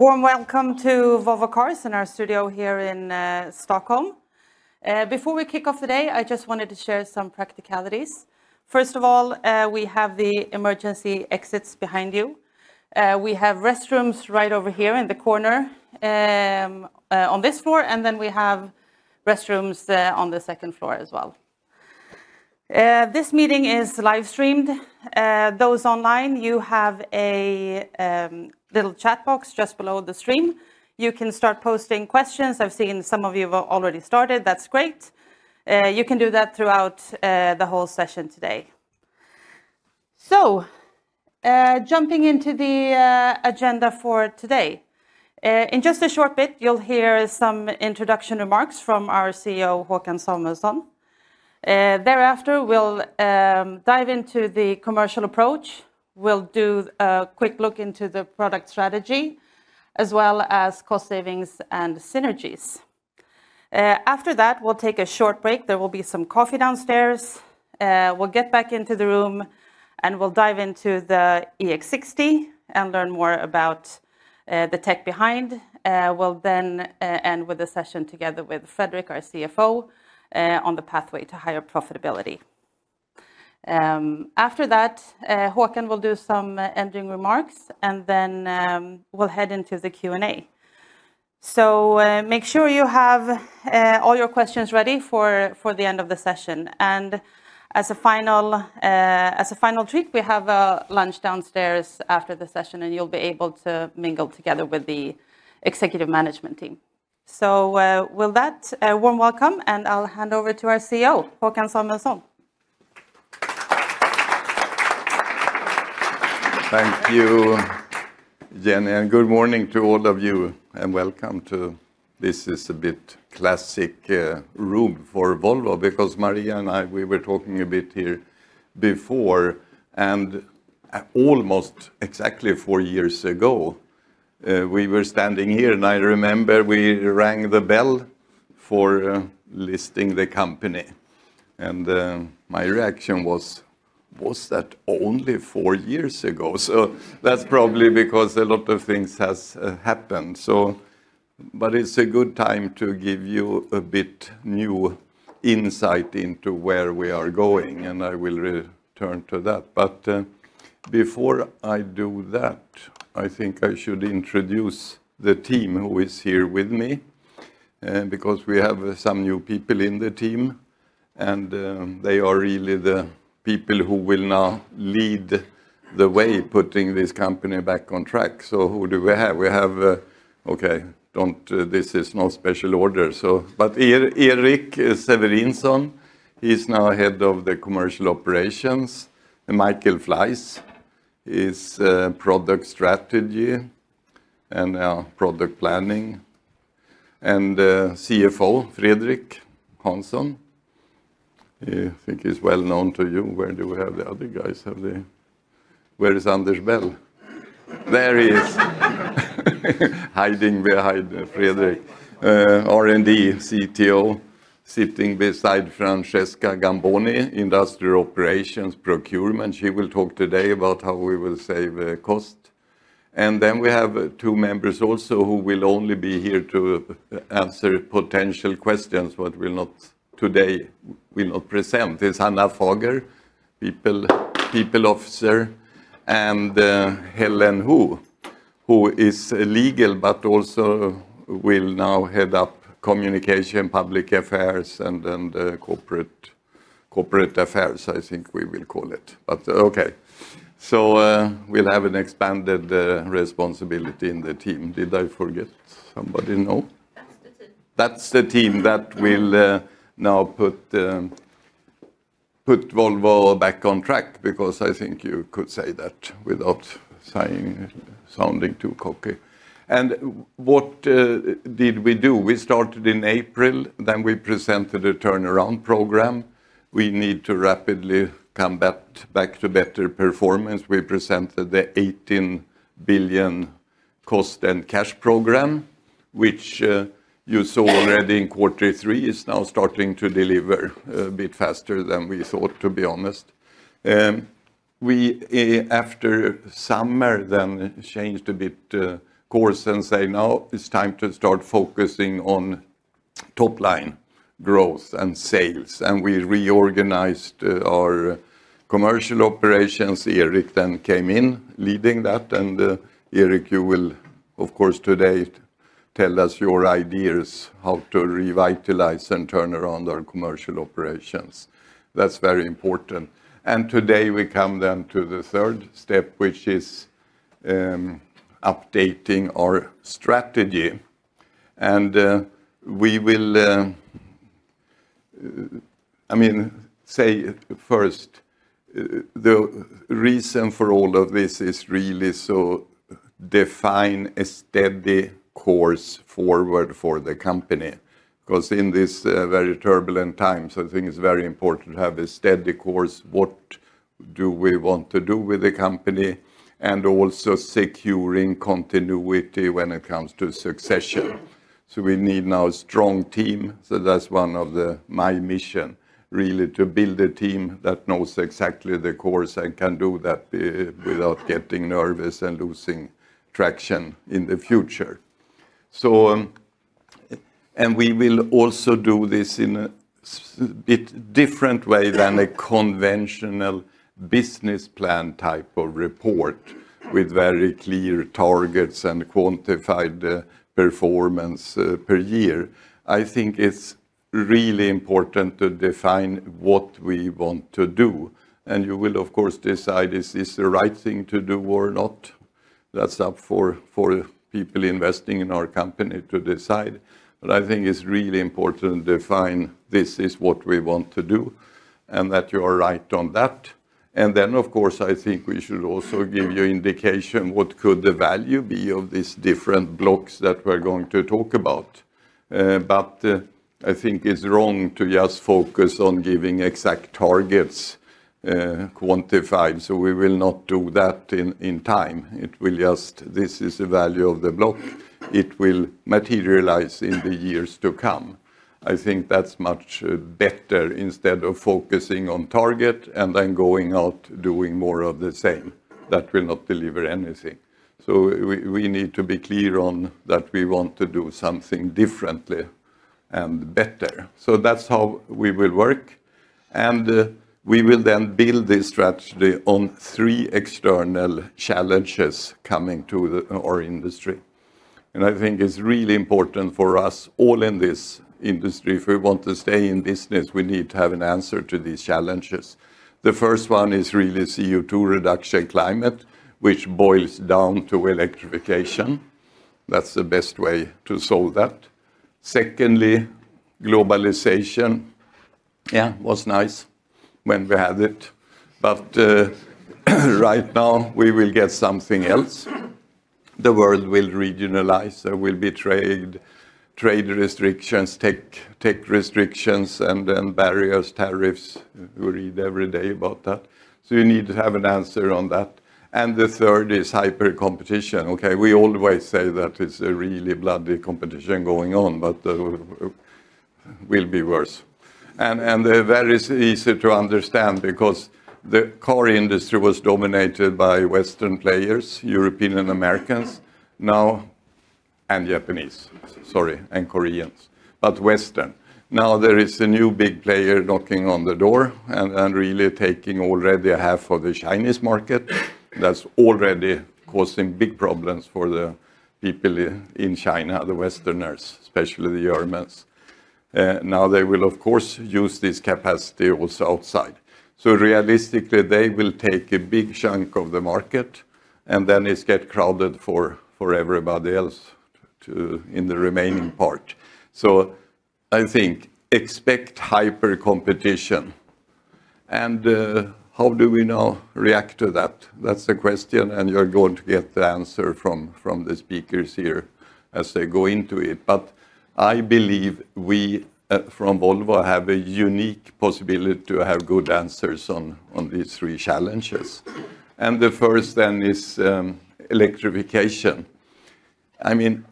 Warm welcome to Volvo Cars in our studio here in Stockholm. Before we kick off today, I just wanted to share some practicalities. First of all, we have the emergency exits behind you. We have restrooms right over here in the corner, on this floor, and then we have restrooms on the second floor as well. This meeting is live streamed. Those online, you have a little chat box just below the stream. You can start posting questions. I've seen some of you have already started. That's great. You can do that throughout the whole session today. Jumping into the agenda for today, in just a short bit, you'll hear some introduction remarks from our CEO, Håkan Samuelsson. Thereafter, we'll dive into the commercial approach. We'll do a quick look into the product strategy as well as cost savings and synergies. After that, we'll take a short break. There will be some coffee downstairs. We'll get back into the room and we'll dive into the EX60 and learn more about the tech behind. We'll then end with a session together with Fredrik, our CFO, on the pathway to higher profitability. After that, Håkan will do some ending remarks and then we'll head into the Q&A. Make sure you have all your questions ready for the end of the session. As a final treat, we have a lunch downstairs after the session and you'll be able to mingle together with the executive management team. With that, warm welcome, and I'll hand over to our CEO, Håkan Samuelsson. Thank you, Jenny. Good morning to all of you and welcome. This is a bit classic, room for Volvo because Maria and I, we were talking a bit here before. Almost exactly four years ago, we were standing here and I remember we rang the bell for listing the company. My reaction was, "Was that only four years ago?" That is probably because a lot of things have happened. It is a good time to give you a bit new insight into where we are going, and I will return to that. Before I do that, I think I should introduce the team who is here with me, because we have some new people in the team. They are really the people who will now lead the way putting this company back on track. Who do we have? We have, okay, do not, this is no special order. So, but Erik Severinsson, he is now Head of the Commercial Operations. Michael Fleiss. He is, Product Strategy, and Product Planning. And, CFO, Fredrik Hansson. I think he is well known to you. Where do we have the other guys? Have the, where is Anders Bell? There he is. Hiding behind Fredrik. R&D and CTO, sitting beside Francesca Gamboni, Industrial Operations Procurement. She will talk today about how we will save cost. Then we have two members also who will only be here to answer potential questions, but will not today, will not present. It is Hanna Fager, People, People Officer, and, Helen Hu, who is legal but also. Will now head up Communication, Public Affairs, and, and, Corporate, Corporate Affairs, I think we will call it. Okay. We will have an expanded responsibility in the team. Did I forget somebody? No. That's the team. That's the team that will now put Volvo back on track because I think you could say that without sounding too cocky. And what did we do? We started in April, then we presented a turnaround program. We need to rapidly combat back to better performance. We presented the 18 billion cost and cash program, which you saw already in quarter three is now starting to deliver a bit faster than we thought, to be honest. We, after summer, then changed a bit course and say, now it's time to start focusing on top line growth and sales. We reorganized our commercial operations. Erik then came in leading that. Erik, you will, of course, today tell us your ideas how to revitalize and turn around our commercial operations. That's very important. Today we come then to the third step, which is updating our strategy. We will, I mean, say first. The reason for all of this is really to define a steady course forward for the company because in these very turbulent times, I think it is very important to have a steady course. What do we want to do with the company? Also, securing continuity when it comes to succession. We need now a strong team. That is one of my missions, really, to build a team that knows exactly the course and can do that without getting nervous and losing traction in the future. We will also do this in a bit different way than a conventional business plan type of report with very clear targets and quantified performance per year. I think it is really important to define what we want to do. You will, of course, decide if it is the right thing to do or not. That is up for people investing in our company to decide. I think it is really important to define this is what we want to do and that you are right on that. I think we should also give you indication what could the value be of these different blocks that we are going to talk about. I think it is wrong to just focus on giving exact targets, quantified. We will not do that in time. It will just, this is the value of the block. It will materialize in the years to come. I think that is much better instead of focusing on target and then going out doing more of the same that will not deliver anything. We need to be clear on that we want to do something differently and better. That is how we will work. We will then build this strategy on three external challenges coming to our industry. I think it is really important for us all in this industry, if we want to stay in business, we need to have an answer to these challenges. The first one is really CO2 reduction climate, which boils down to electrification. That is the best way to solve that. Secondly, globalization. Yeah, was nice when we had it. Right now we will get something else. The world will regionalize. There will be trade restrictions, tech restrictions, and then barriers, tariffs. We read every day about that. You need to have an answer on that. The third is hyper competition. Okay. We always say that it's a really bloody competition going on, but it will be worse. They're very easy to understand because the car industry was dominated by Western players, European and Americans. Now, and Japanese, sorry, and Koreans, but Western. Now there is a new big player knocking on the door and really taking already half of the Chinese market. That's already causing big problems for the people in China, the Westerners, especially the Germans. Now they will, of course, use this capacity also outside. Realistically, they will take a big chunk of the market and then it gets crowded for everybody else in the remaining part. I think expect hyper competition. How do we now react to that? That's the question. You're going to get the answer from the speakers here as they go into it. I believe we, from Volvo, have a unique possibility to have good answers on these three challenges. The first then is electrification. I mean,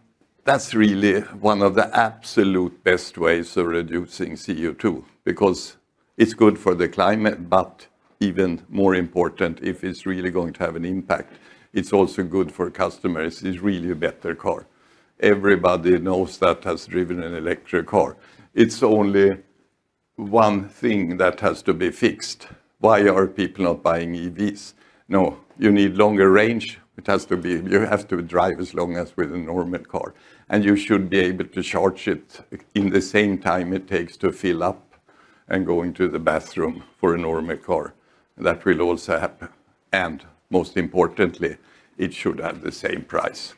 that's really one of the absolute best ways of reducing CO2 because it's good for the climate, but even more important, if it's really going to have an impact, it's also good for customers. It's really a better car. Everybody knows that has driven an electric car. It's only one thing that has to be fixed. Why are people not buying EVs? No, you need longer range. It has to be, you have to drive as long as with a normal car, and you should be able to charge it in the same time it takes to fill up and go into the bathroom for a normal car. That will also happen. Most importantly, it should have the same price.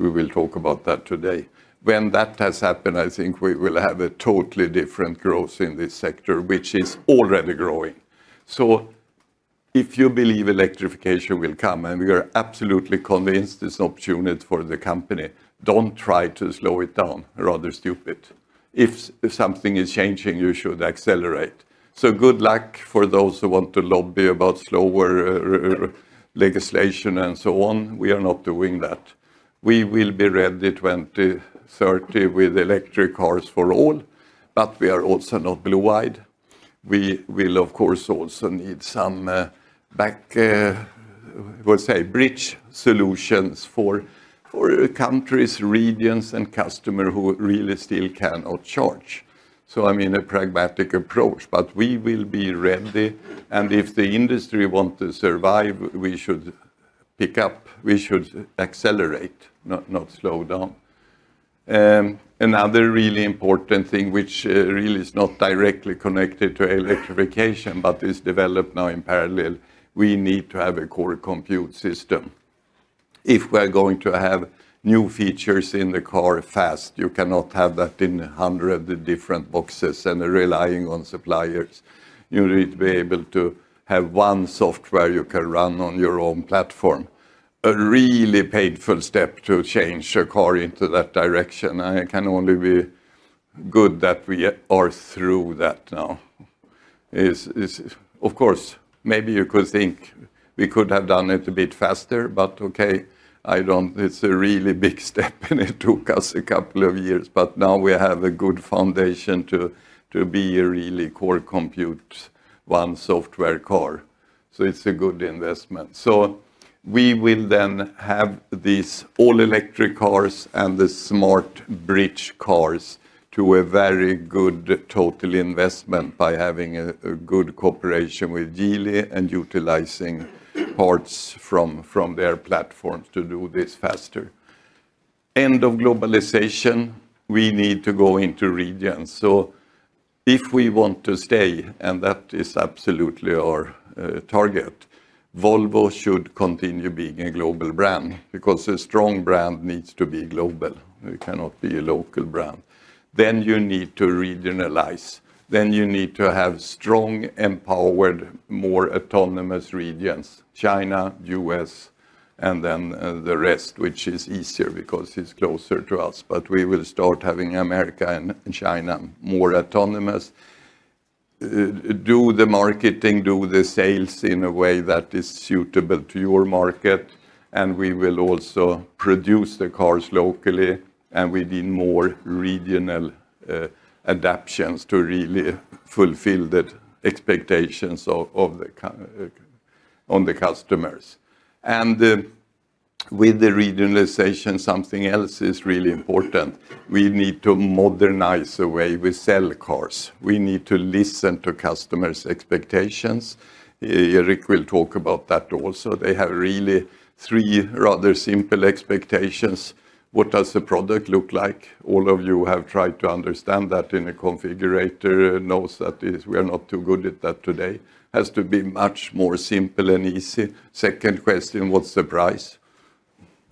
We will talk about that today. When that has happened, I think we will have a totally different growth in this sector, which is already growing. If you believe electrification will come and we are absolutely convinced it's an opportunity for the company, don't try to slow it down. Rather stupid. If something is changing, you should accelerate. Good luck for those who want to lobby about slower legislation and so on. We are not doing that. We will be ready 2030 with electric cars for all, but we are also not blue eyed. We will, of course, also need some, back, we'll say bridge solutions for, for countries, regions, and customers who really still cannot charge. I mean, a pragmatic approach, but we will be ready. If the industry wants to survive, we should pick up, we should accelerate, not, not slow down. Another really important thing, which really is not directly connected to electrification but is developed now in parallel, we need to have a core compute system. If we're going to have new features in the car fast, you cannot have that in a hundred different boxes and relying on suppliers. You need to be able to have one software you can run on your own platform. A really painful step to change a car into that direction. I can only be good that we are through that now. Of course, maybe you could think we could have done it a bit faster, but okay, I don't, it's a really big step and it took us a couple of years, but now we have a good foundation to be a really core compute one software car. It is a good investment. We will then have these all electric cars and the smart bridge cars to a very good total investment by having a good cooperation with Geely and utilizing parts from their platforms to do this faster. End of globalization. We need to go into regions. If we want to stay, and that is absolutely our target, Volvo should continue being a global brand because a strong brand needs to be global. We cannot be a local brand. You need to regionalize. You need to have strong, empowered, more autonomous regions, China, U.S., and then the rest, which is easier because it is closer to us. We will start having America and China more autonomous. Do the marketing, do the sales in a way that is suitable to your market. We will also produce the cars locally. We need more regional adaptations to really fulfill the expectations of the customers. With the regionalization, something else is really important. We need to modernize the way we sell cars. We need to listen to customers' expectations. Erik will talk about that also. They have really three rather simple expectations. What does the product look like? All of you who have tried to understand that in a configurator know that we are not too good at that today. It has to be much more simple and easy. Second question, what is the price?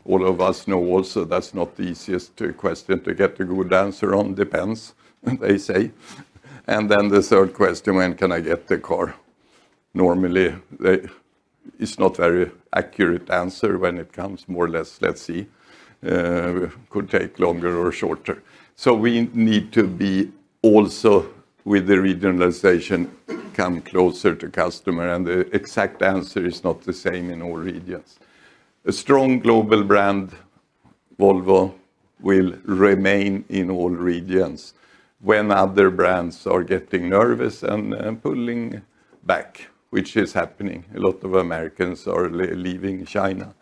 All of us know also that is not the easiest question to get a good answer on. Depends, they say. The third question, when can I get the car? Normally, it is not a very accurate answer when it comes, more or less. Let's see. Could take longer or shorter. We need to be also with the regionalization, come closer to customer. The exact answer is not the same in all regions. A strong global brand. Volvo will remain in all regions. When other brands are getting nervous and pulling back, which is happening, a lot of Americans are leaving China.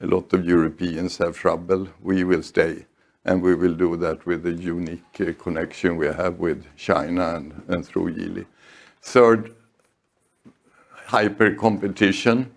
A lot of Europeans have trouble. We will stay and we will do that with the unique connection we have with China and through Geely. Third, hyper competition.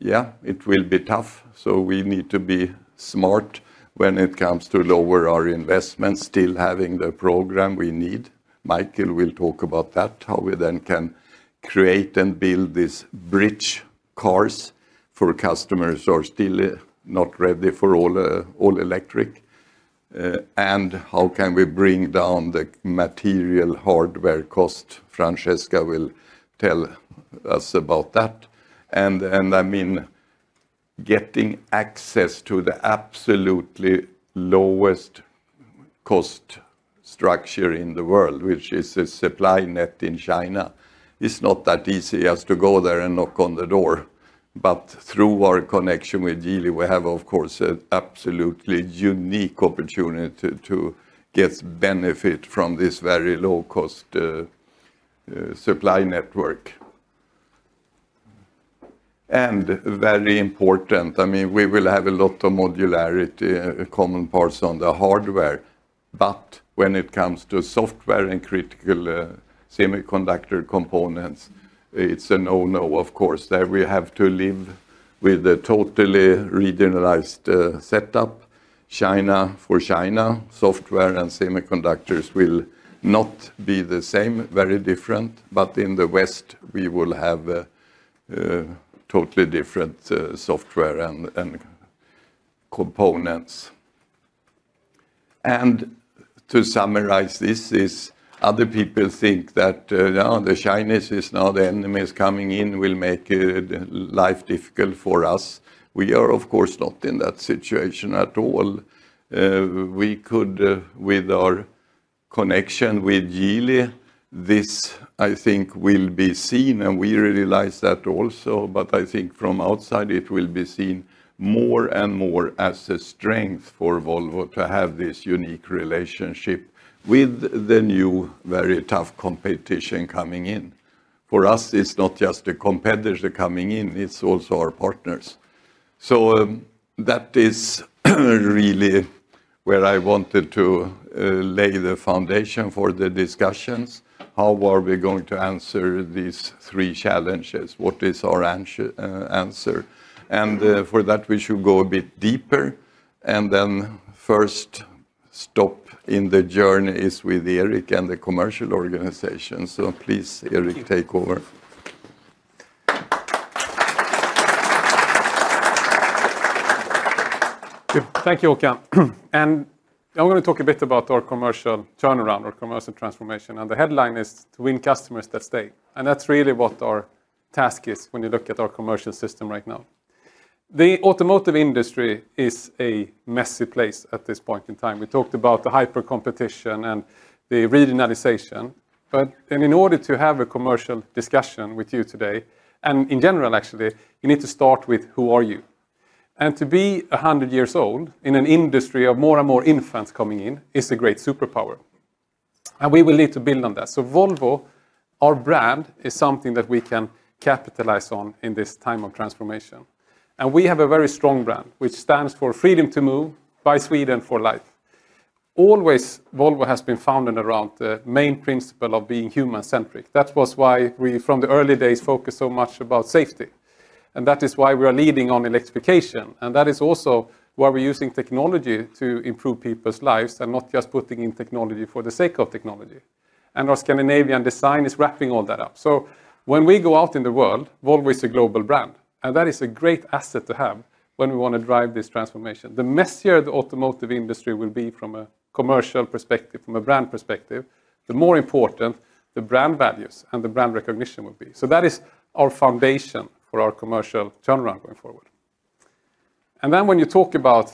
Yeah, it will be tough. We need to be smart when it comes to lower our investments, still having the program we need. Michael will talk about that, how we then can create and build these bridge cars for customers who are still not ready for all electric. How can we bring down the material hardware cost? Francesca will tell us about that. I mean, getting access to the absolutely lowest cost structure in the world, which is a supply net in China, it's not that easy. You have to go there and knock on the door. Through our connection with Geely, we have, of course, an absolutely unique opportunity to get benefit from this very low cost supply network. Very important, I mean, we will have a lot of modularity, common parts on the hardware. When it comes to software and critical semiconductor components, it's a no-no, of course. There we have to live with a totally regionalized setup. China for China, software and semiconductors will not be the same, very different. In the West, we will have a totally different software and components. To summarize this, other people think that now the Chinese is now the enemy is coming in, will make life difficult for us. We are, of course, not in that situation at all. We could, with our connection with Geely, this, I think, will be seen and we realize that also. I think from outside it will be seen more and more as a strength for Volvo to have this unique relationship with the new very tough competition coming in. For us, it's not just a competitor coming in, it's also our partners. That is really where I wanted to lay the foundation for the discussions. How are we going to answer these three challenges? What is our answer? For that, we should go a bit deeper. The first stop in the journey is with Erik and the commercial organization. Please, Erik, take over. Thank you, Håkan. I'm going to talk a bit about our commercial turnaround, our commercial transformation. The headline is to win customers that stay. That is really what our task is when you look at our commercial system right now. The automotive industry is a messy place at this point in time. We talked about the hyper competition and the regionalization. In order to have a commercial discussion with you today, and in general, actually, you need to start with who are you? To be a hundred years old in an industry of more and more infants coming in is a great superpower. We will need to build on that. Volvo, our brand, is something that we can capitalize on in this time of transformation. We have a very strong brand, which stands for Freedom to Move by Sweden for Life. Always, Volvo has been founded around the main principle of being human centric. That was why we, from the early days, focused so much about safety. That is why we are leading on electrification. That is also why we're using technology to improve people's lives and not just putting in technology for the sake of technology. Our Scandinavian design is wrapping all that up. When we go out in the world, Volvo is a global brand. That is a great asset to have when we want to drive this transformation. The messier the automotive industry will be from a commercial perspective, from a brand perspective, the more important the brand values and the brand recognition will be. That is our foundation for our commercial turnaround going forward. When you talk about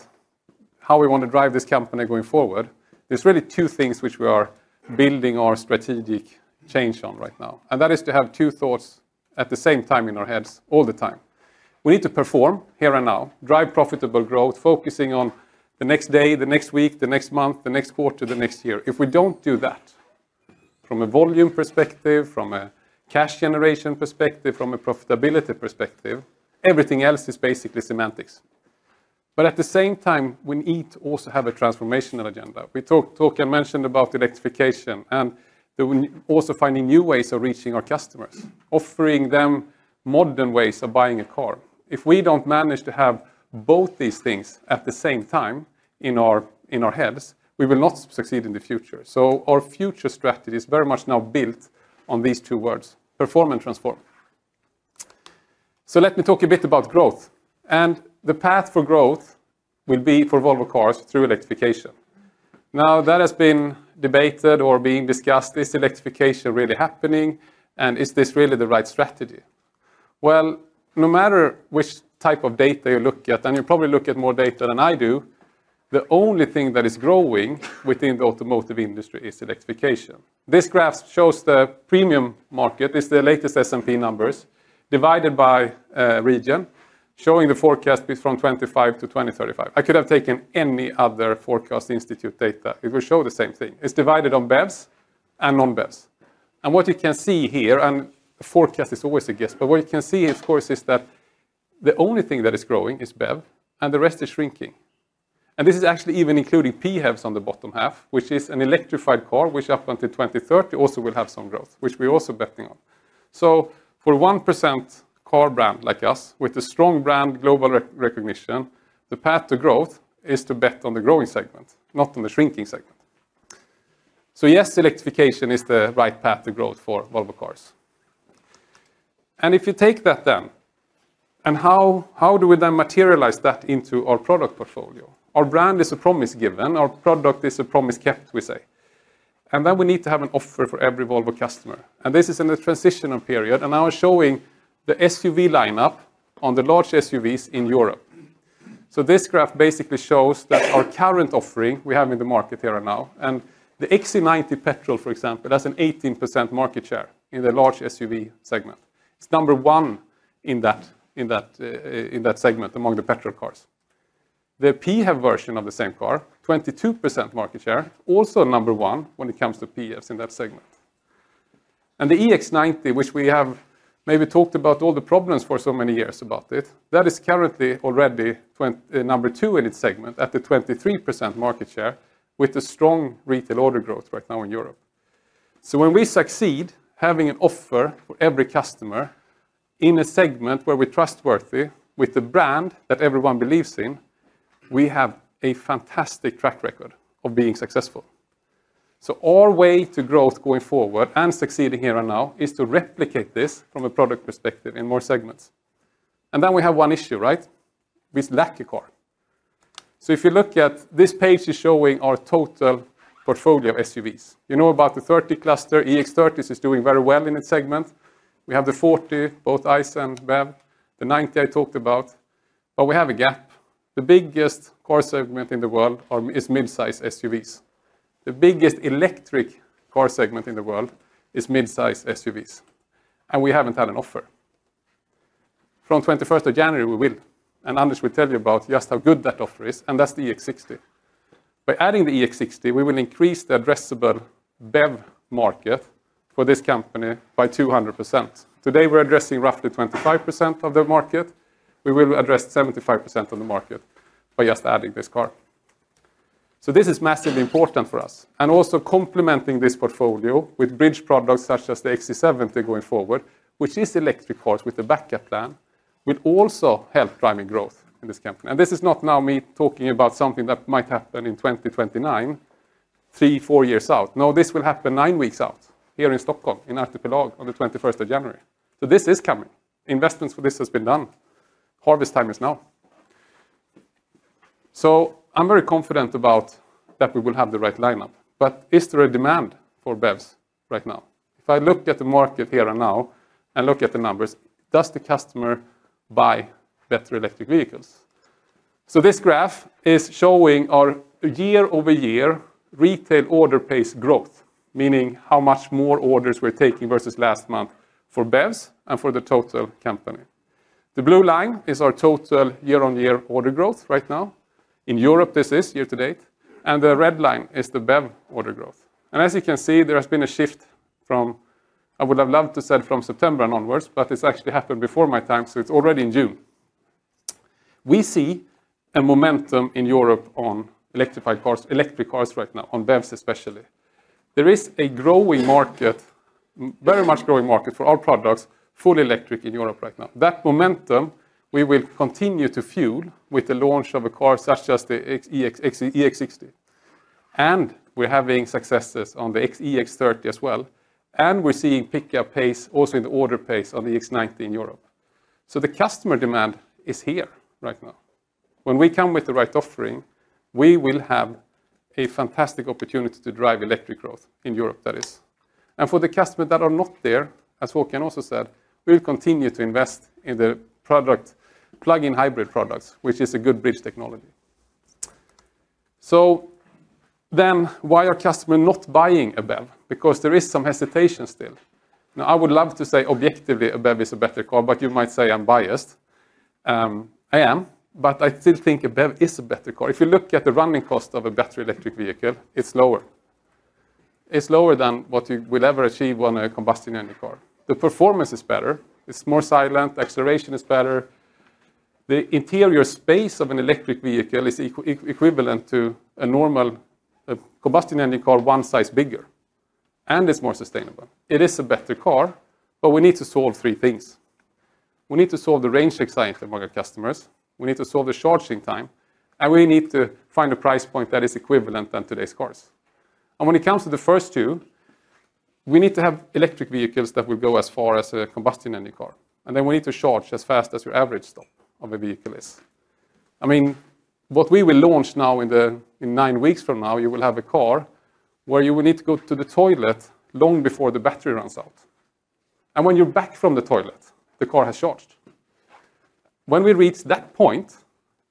how we want to drive this company going forward, there are really two things which we are building our strategic change on right now. That is to have two thoughts at the same time in our heads all the time. We need to perform here and now, drive profitable growth, focusing on the next day, the next week, the next month, the next quarter, the next year. If we do not do that, from a volume perspective, from a cash generation perspective, from a profitability perspective, everything else is basically semantics. At the same time, we also need to have a transformational agenda. We talked, Håkan mentioned, about electrification and also finding new ways of reaching our customers, offering them modern ways of buying a car. If we don't manage to have both these things at the same time in our, in our heads, we will not succeed in the future. Our future strategy is very much now built on these two words: perform and transform. Let me talk a bit about growth. The path for growth will be for Volvo Cars through electrification. That has been debated or being discussed. Is electrification really happening? Is this really the right strategy? No matter which type of data you look at, and you probably look at more data than I do, the only thing that is growing within the automotive industry is electrification. This graph shows the premium market, is the latest S&P numbers divided by region, showing the forecast from 2025 to 2035. I could have taken any other forecast institute data. It will show the same thing. It's divided on BEVs and non-BEVs. What you can see here, and the forecast is always a guess, but what you can see, of course, is that the only thing that is growing is BEV and the rest is shrinking. This is actually even including PHEVs on the bottom half, which is an electrified car, which up until 2030 also will have some growth, which we're also betting on. For a 1% car brand like us, with a strong brand global recognition, the path to growth is to bet on the growing segment, not on the shrinking segment. Yes, electrification is the right path to growth for Volvo Cars. If you take that then, and how, how do we then materialize that into our product portfolio? Our brand is a promise given. Our product is a promise kept, we say. We need to have an offer for every Volvo customer. This is in a transition period. I am showing the SUV lineup on the large SUVs in Europe. This graph basically shows our current offering we have in the market here and now, and the XC90 petrol, for example, has an 18% market share in the large SUV segment. It is number one in that segment among the petrol cars. The PHEV version of the same car, 22% market share, also number one when it comes to PHEVs in that segment. The EX90, which we have maybe talked about all the problems for so many years about it, is currently already number two in its segment at the 23% market share with the strong retail order growth right now in Europe. When we succeed having an offer for every customer in a segment where we're trustworthy with the brand that everyone believes in, we have a fantastic track record of being successful. Our way to growth going forward and succeeding here and now is to replicate this from a product perspective in more segments. We have one issue, right? We lack a car. If you look at this page, it's showing our total portfolio of SUVs. You know about the 30 cluster. EX30 is doing very well in its segment. We have the 40, both ICE and BEV, the 90 I talked about. We have a gap. The biggest car segment in the world is mid-size SUVs. The biggest electric car segment in the world is mid-size SUVs. We haven't had an offer. From 21st of January, we will. Anders will tell you about just how good that offer is. That is the EX60. By adding the EX60, we will increase the addressable BEV market for this company by 200%. Today, we are addressing roughly 25% of the market. We will address 75% of the market by just adding this car. This is massively important for us. Also, complementing this portfolio with bridge products such as the XC70 going forward, which is electric cars with a backup plan, will also help driving growth in this company. This is not me talking about something that might happen in 2029, three, four years out. No, this will happen nine weeks out here in Stockholm in Artipelag on the 21st of January. This is coming. Investments for this have been done. Harvest time is now. I am very confident that we will have the right lineup. Is there a demand for BEVs right now? If I look at the market here and now and look at the numbers, does the customer buy better electric vehicles? This graph is showing our year-over-year retail order pace growth, meaning how much more orders we're taking versus last month for BEVs and for the total company. The blue line is our total year-on-year order growth right now. In Europe, this is year to date. The red line is the BEV order growth. As you can see, there has been a shift from, I would have loved to say from September and onwards, but it's actually happened before my time. It's already in June. We see a momentum in Europe on electrified cars, electric cars right now, on BEVs especially. There is a growing market. Very much growing market for our products, fully electric in Europe right now. That momentum we will continue to fuel with the launch of a car such as the EX60. We are having successes on the EX30 as well. We are seeing pickup pace also in the order pace on the EX90 in Europe. The customer demand is here right now. When we come with the right offering, we will have a fantastic opportunity to drive electric growth in Europe, that is. For the customers that are not there, as Håkan also said, we will continue to invest in the product plug-in hybrid products, which is a good bridge technology. Why are customers not buying a BEV? Because there is some hesitation still. Now, I would love to say objectively a BEV is a better car, but you might say I'm biased. I am, but I still think a BEV is a better car. If you look at the running cost of a battery electric vehicle, it's lower. It's lower than what you will ever achieve on a combustion engine car. The performance is better. It's more silent. Acceleration is better. The interior space of an electric vehicle is equivalent to a normal combustion engine car one size bigger. It is more sustainable. It is a better car, but we need to solve three things. We need to solve the range excitement among our customers. We need to solve the charging time. We need to find a price point that is equivalent to today's cars. When it comes to the first two, we need to have electric vehicles that will go as far as a combustion engine car. We need to charge as fast as your average stop of a vehicle is. I mean, what we will launch now in nine weeks from now, you will have a car where you will need to go to the toilet long before the battery runs out. When you're back from the toilet, the car has charged. When we reach that point,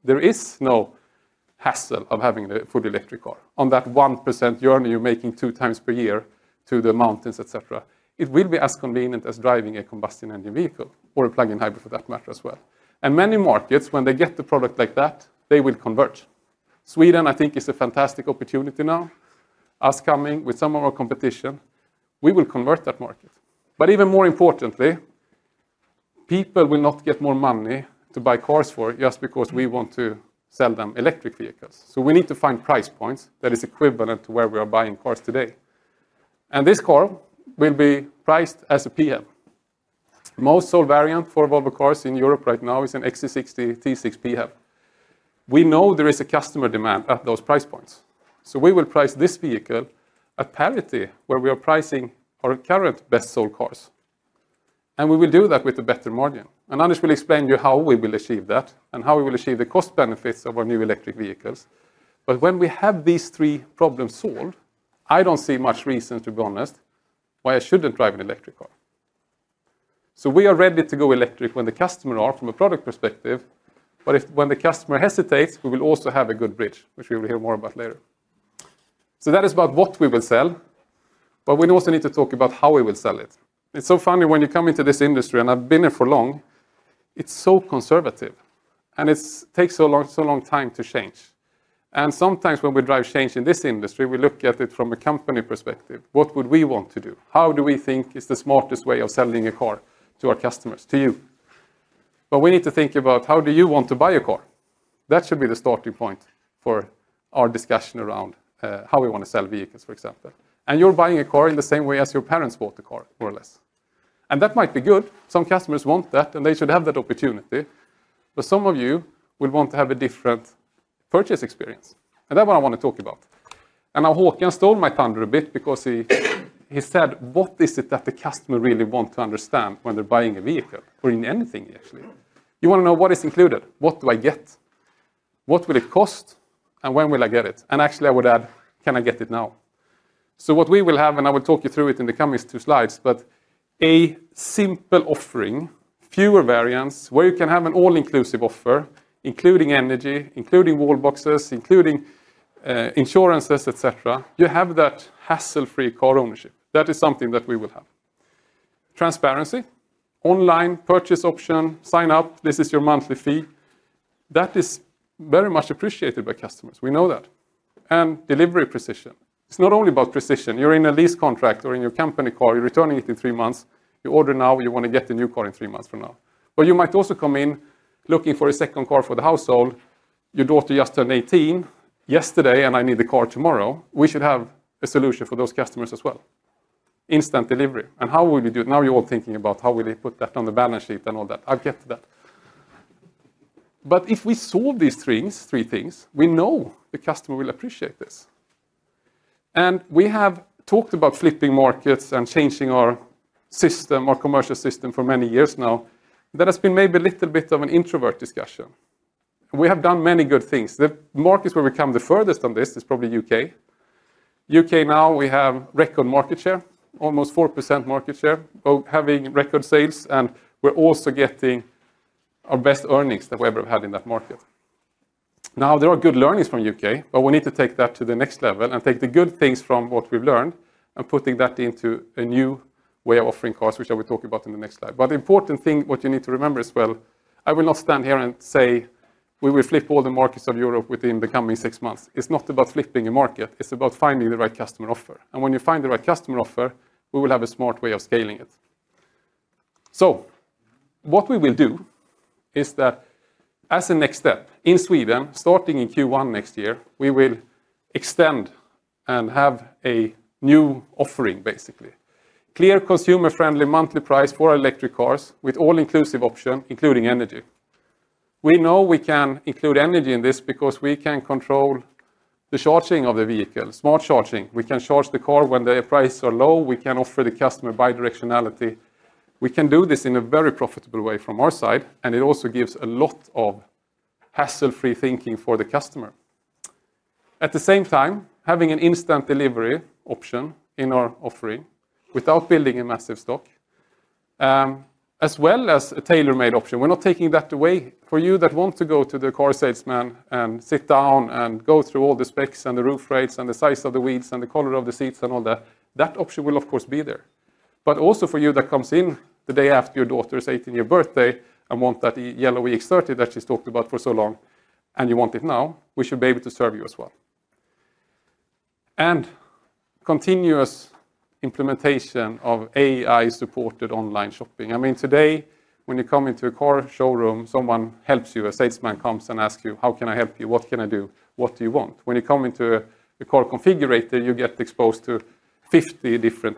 there is no hassle of having a fully electric car on that 1% journey you're making two times per year to the mountains, et cetera. It will be as convenient as driving a combustion engine vehicle or a plug-in hybrid for that matter as well. In many markets, when they get the product like that, they will convert. Sweden, I think, is a fantastic opportunity now. Us coming with some of our competition, we will convert that market. Even more importantly. People will not get more money to buy cars just because we want to sell them electric vehicles. We need to find price points that are equivalent to where we are buying cars today. This car will be priced as a PHEV. Most sold variant for Volvo Cars in Europe right now is an XC60 T6 PHEV. We know there is a customer demand at those price points. We will price this vehicle at parity where we are pricing our current best-sold cars. We will do that with a better margin. Anders will explain to you how we will achieve that and how we will achieve the cost benefits of our new electric vehicles. When we have these three problems solved, I do not see much reason, to be honest, why I should not drive an electric car. We are ready to go electric when the customer are, from a product perspective. If when the customer hesitates, we will also have a good bridge, which we will hear more about later. That is about what we will sell. We also need to talk about how we will sell it. It's so funny when you come into this industry, and I've been here for long, it's so conservative, and it takes so long, so long time to change. Sometimes when we drive change in this industry, we look at it from a company perspective. What would we want to do? How do we think is the smartest way of selling a car to our customers, to you? We need to think about how do you want to buy a car. That should be the starting point for our discussion around how we want to sell vehicles, for example. You're buying a car in the same way as your parents bought a car, more or less. That might be good. Some customers want that, and they should have that opportunity. Some of you will want to have a different purchase experience. That's what I want to talk about. Now Håkan stole my thunder a bit because he said, what is it that the customer really wants to understand when they're buying a vehicle or in anything, actually? You want to know what is included. What do I get? What will it cost? When will I get it? Actually, I would add, can I get it now? What we will have, and I will talk you through it in the coming two slides, is a simple offering, fewer variants, where you can have an all-inclusive offer, including energy, including wall boxes, including insurances, et cetera. You have that hassle-free car ownership. That is something that we will have. Transparency, online purchase option, sign up, this is your monthly fee. That is very much appreciated by customers. We know that. And delivery precision. It is not only about precision. You are in a lease contract or in your company car. You are returning it in three months. You order now. You want to get the new car in three months from now. You might also come in looking for a second car for the household. Your daughter just turned 18 yesterday, and I need the car tomorrow. We should have a solution for those customers as well. Instant delivery. How will we do it? Now you're all thinking about how will they put that on the balance sheet and all that. I'll get to that. If we solve these things, three things, we know the customer will appreciate this. We have talked about flipping markets and changing our system, our commercial system for many years now. That has been maybe a little bit of an introvert discussion. We have done many good things. The markets where we come the furthest on this is probably the U.K. U.K. now, we have record market share, almost 4% market share, having record sales. We're also getting our best earnings that we ever have had in that market. Now, there are good learnings from the U.K., but we need to take that to the next level and take the good things from what we've learned and putting that into a new way of offering cars, which I will talk about in the next slide. The important thing, what you need to remember as well, I will not stand here and say we will flip all the markets of Europe within the coming six months. It's not about flipping a market. It's about finding the right customer offer. When you find the right customer offer, we will have a smart way of scaling it. What we will do is that as a next step in Sweden, starting in Q1 next year, we will extend and have a new offering, basically. Clear consumer-friendly monthly price for our electric cars with all-inclusive option, including energy. We know we can include energy in this because we can control the charging of the vehicle, smart charging. We can charge the car when the prices are low. We can offer the customer bidirectionality. We can do this in a very profitable way from our side. It also gives a lot of hassle-free thinking for the customer. At the same time, having an instant delivery option in our offering without building a massive stock, as well as a tailor-made option. We're not taking that away for you that want to go to the car salesman and sit down and go through all the specs and the roof rates and the size of the wheels and the color of the seats and all that. That option will, of course, be there. For you that comes in the day after your daughter's 18-year birthday and want that yellow EX30 that she's talked about for so long and you want it now, we should be able to serve you as well. Continuous implementation of AI-supported online shopping. I mean, today, when you come into a car showroom, someone helps you. A salesman comes and asks you, how can I help you? What can I do? What do you want? When you come into a car configurator, you get exposed to 50 different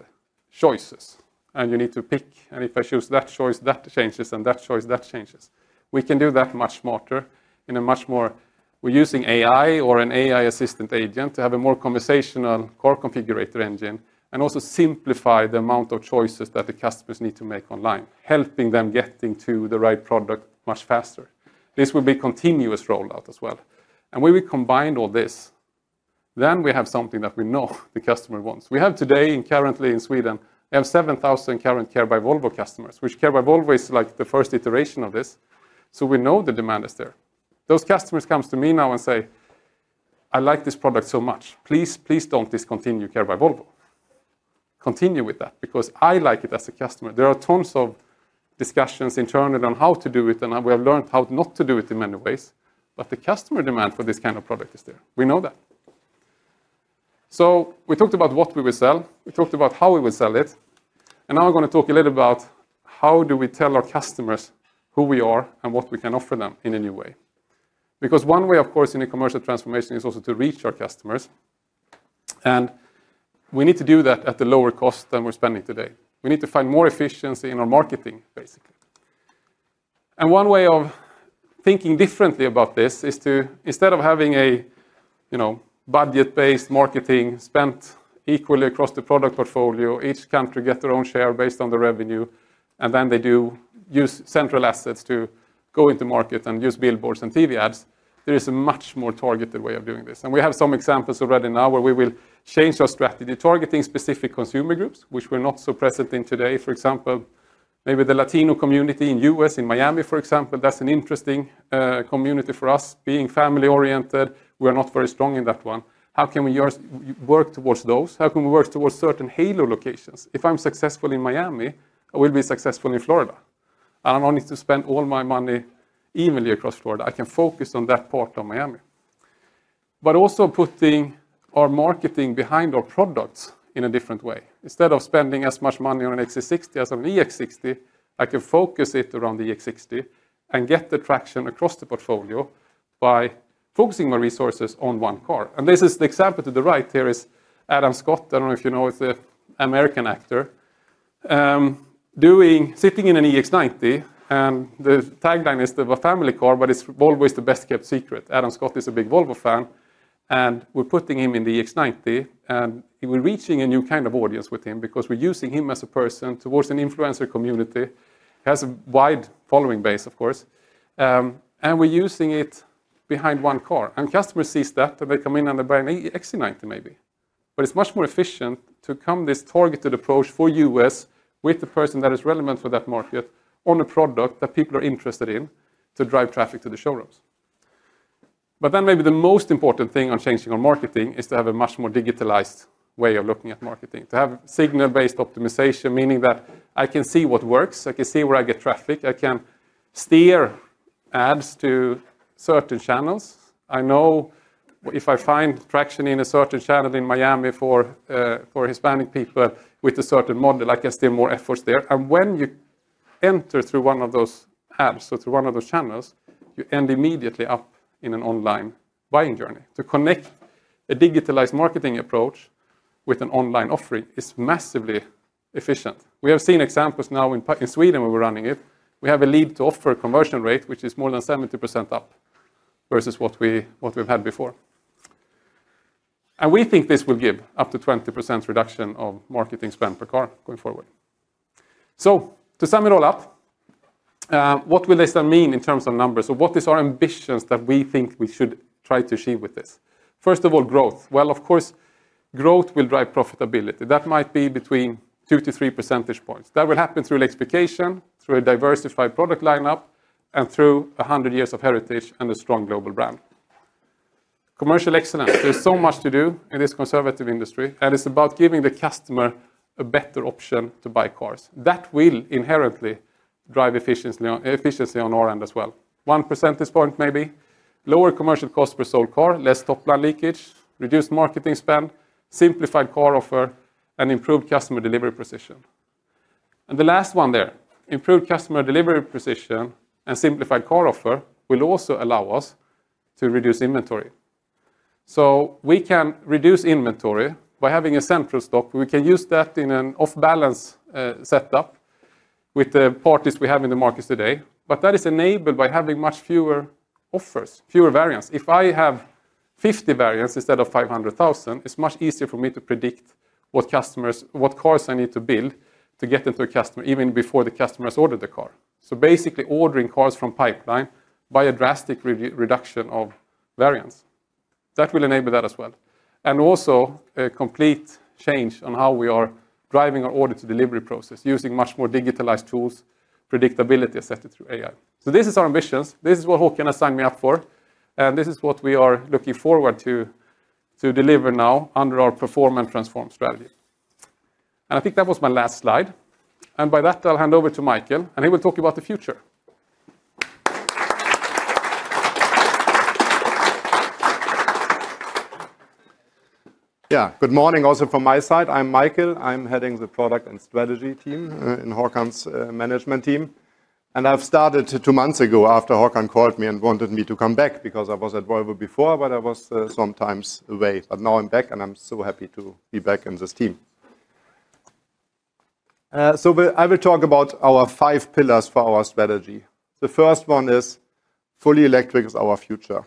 choices. You need to pick. If I choose that choice, that changes. That choice, that changes. We can do that much smarter in a much more. We're using AI or an AI assistant agent to have a more conversational car configurator engine and also simplify the amount of choices that the customers need to make online, helping them get to the right product much faster. This will be continuous rollout as well. When we combine all this, then we have something that we know the customer wants. We have today, currently in Sweden, 7,000 current Care by Volvo customers, which Care by Volvo is like the first iteration of this. We know the demand is there. Those customers come to me now and say, "I like this product so much. Please, please don't discontinue Care by Volvo. Continue with that because I like it as a customer." There are tons of discussions internally on how to do it. We have learned how not to do it in many ways. The customer demand for this kind of product is there. We know that. We talked about what we will sell. We talked about how we will sell it. Now I'm going to talk a little about how do we tell our customers who we are and what we can offer them in a new way. One way, of course, in a commercial transformation is also to reach our customers. We need to do that at a lower cost than we're spending today. We need to find more efficiency in our marketing, basically. One way of thinking differently about this is to, instead of having a. Budget-based marketing spent equally across the product portfolio, each country gets their own share based on the revenue, and then they do use central assets to go into market and use billboards and TV ads. There is a much more targeted way of doing this. We have some examples already now where we will change our strategy, targeting specific consumer groups, which we're not so present in today. For example, maybe the Latino community in the U.S., in Miami, for example. That's an interesting community for us. Being family-oriented, we are not very strong in that one. How can we work towards those? How can we work towards certain halo locations? If I'm successful in Miami, I will be successful in Florida. I don't need to spend all my money evenly across Florida. I can focus on that part of Miami. Also putting our marketing behind our products in a different way. Instead of spending as much money on an XC60 as on an EX60, I can focus it around the EX60 and get the traction across the portfolio by focusing my resources on one car. The example to the right here is Adam Scott. I do not know if you know, he is an American actor. Sitting in an EX90. The tagline is the family car, but it is always the best-kept secret. Adam Scott is a big Volvo fan. We are putting him in the EX90. We are reaching a new kind of audience with him because we are using him as a person towards an influencer community. He has a wide following base, of course. We are using it behind one car. Customers see that. They come in and they buy an XC90 maybe. It is much more efficient to come with this targeted approach for the U.S. with the person that is relevant for that market on a product that people are interested in to drive traffic to the showrooms. Maybe the most important thing on changing our marketing is to have a much more digitalized way of looking at marketing, to have signal-based optimization, meaning that I can see what works. I can see where I get traffic. I can steer ads to certain channels. I know if I find traction in a certain channel in Miami for Hispanic people with a certain model, I can steer more efforts there. When you enter through one of those ads, so through one of those channels, you end immediately up in an online buying journey. To connect a digitalized marketing approach with an online offering is massively efficient. We have seen examples now in Sweden where we're running it. We have a lead to offer a conversion rate, which is more than 70% up versus what we've had before. We think this will give up to 20% reduction of marketing spend per car going forward. To sum it all up, what will this then mean in terms of numbers? Or what are our ambitions that we think we should try to achieve with this? First of all, growth. Growth will drive profitability. That might be between two to three percentage points. That will happen through electrification, through a diversified product lineup, and through 100 years of heritage and a strong global brand. Commercial excellence. There's so much to do in this conservative industry. It's about giving the customer a better option to buy cars. That will inherently drive efficiency on our end as well. 1% discount maybe. Lower commercial cost per sold car, less top line leakage, reduced marketing spend, simplified car offer, and improved customer delivery precision. The last one there, improved customer delivery precision and simplified car offer, will also allow us to reduce inventory. We can reduce inventory by having a central stock. We can use that in an off-balance setup with the parties we have in the market today. That is enabled by having much fewer offers, fewer variants. If I have 50 variants instead of 500,000, it is much easier for me to predict what cars I need to build to get into a customer even before the customer has ordered the car. Basically, ordering cars from pipeline by a drastic reduction of variants. That will enable that as well. Also a complete change on how we are driving our order-to-delivery process using much more digitalized tools, predictability assessed through AI. This is our ambitions. This is what Håkan has signed me up for. This is what we are looking forward to. Deliver now under our perform and transform strategy. I think that was my last slide. By that, I'll hand over to Michael. He will talk about the future. Yeah. Good morning also from my side. I'm Michael. I'm heading the product and strategy team in Håkan's management team. I started two months ago after Håkan called me and wanted me to come back because I was at Volvo before, but I was sometimes away. Now I'm back, and I'm so happy to be back in this team. I will talk about our five pillars for our strategy. The first one is fully electric is our future.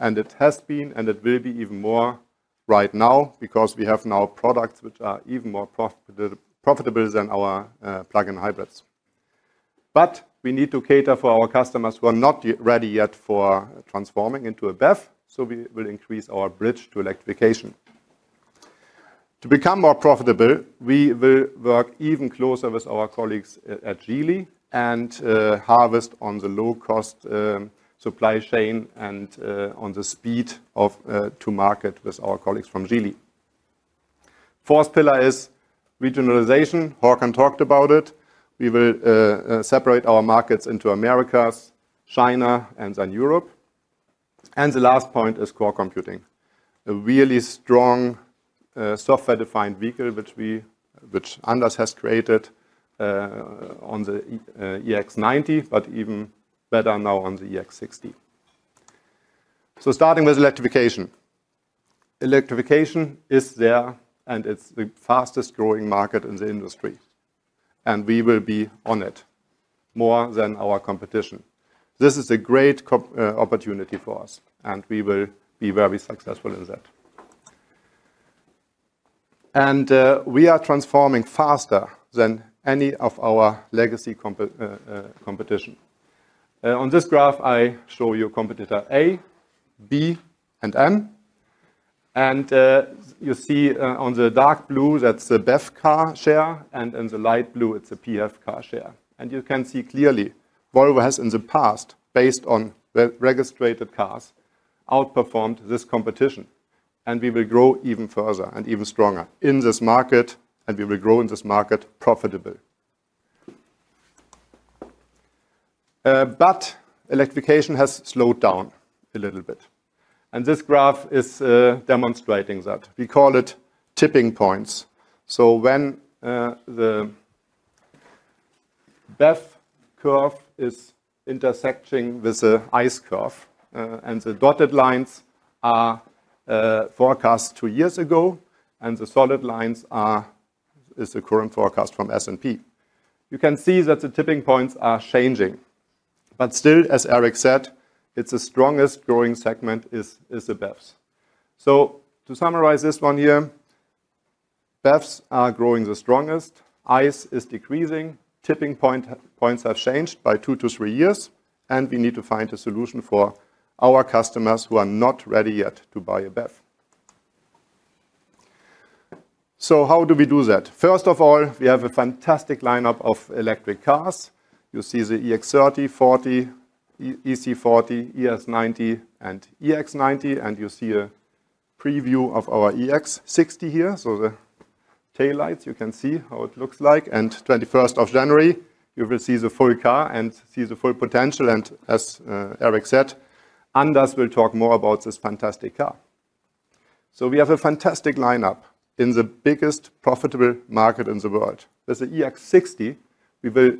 It has been and it will be even more right now because we have now products which are even more profitable than our plug-in hybrids. We need to cater for our customers who are not ready yet for transforming into a BEV. We will increase our bridge to electrification. To become more profitable, we will work even closer with our colleagues at Geely and harvest on the low-cost supply chain and on the speed to market with our colleagues from Geely. Fourth pillar is regionalization. Håkan talked about it. We will separate our markets into Americas, China, and then Europe. The last point is core computing. A really strong software-defined vehicle which Anders has created on the EX90, but even better now on the EX60. Starting with electrification. Electrification is there, and it's the fastest-growing market in the industry. We will be on it more than our competition. This is a great opportunity for us, and we will be very successful in that. We are transforming faster than any of our legacy competition. On this graph, I show you competitor A, B, and N. You see on the dark blue, that's the BEV car share. In the light blue, it's the PHEV car share. You can see clearly Volvo has in the past, based on registered cars, outperformed this competition. We will grow even further and even stronger in this market. We will grow in this market profitably. Electrification has slowed down a little bit. This graph is demonstrating that. We call it tipping points. So when. The BEV curve is intersecting with the ICE curve, and the dotted lines are forecast two years ago, and the solid lines is the current forecast from S&P. You can see that the tipping points are changing. As Erik said, it's the strongest-growing segment is the BEVs. To summarize this one here, BEVs are growing the strongest. ICE is decreasing. Tipping points have changed by two to three years. We need to find a solution for our customers who are not ready yet to buy a BEV. How do we do that? First of all, we have a fantastic lineup of electric cars. You see the EX30, EX40, ES90, and EX90. You see a preview of our EX60 here. The taillights, you can see how it looks like. On 21st of January, you will see the full car and see the full potential. As Erik said, Anders will talk more about this fantastic car. We have a fantastic lineup in the biggest profitable market in the world. With the EX60, we will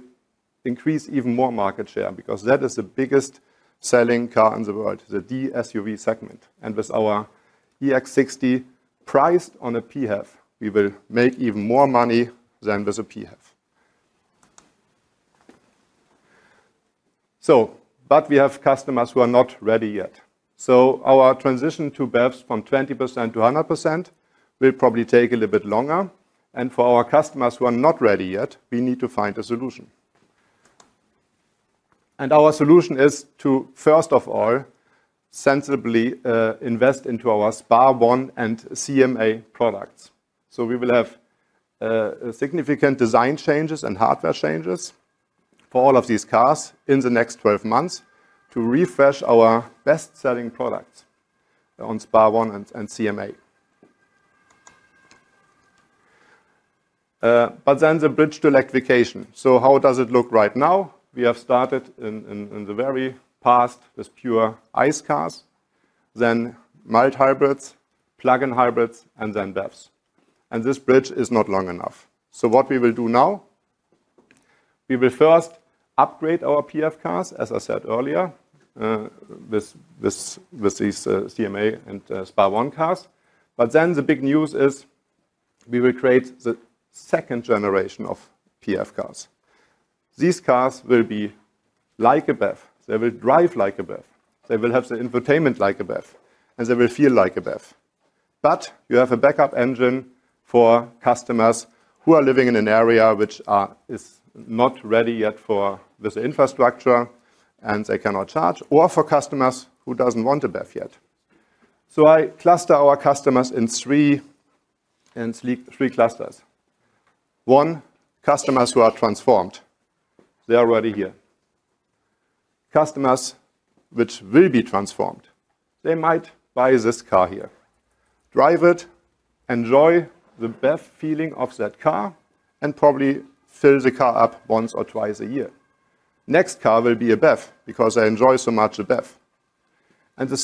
increase even more market share because that is the biggest selling car in the world, the DSUV segment. With our EX60 priced on a PF, we will make even more money than with a PF. We have customers who are not ready yet. Our transition to BEVs from 20% to 100% will probably take a little bit longer. For our customers who are not ready yet, we need to find a solution. Our solution is to, first of all, sensibly invest into our SPA1 and CMA products. We will have significant design changes and hardware changes for all of these cars in the next 12 months to refresh our best-selling products on SPA1 and CMA. The bridge to electrification. How does it look right now? We have started in the very past with pure ICE cars, then mild hybrids, plug-in hybrids, and then BEVs. This bridge is not long enough. What we will do now. We will first upgrade our PHEV cars, as I said earlier, with these CMA and SPA1 cars. The big news is we will create the second generation of PHEV cars. These cars will be like a BEV. They will drive like a BEV. They will have the infotainment like a BEV. They will feel like a BEV. You have a backup engine for customers who are living in an area which is not ready yet with the infrastructure, and they cannot charge, or for customers who do not want a BEV yet. I cluster our customers in three clusters. One, customers who are transformed. They are already here. Customers who will be transformed. They might buy this car here, drive it, enjoy the BEV feeling of that car, and probably fill the car up once or twice a year. Next car will be a BEV because they enjoy so much a BEV. The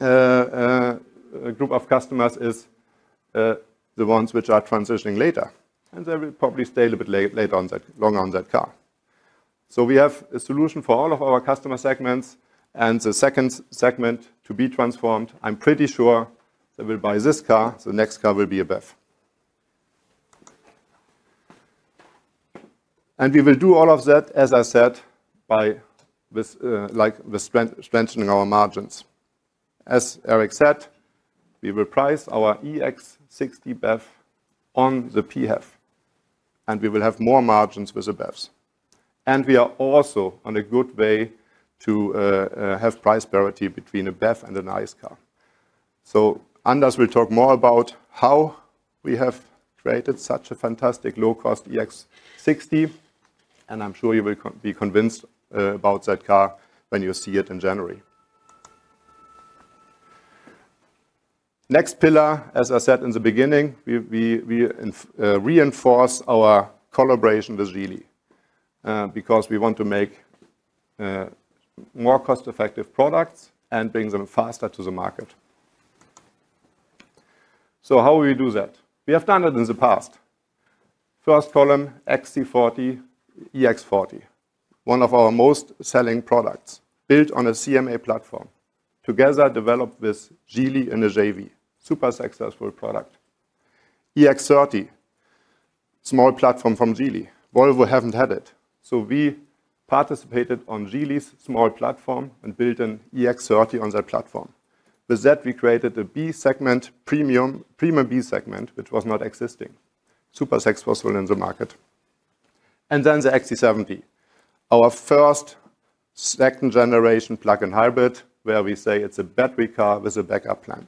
third group of customers is the ones who are transitioning later. They will probably stay a little bit longer on that car. We have a solution for all of our customer segments. The second segment to be transformed, I am pretty sure they will buy this car. The next car will be a BEV. We will do all of that, as I said, like strengthening our margins. As Erik said, we will price our EX60 BEV on the PF. We will have more margins with the BEVs. We are also on a good way to have price parity between a BEV and an ICE car. Anders will talk more about how we have created such a fantastic low-cost EX60. I am sure you will be convinced about that car when you see it in January. Next pillar, as I said in the beginning, we reinforce our collaboration with Geely because we want to make more cost-effective products and bring them faster to the market. How will we do that? We have done it in the past. First column, XC40, EX40, one of our most selling products built on a CMA platform. Together developed with Geely and a JV. Super successful product. EX30. Small platform from Geely. Volvo haven't had it. We participated on Geely's small platform and built an EX30 on that platform. With that, we created a premium B segment, which was not existing. Super successful in the market. The XC70. Our first. Second-generation plug-in hybrid where we say it's a battery car with a backup plan.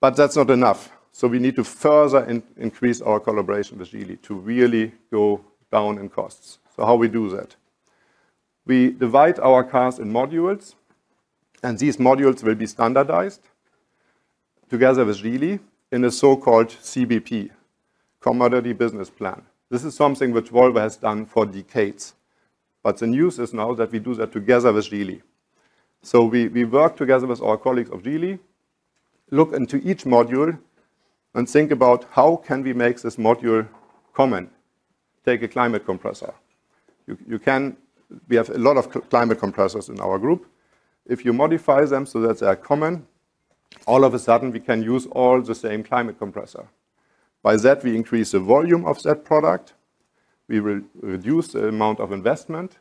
That's not enough. We need to further increase our collaboration with Geely to really go down in costs. How we do that? We divide our cars in modules. These modules will be standardized. Together with Geely in a so-called CBP, Commodity Business Plan. This is something which Volvo has done for decades. The news is now that we do that together with Geely. We work together with our colleagues of Geely, look into each module, and think about how can we make this module common. Take a climate compressor. We have a lot of climate compressors in our group. If you modify them so that they are common, all of a sudden, we can use all the same climate compressor. By that, we increase the volume of that product. We reduce the amount of investment.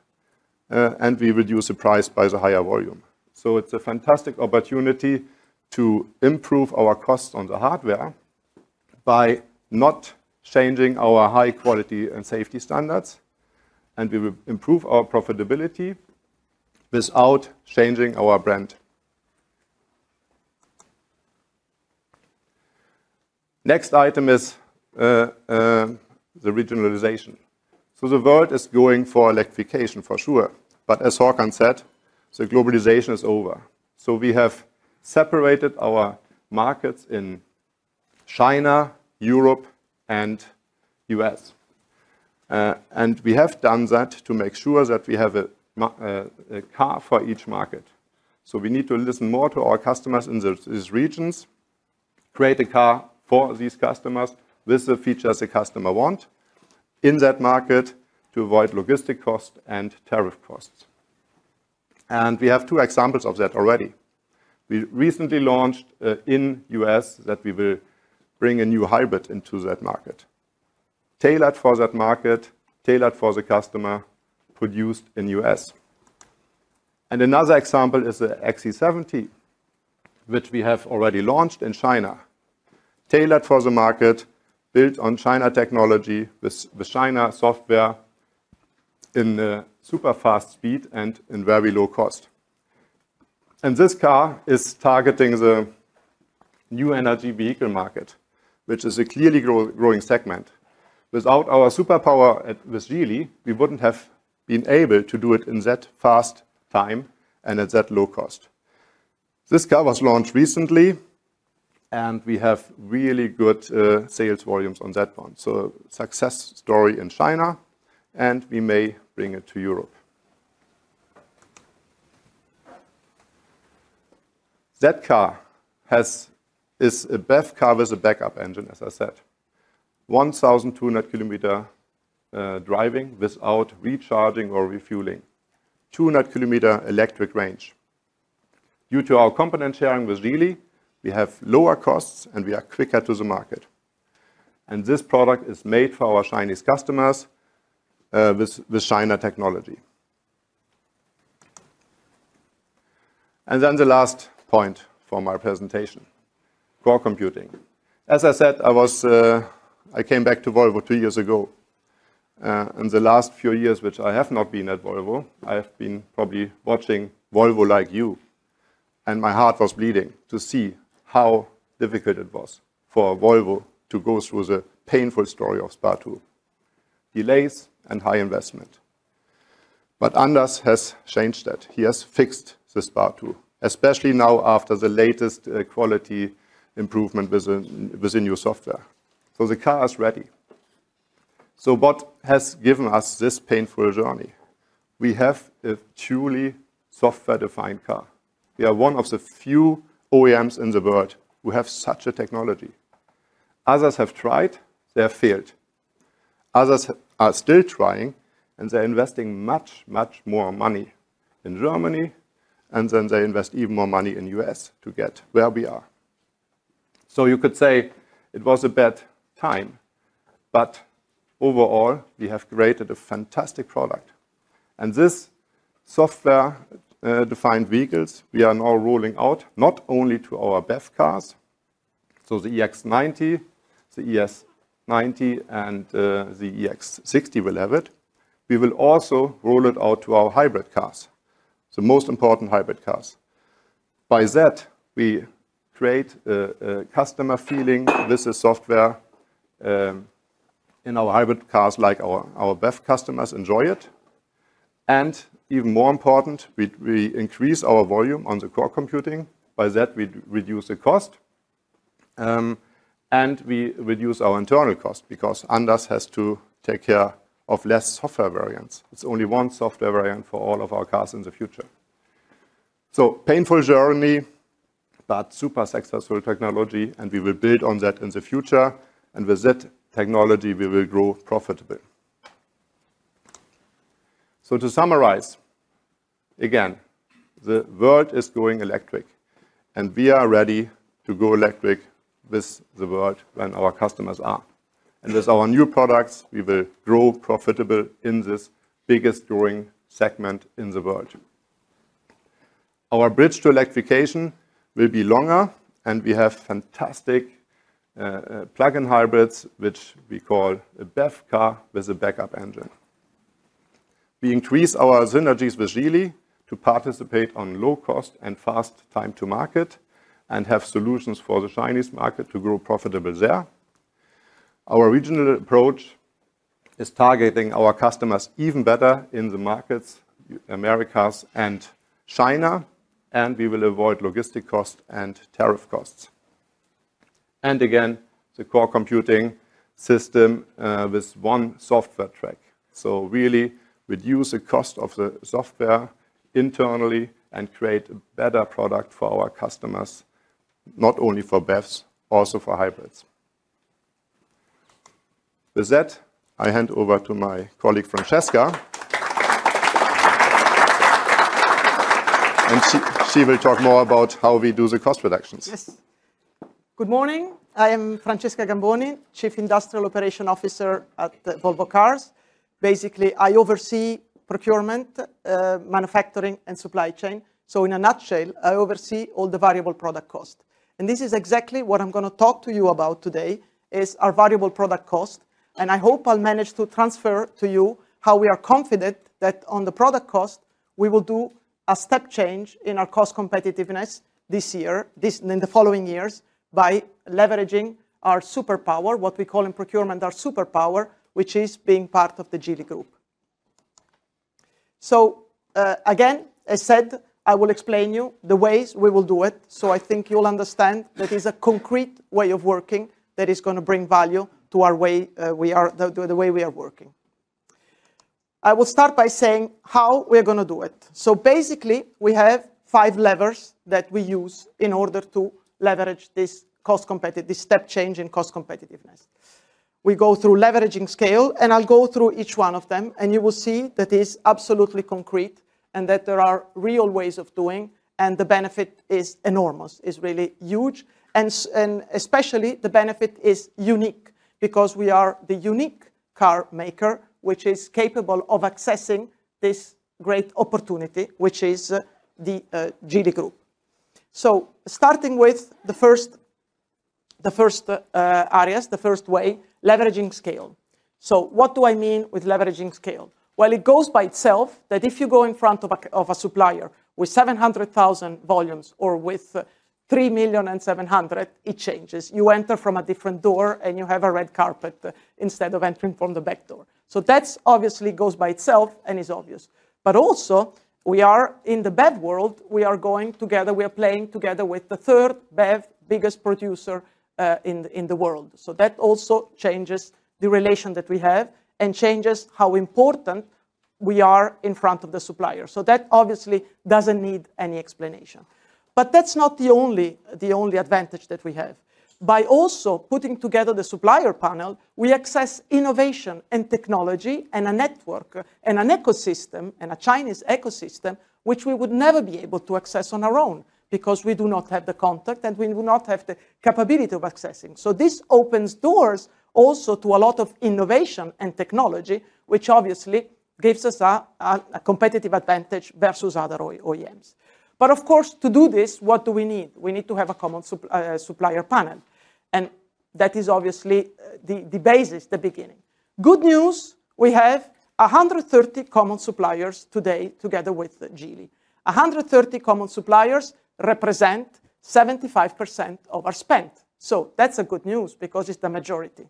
We reduce the price by the higher volume. It is a fantastic opportunity to improve our costs on the hardware by not changing our high-quality and safety standards. We will improve our profitability without changing our brand. The next item is the regionalization. The world is going for electrification for sure. As Håkan said, the globalization is over. We have separated our markets in China, Europe, and U.S. We have done that to make sure that we have a car for each market. We need to listen more to our customers in these regions, create a car for these customers with the features the customer wants in that market to avoid logistic costs and tariff costs. We have two examples of that already. We recently launched in the U.S. that we will bring a new hybrid into that market, tailored for that market, tailored for the customer, produced in the US. Another example is the XC70, which we have already launched in China, tailored for the market, built on China technology with China software in super fast speed and at very low cost. This car is targeting the new energy vehicle market, which is a clearly growing segment. Without our superpower with Geely, we wouldn't have been able to do it in that fast time and at that low cost. This car was launched recently. We have really good sales volumes on that one. A success story in China, and we may bring it to Europe. That car is a BEV car with a backup engine, as I said. 1,200 km driving without recharging or refueling, 200 km electric range. Due to our component sharing with Geely, we have lower costs, and we are quicker to the market. This product is made for our Chinese customers with China technology. The last point from our presentation, core computing. As I said, I came back to Volvo two years ago. In the last few years, which I have not been at Volvo, I have been probably watching Volvo like you. My heart was bleeding to see how difficult it was for Volvo to go through the painful story of SPA2. Delays and high investment. Anders has changed that. He has fixed the SPA2, especially now after the latest quality improvement with the new software. The car is ready. What has given us this painful journey? We have a truly software-defined car. We are one of the few OEMs in the world who have such a technology. Others have tried. They have failed. Others are still trying, and they're investing much, much more money in Germany. They invest even more money in the U.S. to get where we are. You could say it was a bad time. Overall, we have created a fantastic product. This software-defined vehicle we are now rolling out not only to our BEV cars. The EX90, the ES90, and the EX60 will have it. We will also roll it out to our hybrid cars, the most important hybrid cars. By that, we create a customer feeling with the software. In our hybrid cars, like our BEV customers enjoy it. Even more important, we increase our volume on the core computing. By that, we reduce the cost. We reduce our internal cost because Anders has to take care of fewer software variants. It is only one software variant for all of our cars in the future. Painful journey, but super successful technology. We will build on that in the future. With that technology, we will grow profitable. To summarize, again, the world is going electric. We are ready to go electric with the world when our customers are. With our new products, we will grow profitable in this biggest growing segment in the world. Our bridge to electrification will be longer. We have fantastic plug-in hybrids, which we call a BEV car with a backup engine. We increase our synergies with Geely to participate on low cost and fast time to market and have solutions for the Chinese market to grow profitable there. Our regional approach is targeting our customers even better in the markets, Americas and China. We will avoid logistic costs and tariff costs. Again, the core computing system with one software track really reduces the cost of the software internally and creates a better product for our customers, not only for BEVs, also for hybrids. With that, I hand over to my colleague Francesca. She will talk more about how we do the cost reductions. Yes. Good morning. I am Francesca Gamboni, Chief Industrial Operations Officer at Volvo Cars. Basically, I oversee procurement, manufacturing, and supply chain. In a nutshell, I oversee all the variable product cost. This is exactly what I'm going to talk to you about today, is our variable product cost. I hope I'll manage to transfer to you how we are confident that on the product cost, we will do a step change in our cost competitiveness this year and in the following years by leveraging our superpower, what we call in procurement our superpower, which is being part of the Geely Group. As I said, I will explain to you the ways we will do it. I think you'll understand that it's a concrete way of working that is going to bring value to the way we are working. I will start by saying how we are going to do it. Basically, we have five levers that we use in order to leverage this step change in cost competitiveness. We go through leveraging scale. I'll go through each one of them. You will see that it is absolutely concrete and that there are real ways of doing. The benefit is enormous, is really huge. Especially, the benefit is unique because we are the unique car maker which is capable of accessing this great opportunity, which is the Geely Group. Starting with the first areas, the first way, leveraging scale. What do I mean with leveraging scale? It goes by itself that if you go in front of a supplier with 700,000 volumes or with 3,700,000, it changes. You enter from a different door, and you have a red carpet instead of entering from the back door. That obviously goes by itself and is obvious. Also, in the BEV world, we are going together. We are playing together with the third BEV biggest producer in the world. That also changes the relation that we have and changes how important we are in front of the supplier. That obviously does not need any explanation. That is not the only advantage that we have. By also putting together the supplier panel, we access innovation and technology and a network and an ecosystem and a Chinese ecosystem, which we would never be able to access on our own because we do not have the contact and we do not have the capability of accessing. This opens doors also to a lot of innovation and technology, which obviously gives us a competitive advantage versus other OEMs. Of course, to do this, what do we need? We need to have a common supplier panel. That is obviously the basis, the beginning. Good news, we have 130 common suppliers today together with Geely. 130 common suppliers represent 75% of our spend. That is good news because it is the majority.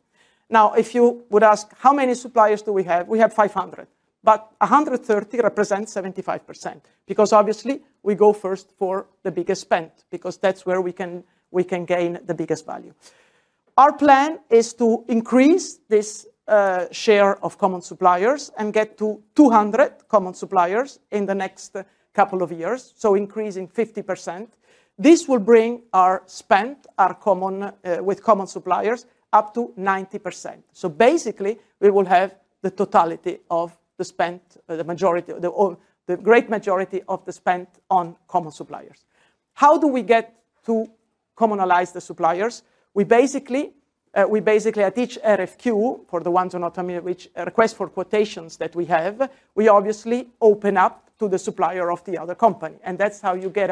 Now, if you would ask how many suppliers do we have, we have 500. But 130 represents 75% because, obviously, we go first for the biggest spend because that is where we can gain the biggest value. Our plan is to increase this share of common suppliers and get to 200 common suppliers in the next couple of years, so increasing 50%. This will bring our spend with common suppliers up to 90%. Basically, we will have the totality of the spend, the great majority of the spend on common suppliers. How do we get to commonalize the suppliers? Basically, at each RFQ, for the ones who are not familiar with requests for quotations that we have, we obviously open up to the supplier of the other company. That's how you get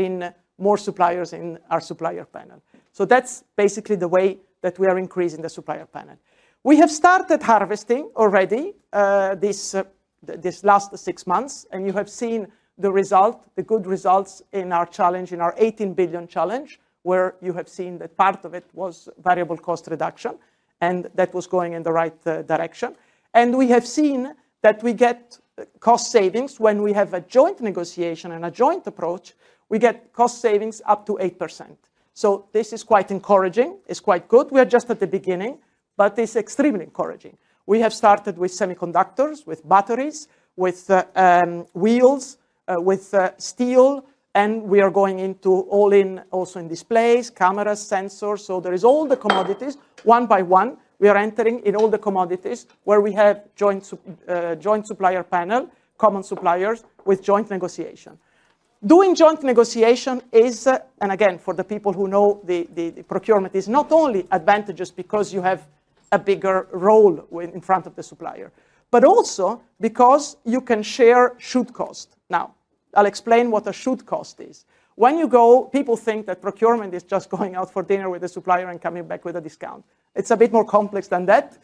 in more suppliers in our supplier panel. That's basically the way that we are increasing the supplier panel. We have started harvesting already these last six months. You have seen the result, the good results in our challenge, in our 18 billion challenge, where you have seen that part of it was variable cost reduction. That was going in the right direction. We have seen that we get cost savings when we have a joint negotiation and a joint approach. We get cost savings up to 8%. This is quite encouraging. It's quite good. We are just at the beginning, but it's extremely encouraging. We have started with semiconductors, with batteries, with wheels, with steel. We are going all in also in displays, cameras, sensors. There are all the commodities. One by one, we are entering in all the commodities where we have joint supplier panel, common suppliers with joint negotiation. Doing joint negotiation is, and again, for the people who know procurement, is not only advantageous because you have a bigger role in front of the supplier, but also because you can share should cost. Now, I'll explain what a should cost is. When you go, people think that procurement is just going out for dinner with the supplier and coming back with a discount. It's a bit more complex than that.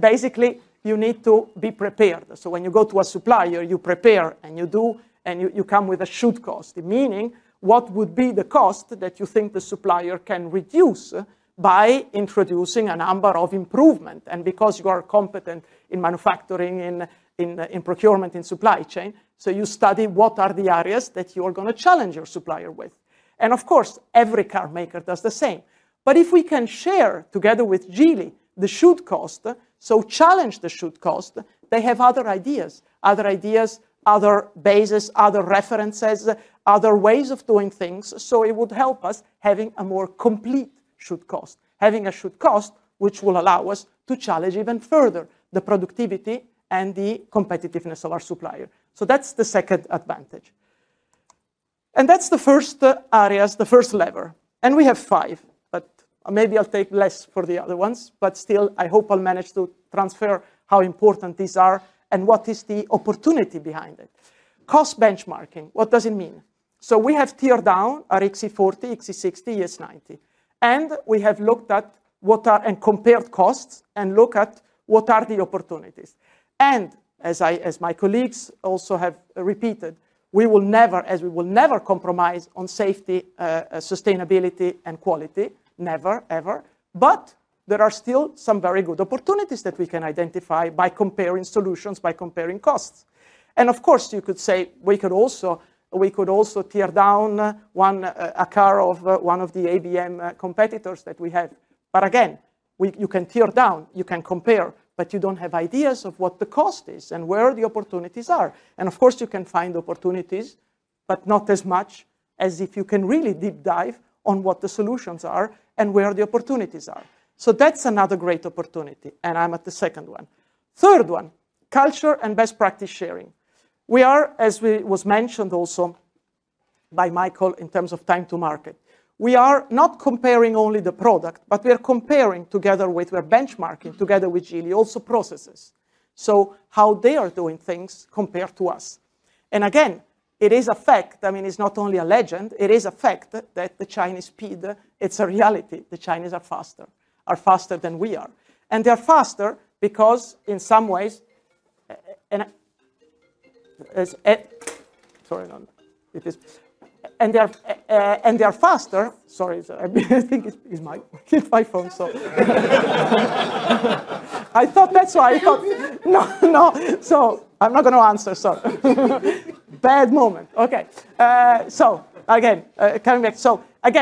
Basically, you need to be prepared. When you go to a supplier, you prepare and you do, and you come with a should cost, meaning what would be the cost that you think the supplier can reduce by introducing a number of improvements. Because you are competent in manufacturing, in procurement, in supply chain, you study what are the areas that you are going to challenge your supplier with. Of course, every car maker does the same. If we can share together with Geely the should cost, challenge the should cost, they have other ideas, other bases, other references, other ways of doing things. It would help us have a more complete should cost, having a should cost which will allow us to challenge even further the productivity and the competitiveness of our supplier. That is the second advantage. That is the first area, the first lever. We have five. Maybe I will take less for the other ones. Still, I hope I will manage to transfer how important these are and what is the opportunity behind it. Cost benchmarking, what does it mean? We have tiered down our XC40, XC60, ES90. We have looked at and compared costs and looked at what are the opportunities. As my colleagues also have repeated, we will never, as we will never compromise on safety, sustainability, and quality, never, ever. There are still some very good opportunities that we can identify by comparing solutions, by comparing costs. Of course, you could say we could also tier down a car of one of the BMW competitors that we have. Again, you can tier down. You can compare. You do not have ideas of what the cost is and where the opportunities are. Of course, you can find opportunities, but not as much as if you can really deep dive on what the solutions are and where the opportunities are. That is another great opportunity. I am at the second one. Third one, culture and best practice sharing. We are, as was mentioned also by Michael in terms of time to market, not comparing only the product, but we are comparing together with Geely also processes, so how they are doing things compared to us. Again, it is a fact. I mean, it is not only a legend. It is a fact that the Chinese speed, it is a reality. The Chinese are faster than we are. They are faster because in some ways. They are faster. Sorry, I think it's my phone. I thought that's why I thought, no, no. I'm not going to answer. Bad moment. OK. Again, coming back.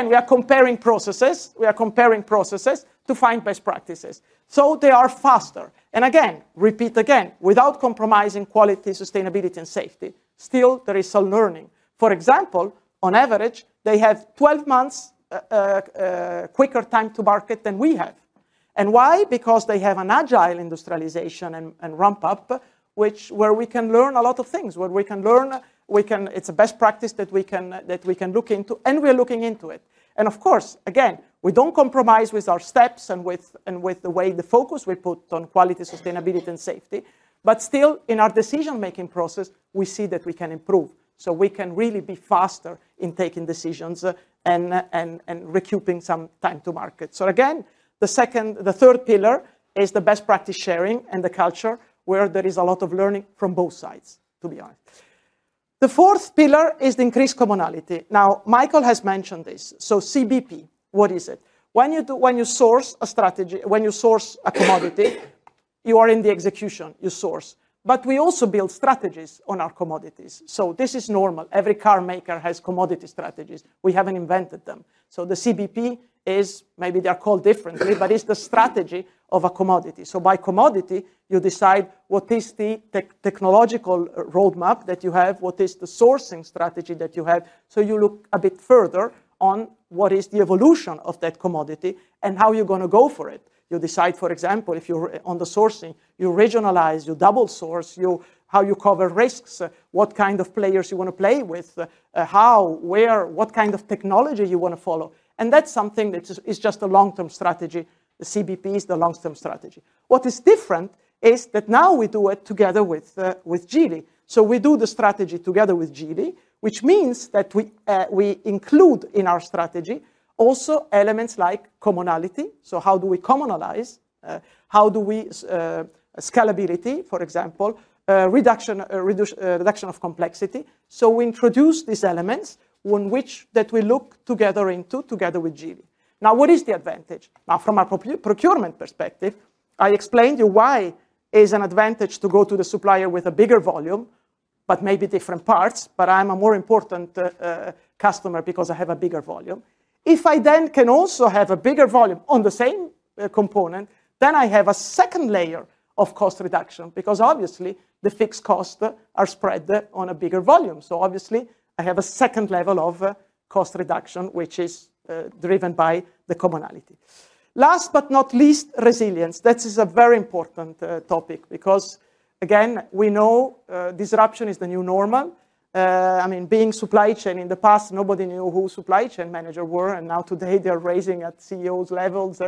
We are comparing processes. We are comparing processes to find best practices. They are faster. Again, repeat again, without compromising quality, sustainability, and safety, still, there is some learning. For example, on average, they have 12 months quicker time to market than we have. Why? Because they have an agile industrialization and ramp up, which we can learn a lot of things from, where we can learn. It's a best practice that we can look into. We are looking into it. Of course, we don't compromise with our steps and with the way the focus we put on quality, sustainability, and safety. Still, in our decision-making process, we see that we can improve. We can really be faster in taking decisions and recouping some time to market. Again, the third pillar is the best practice sharing and the culture where there is a lot of learning from both sides, to be honest. The fourth pillar is the increased commonality. Michael has mentioned this. CBP, what is it? When you source a strategy, when you source a commodity, you are in the execution. You source. We also build strategies on our commodities. This is normal. Every car maker has commodity strategies. We have not invented them. The CBP is, maybe they are called differently, but it is the strategy of a commodity. By commodity, you decide what is the technological roadmap that you have, what is the sourcing strategy that you have. You look a bit further on what is the evolution of that commodity and how you're going to go for it. You decide, for example, if you're on the sourcing, you regionalize, you double source, how you cover risks, what kind of players you want to play with, how, where, what kind of technology you want to follow. That is just a long-term strategy. The CBP is the long-term strategy. What is different is that now we do it together with Geely. We do the strategy together with Geely, which means that we include in our strategy also elements like commonality. How do we commonalize? Scalability, for example, reduction of complexity. We introduce these elements that we look together into, together with Geely. Now, what is the advantage? Now, from a procurement perspective, I explained to you why it is an advantage to go to the supplier with a bigger volume, but maybe different parts. I'm a more important customer because I have a bigger volume. If I then can also have a bigger volume on the same component, then I have a second layer of cost reduction because obviously, the fixed costs are spread on a bigger volume. Obviously, I have a second level of cost reduction, which is driven by the commonality. Last but not least, resilience. This is a very important topic because, again, we know disruption is the new normal. I mean, being supply chain in the past, nobody knew who supply chain managers were. Now today, they are raising at CEOs' levels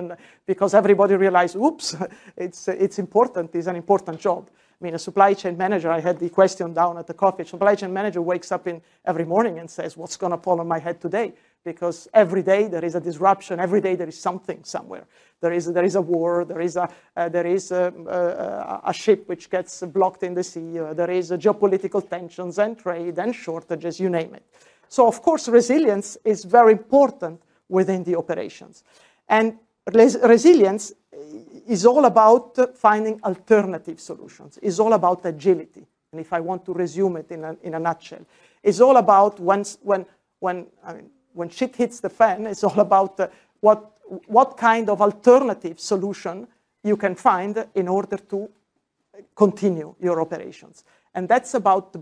because everybody realized, oops, it's important. It's an important job. I mean, a supply chain manager, I had the question down at the coffee. A supply chain manager wakes up every morning and says, what's going to fall on my head today? Because every day there is a disruption. Every day there is something somewhere. There is a war. There is a ship which gets blocked in the sea. There are geopolitical tensions and trade and shortages, you name it. Of course, resilience is very important within the operations. Resilience is all about finding alternative solutions. It's all about agility. If I want to resume it in a nutshell, it's all about when shit hits the fan, it's all about what kind of alternative solution you can find in order to continue your operations. That's about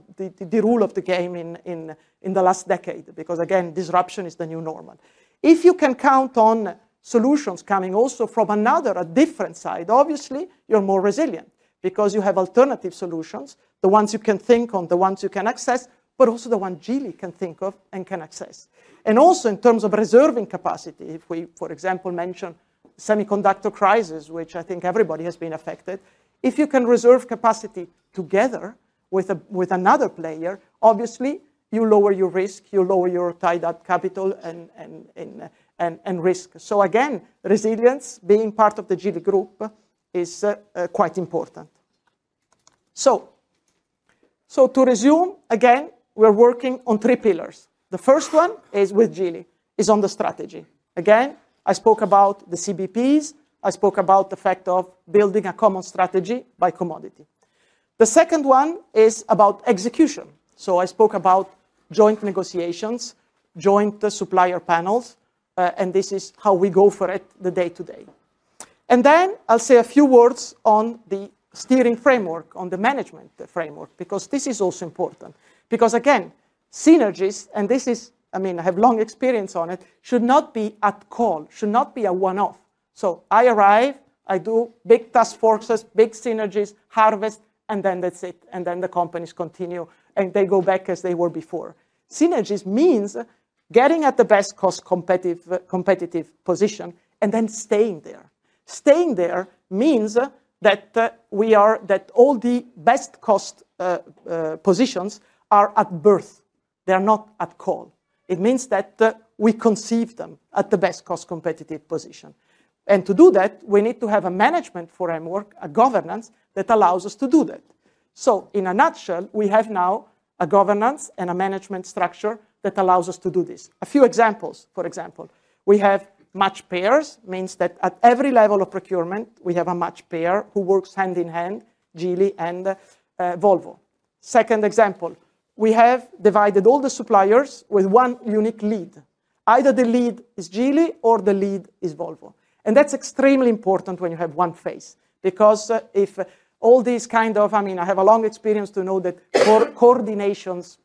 the rule of the game in the last decade because, again, disruption is the new normal. If you can count on solutions coming also from another, a different side, obviously, you're more resilient because you have alternative solutions, the ones you can think on, the ones you can access, but also the ones Geely can think of and can access. Also in terms of reserving capacity, if we, for example, mention semiconductor crisis, which I think everybody has been affected, if you can reserve capacity together with another player, obviously, you lower your risk, you lower your tied-up capital and risk. Again, resilience being part of the Geely Group is quite important. To resume, again, we are working on three pillars. The first one is with Geely is on the strategy. Again, I spoke about the CBPs. I spoke about the fact of building a common strategy by commodity. The second one is about execution. I spoke about joint negotiations, joint supplier panels. This is how we go for it the day to day. I'll say a few words on the steering framework, on the management framework, because this is also important. Again, synergies, and this is, I mean, I have long experience on it, should not be at call, should not be a one-off. I arrive, I do big task forces, big synergies, harvest, and then that's it. Then the companies continue. They go back as they were before. Synergies means getting at the best cost competitive position and then staying there. Staying there means that all the best cost positions are at birth. They are not at call. It means that we conceive them at the best cost competitive position. To do that, we need to have a management framework, a governance that allows us to do that. In a nutshell, we have now a governance and a management structure that allows us to do this. A few examples, for example, we have matched pairs, means that at every level of procurement, we have a matched pair who works hand in hand, Geely and Volvo. Second example, we have divided all the suppliers with one unique lead. Either the lead is Geely or the lead is Volvo. That's extremely important when you have one face. Because if all these kind of, I mean, I have a long experience to know that coordinations,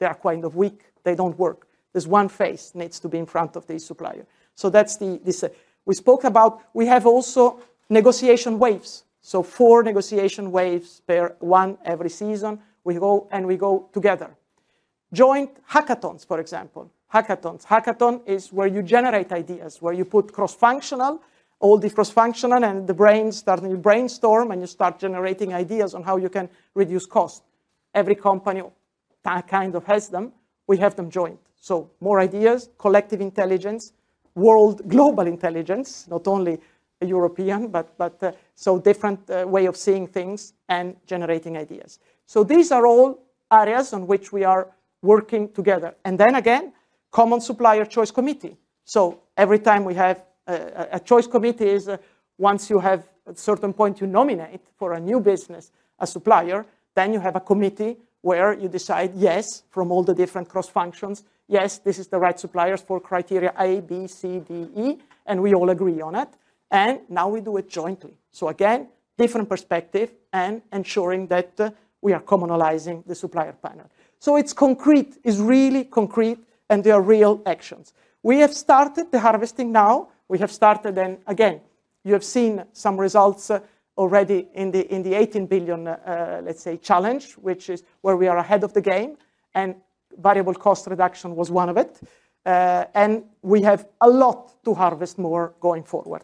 they are quite weak. They don't work. There's one face that needs to be in front of the supplier. That's this. We spoke about we have also negotiation waves. Four negotiation waves per one every season. We go and we go together. Joint hackathons, for example, hackathons. Hackathon is where you generate ideas, where you put cross-functional, all the cross-functional, and the brain starts to brainstorm, and you start generating ideas on how you can reduce cost. Every company kind of has them. We have them joint. More ideas, collective intelligence, world global intelligence, not only European, but so different way of seeing things and generating ideas. These are all areas on which we are working together. Then again, common supplier choice committee. Every time we have a choice committee, once you have a certain point, you nominate for a new business, a supplier, then you have a committee where you decide, yes, from all the different cross-functions, yes, this is the right suppliers for criteria A, B, C, D, E, and we all agree on it. Now we do it jointly. Again, different perspective and ensuring that we are commonalizing the supplier panel. It is concrete, is really concrete, and there are real actions. We have started the harvesting now. We have started then, again, you have seen some results already in the 18 billion, let's say, challenge, which is where we are ahead of the game. Variable cost reduction was one of it. We have a lot to harvest more going forward.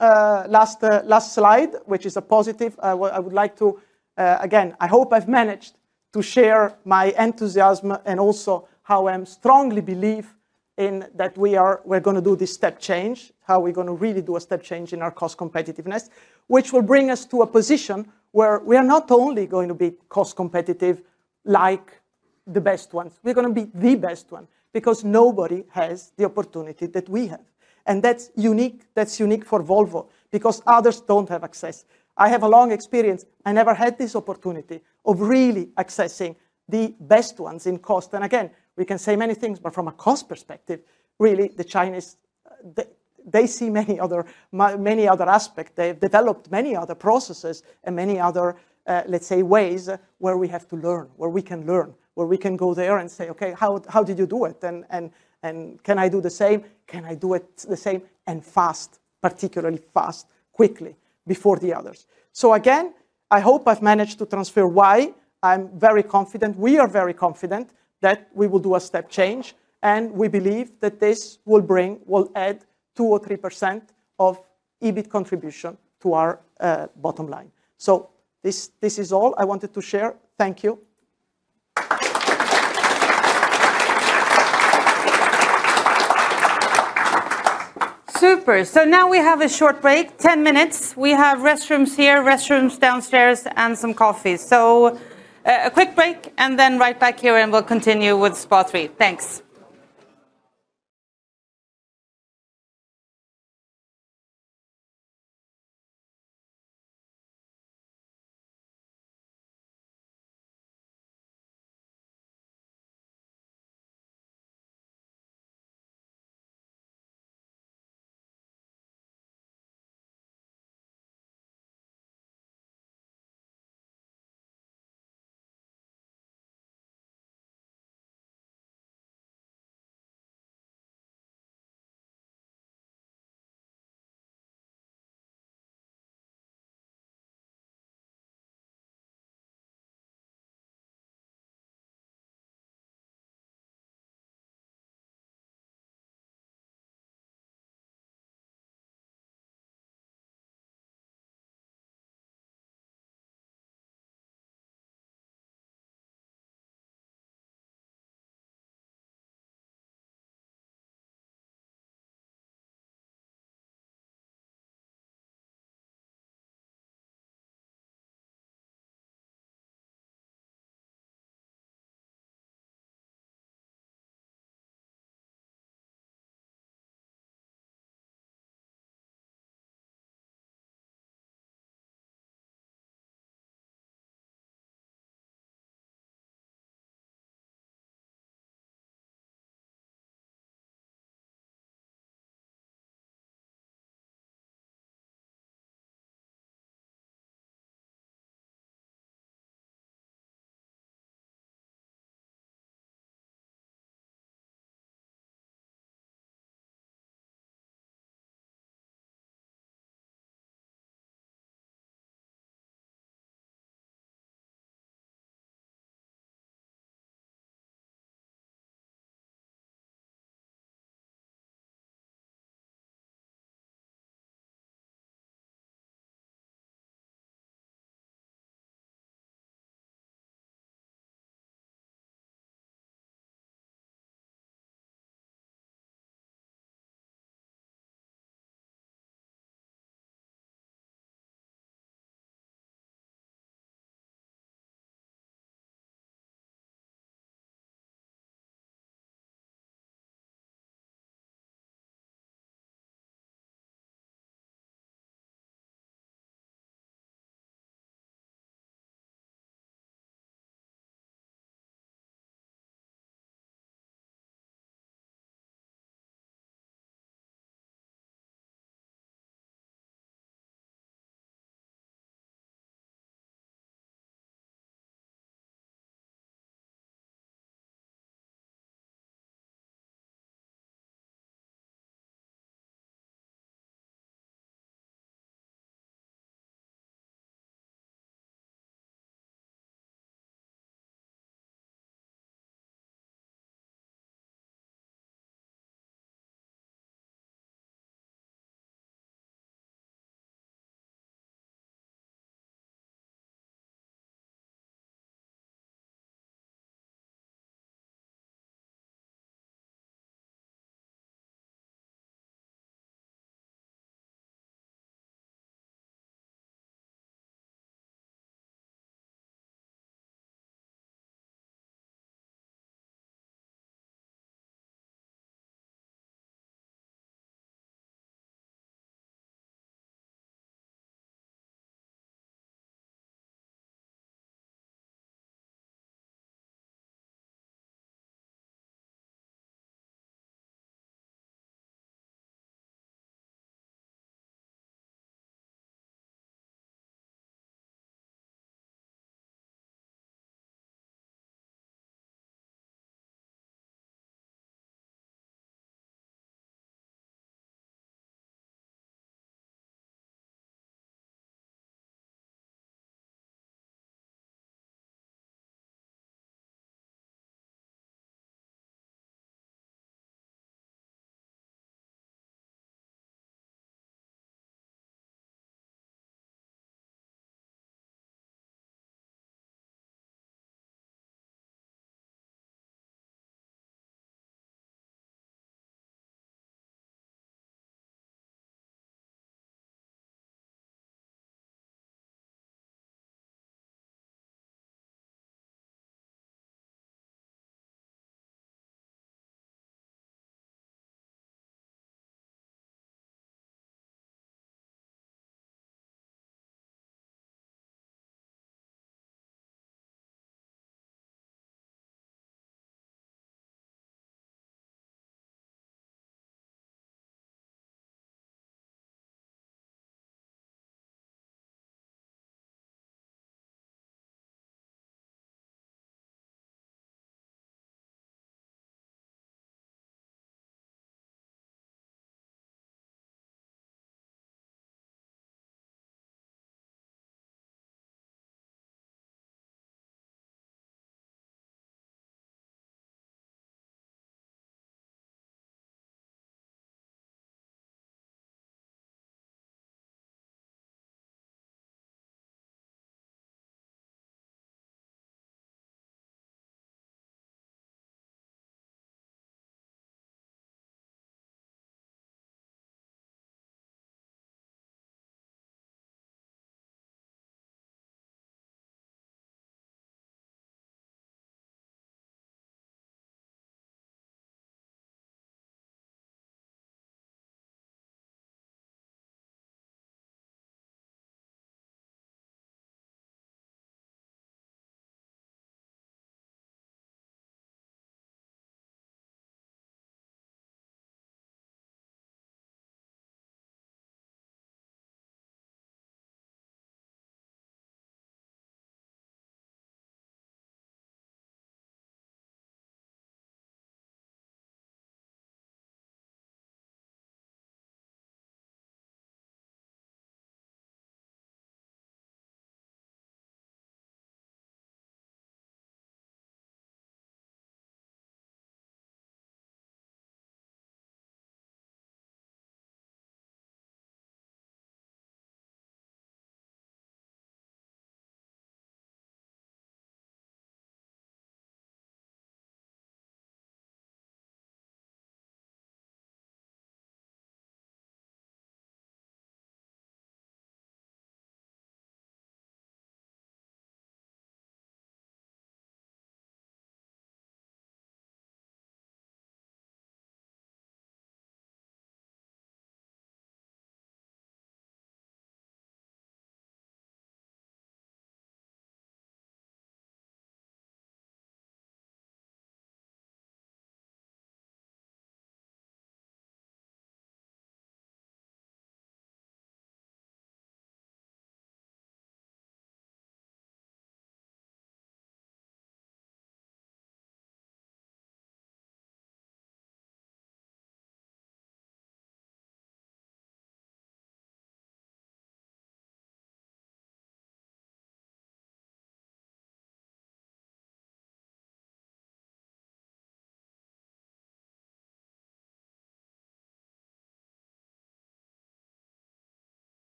Last slide, which is a positive, I would like to, again, I hope I've managed to share my enthusiasm and also how I strongly believe in that we are going to do this step change, how we're going to really do a step change in our cost competitiveness, which will bring us to a position where we are not only going to be cost competitive like the best ones. We are going to be the best one because nobody has the opportunity that we have. That is unique for Volvo because others do not have access. I have a long experience. I never had this opportunity of really accessing the best ones in cost. Again, we can say many things, but from a cost perspective, really, the Chinese, they see many other aspects. They've developed many other processes and many other, let's say, ways where we have to learn, where we can learn, where we can go there and say, OK, how did you do it? And can I do the same? Can I do it the same and fast, particularly fast, quickly before the others? Again, I hope I've managed to transfer why I'm very confident, we are very confident that we will do a step change. We believe that this will bring, will add 2%-3% of EBIT contribution to our bottom line. This is all I wanted to share. Thank you. Super. Now we have a short break, 10 minutes. We have restrooms here, restrooms downstairs, and some coffee. A quick break, and then right back here, and we'll continue with SPA3. Thanks.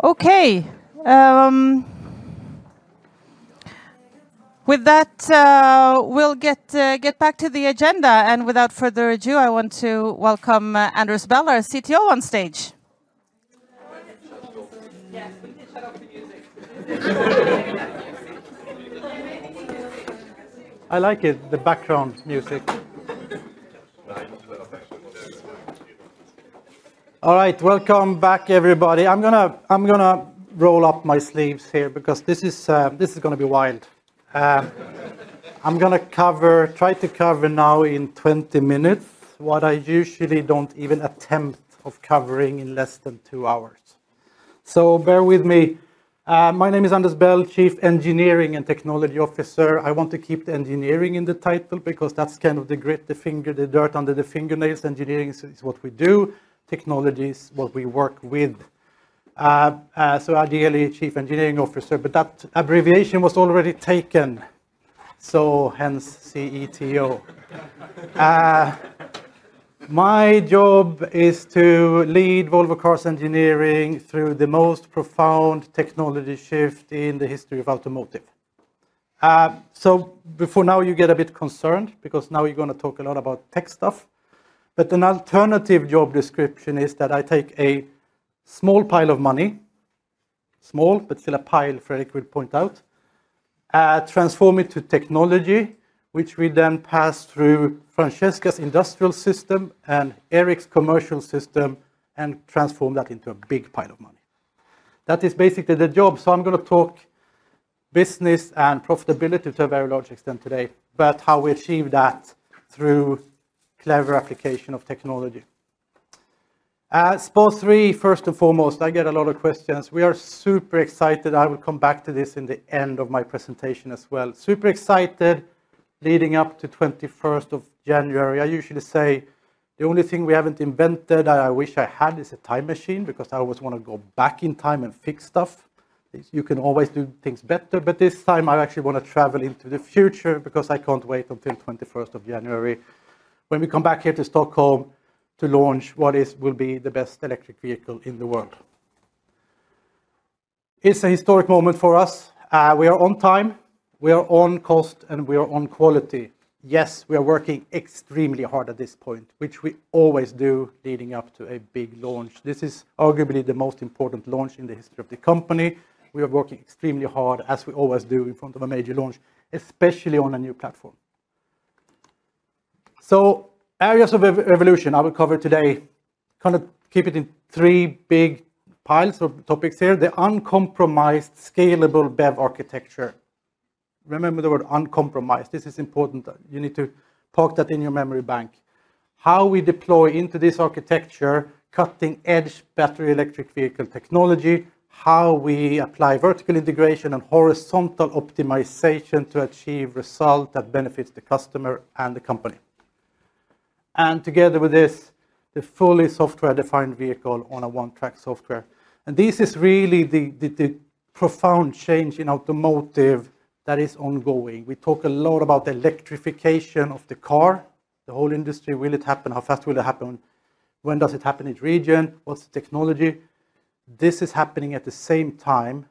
OK. With that, we'll get back to the agenda. Without further ado, I want to welcome Anders Bell, our CTO, on stage. I like it, the background music. All right. Welcome back, everybody. I'm going to roll up my sleeves here because this is going to be wild. I'm going to try to cover now in 20 minutes what I usually do not even attempt at covering in less than two hours. So bear with me. My name is Anders Bell, Chief Engineering and Technology Officer. I want to keep the engineering in the title because that is kind of the grit, the finger, the dirt under the fingernails. Engineering is what we do. Technology is what we work with. Ideally, Chief Engineering Officer. But that abbreviation was already taken. Hence CETO. My job is to lead Volvo Cars Engineering through the most profound technology shift in the history of automotive. For now, you get a bit concerned because now you're going to talk a lot about tech stuff. An alternative job description is that I take a small pile of money—small, but still a pile—Fredrik will point out. Transform it to technology, which we then pass through Francesca's industrial system and Erik's commercial system and transform that into a big pile of money. That is basically the job. I'm going to talk business and profitability to a very large extent today, but how we achieve that through clever application of technology. SPA3, first and foremost, I get a lot of questions. We are super excited. I will come back to this in the end of my presentation as well. Super excited leading up to 21st of January. I usually say the only thing we haven't invented that I wish I had is a time machine because I always want to go back in time and fix stuff. You can always do things better. This time, I actually want to travel into the future because I can't wait until the 21st of January when we come back here to Stockholm to launch what will be the best electric vehicle in the world. It's a historic moment for us. We are on time. We are on cost, and we are on quality. Yes, we are working extremely hard at this point, which we always do leading up to a big launch. This is arguably the most important launch in the history of the company. We are working extremely hard, as we always do, in front of a major launch, especially on a new platform. Areas of evolution I will cover today kind of keep it in three big piles of topics here: the uncompromised, scalable BEV architecture. Remember the word uncompromised. This is important. You need to park that in your memory bank. How we deploy into this architecture cutting-edge battery electric vehicle technology, how we apply vertical integration and horizontal optimization to achieve results that benefit the customer and the company. Together with this, the fully software-defined vehicle on a one-track software. This is really the profound change in automotive that is ongoing. We talk a lot about electrification of the car. The whole industry: will it happen? How fast will it happen? When does it happen in region? What's the technology? This is happening at the same time.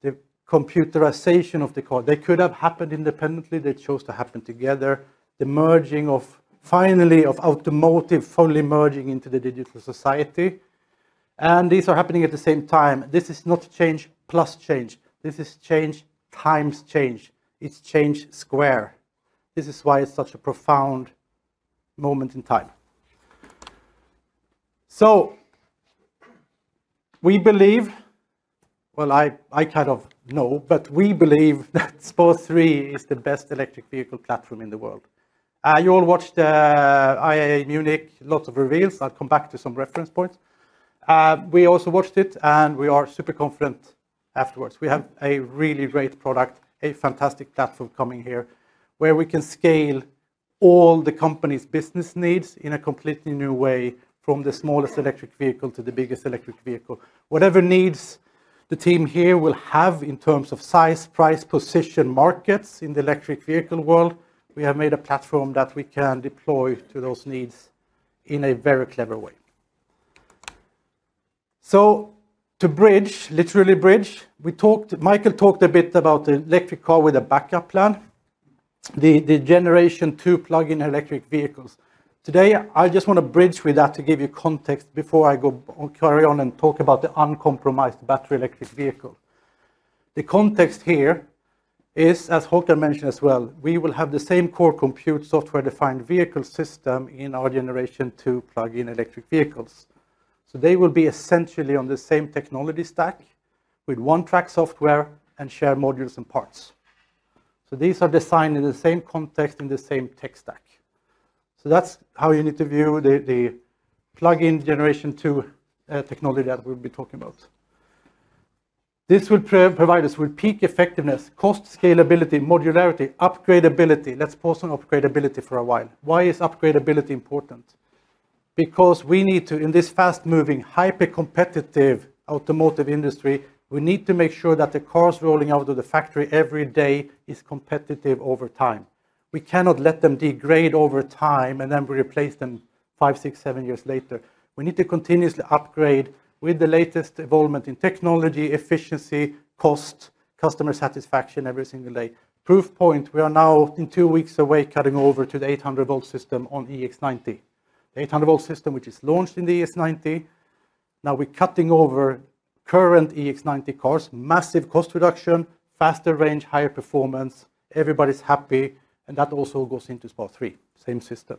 The computerization of the car. They could have happened independently. They chose to happen together. The merging finally of automotive fully merging into the digital society. These are happening at the same time. This is not change plus change. This is change times change. It is change square. This is why it is such a profound moment in time. We believe, I kind of know, but we believe that SPA3 is the best electric vehicle platform in the world. You all watched IAA Munich, lots of reveals. I will come back to some reference points. We also watched it, and we are super confident afterwards. We have a really great product, a fantastic platform coming here where we can scale all the company's business needs in a completely new way from the smallest electric vehicle to the biggest electric vehicle. Whatever needs the team here will have in terms of size, price, position, markets in the electric vehicle world, we have made a platform that we can deploy to those needs in a very clever way. To bridge, literally bridge, Michael talked a bit about the electric car with a backup plan. The generation two plug-in electric vehicles. Today, I just want to bridge with that to give you context before I carry on and talk about the uncompromised battery electric vehicle. The context here is, as Håkan mentioned as well, we will have the same core compute software-defined vehicle system in our generation two plug-in electric vehicles. They will be essentially on the same technology stack with one-track software and share modules and parts. These are designed in the same context, in the same tech stack. That is how you need to view the plug-in generation two technology that we will be talking about. This will provide us with peak effectiveness, cost scalability, modularity, upgradability. Let's pause on upgradability for a while. Why is upgradability important? Because we need to, in this fast-moving, hyper-competitive automotive industry, we need to make sure that the cars rolling out of the factory every day are competitive over time. We cannot let them degrade over time and then we replace them five, six, seven years later. We need to continuously upgrade with the latest involvement in technology, efficiency, cost, customer satisfaction every single day. Proof point, we are now in two weeks away cutting over to the 800 V system on EX90. The 800 V system which is launched in the EX90. Now we are cutting over. Current EX90 cars, massive cost reduction, faster range, higher performance. Everybody's happy. That also goes into SPA3, same system.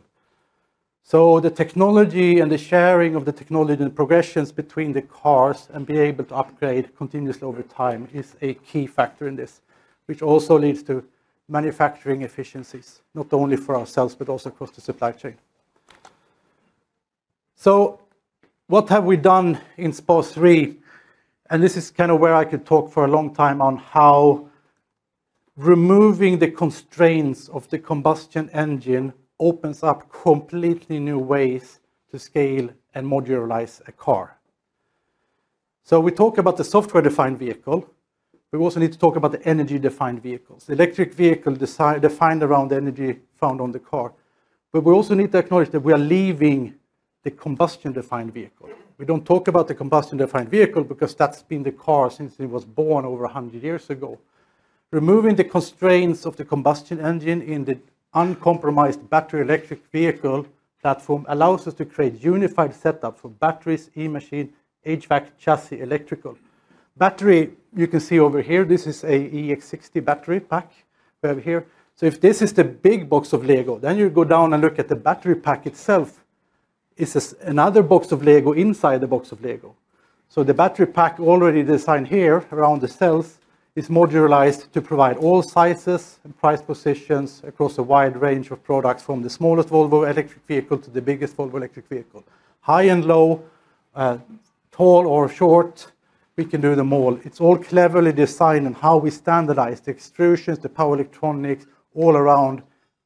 The technology and the sharing of the technology and progressions between the cars and being able to upgrade continuously over time is a key factor in this, which also leads to manufacturing efficiencies, not only for ourselves but also across the supply chain. What have we done in SPA3? This is kind of where I could talk for a long time on how removing the constraints of the combustion engine opens up completely new ways to scale and modularize a car. We talk about the software-defined vehicle. We also need to talk about the energy-defined vehicles, the electric vehicle defined around the energy found on the car. We also need to acknowledge that we are leaving the combustion-defined vehicle. We don't talk about the combustion-defined vehicle because that's been the car since it was born over 100 years ago. Removing the constraints of the combustion engine in the uncompromised battery electric vehicle platform allows us to create a unified setup for batteries, e-machine, HVAC, chassis, electrical. Battery, you can see over here, this is an EX60 battery pack over here. If this is the big box of Lego, then you go down and look at the battery pack itself. It's another box of Lego inside the box of Lego. The battery pack already designed here around the cells is modularized to provide all sizes and price positions across a wide range of products from the smallest Volvo electric vehicle to the biggest Volvo electric vehicle. High and low. Tall or short, we can do them all. It's all cleverly designed in how we standardize the extrusions, the power electronics all around.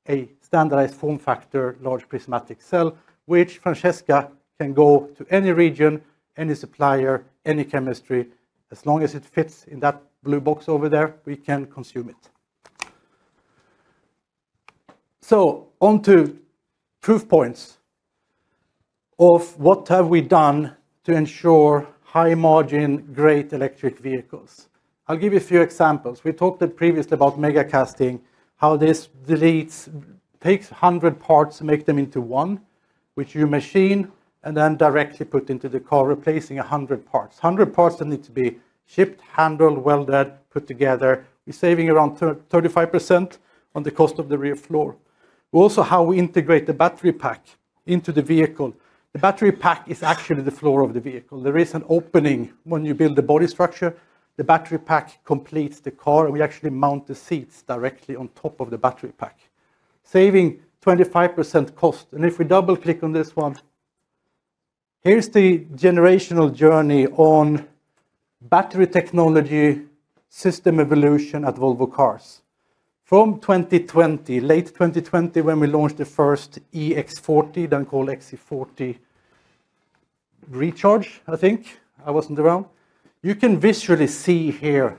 A standardized form factor, large prismatic cell, which Francesca can go to any region, any supplier, any chemistry. As long as it fits in that blue box over there, we can consume it. Onto proof points. What have we done to ensure high-margin, great electric vehicles? I'll give you a few examples. We talked previously about mega casting, how this takes 100 parts to make them into one, which you machine and then directly put into the car, replacing 100 parts. One hundred parts that need to be shipped, handled, welded, put together. We're saving around 35% on the cost of the rear floor. Also, how we integrate the battery pack into the vehicle. The battery pack is actually the floor of the vehicle. There is an opening when you build the body structure. The battery pack completes the car, and we actually mount the seats directly on top of the battery pack, saving 25% cost. If we double-click on this one, here's the generational journey on battery technology system evolution at Volvo Cars. From 2020, late 2020, when we launched the first EX40, then called XC40 Recharge, I think. I wasn't around. You can visually see here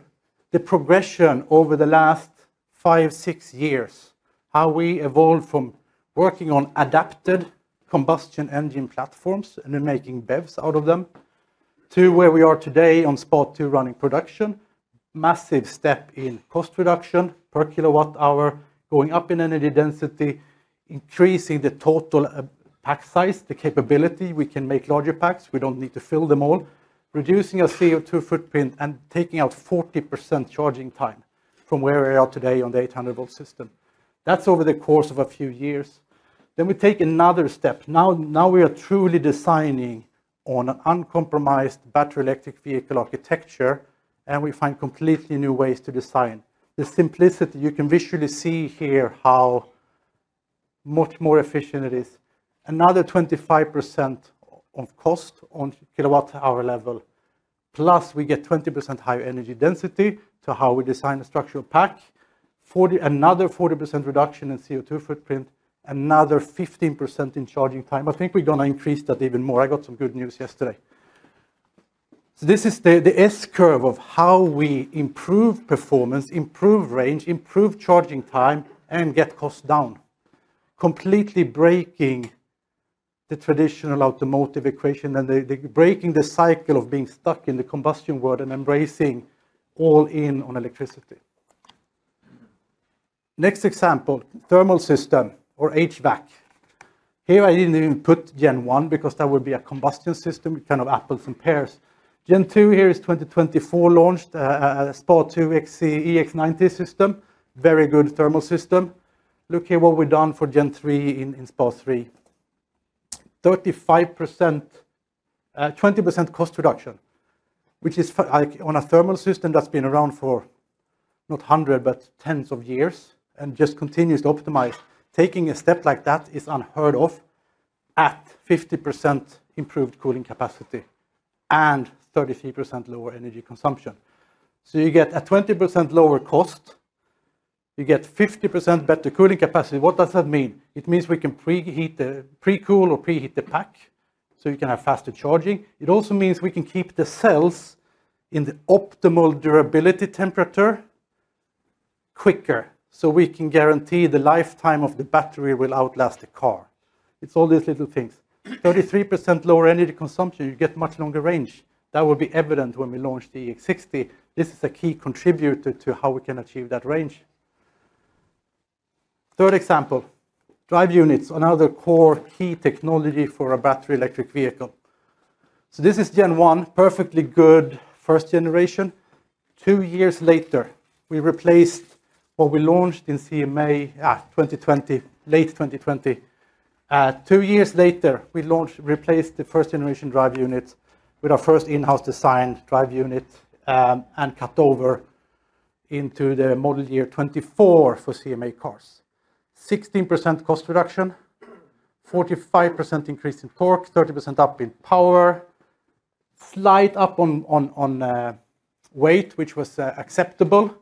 the progression over the last five, six years, how we evolved from working on adapted combustion engine platforms and making BEVs out of them to where we are today on Spot 2 running production. Massive step in cost reduction per kilowatt-hour, going up in energy density, increasing the total pack size, the capability. We can make larger packs. We don't need to fill them all, reducing our CO2 footprint and taking out 40% charging time from where we are today on the 800 V system. That's over the course of a few years. We take another step. Now we are truly designing on an uncompromised battery electric vehicle architecture, and we find completely new ways to design. The simplicity, you can visually see here how much more efficient it is. Another 25% of cost on kilowatt-hour level, plus we get 20% higher energy density to how we design a structural pack, another 40% reduction in CO2 footprint, another 15% in charging time. I think we're going to increase that even more. I got some good news yesterday. This is the S-curve of how we improve performance, improve range, improve charging time, and get costs down. Completely breaking the traditional automotive equation and breaking the cycle of being stuck in the combustion world and embracing all in on electricity. Next example, thermal system or HVAC. Here I did not even put Gen 1 because that would be a combustion system, kind of apples and pears. Gen 2 here is 2024, launched a Spot 2 EX90 system, very good thermal system. Look here what we have done for Gen 3 in Spot 3. 20% cost reduction, which is on a thermal system that has been around for, not 100, but tens of years and just continues to optimize. Taking a step like that is unheard of. At 50% improved cooling capacity and 33% lower energy consumption. You get a 20% lower cost. You get 50% better cooling capacity. What does that mean? It means we can preheat the, precool or preheat the pack so you can have faster charging. It also means we can keep the cells in the optimal durability temperature quicker so we can guarantee the lifetime of the battery will outlast the car. It's all these little things. 33% lower energy consumption, you get much longer range. That will be evident when we launch the EX60. This is a key contributor to how we can achieve that range. Third example, drive units, another core key technology for a battery electric vehicle. This is Gen 1, perfectly good first generation. Two years later, we replaced what we launched in CMA late 2020. Two years later, we replaced the first generation drive units with our first in-house designed drive unit and cut over into the model year 2024 for CMA cars. 16% cost reduction. 45% increase in torque, 30% up in power. Slight up on weight, which was acceptable.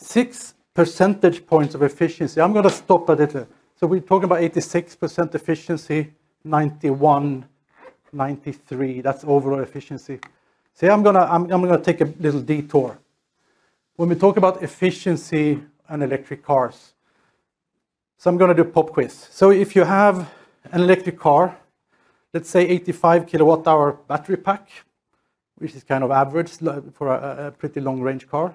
6 percentage points of efficiency. I'm going to stop a little. We're talking about 86% efficiency, 91%, 93%, that's overall efficiency. I'm going to take a little detour. When we talk about efficiency and electric cars. I'm going to do a pop quiz. If you have an electric car, let's say 85 kWh battery pack, which is kind of average for a pretty long-range car.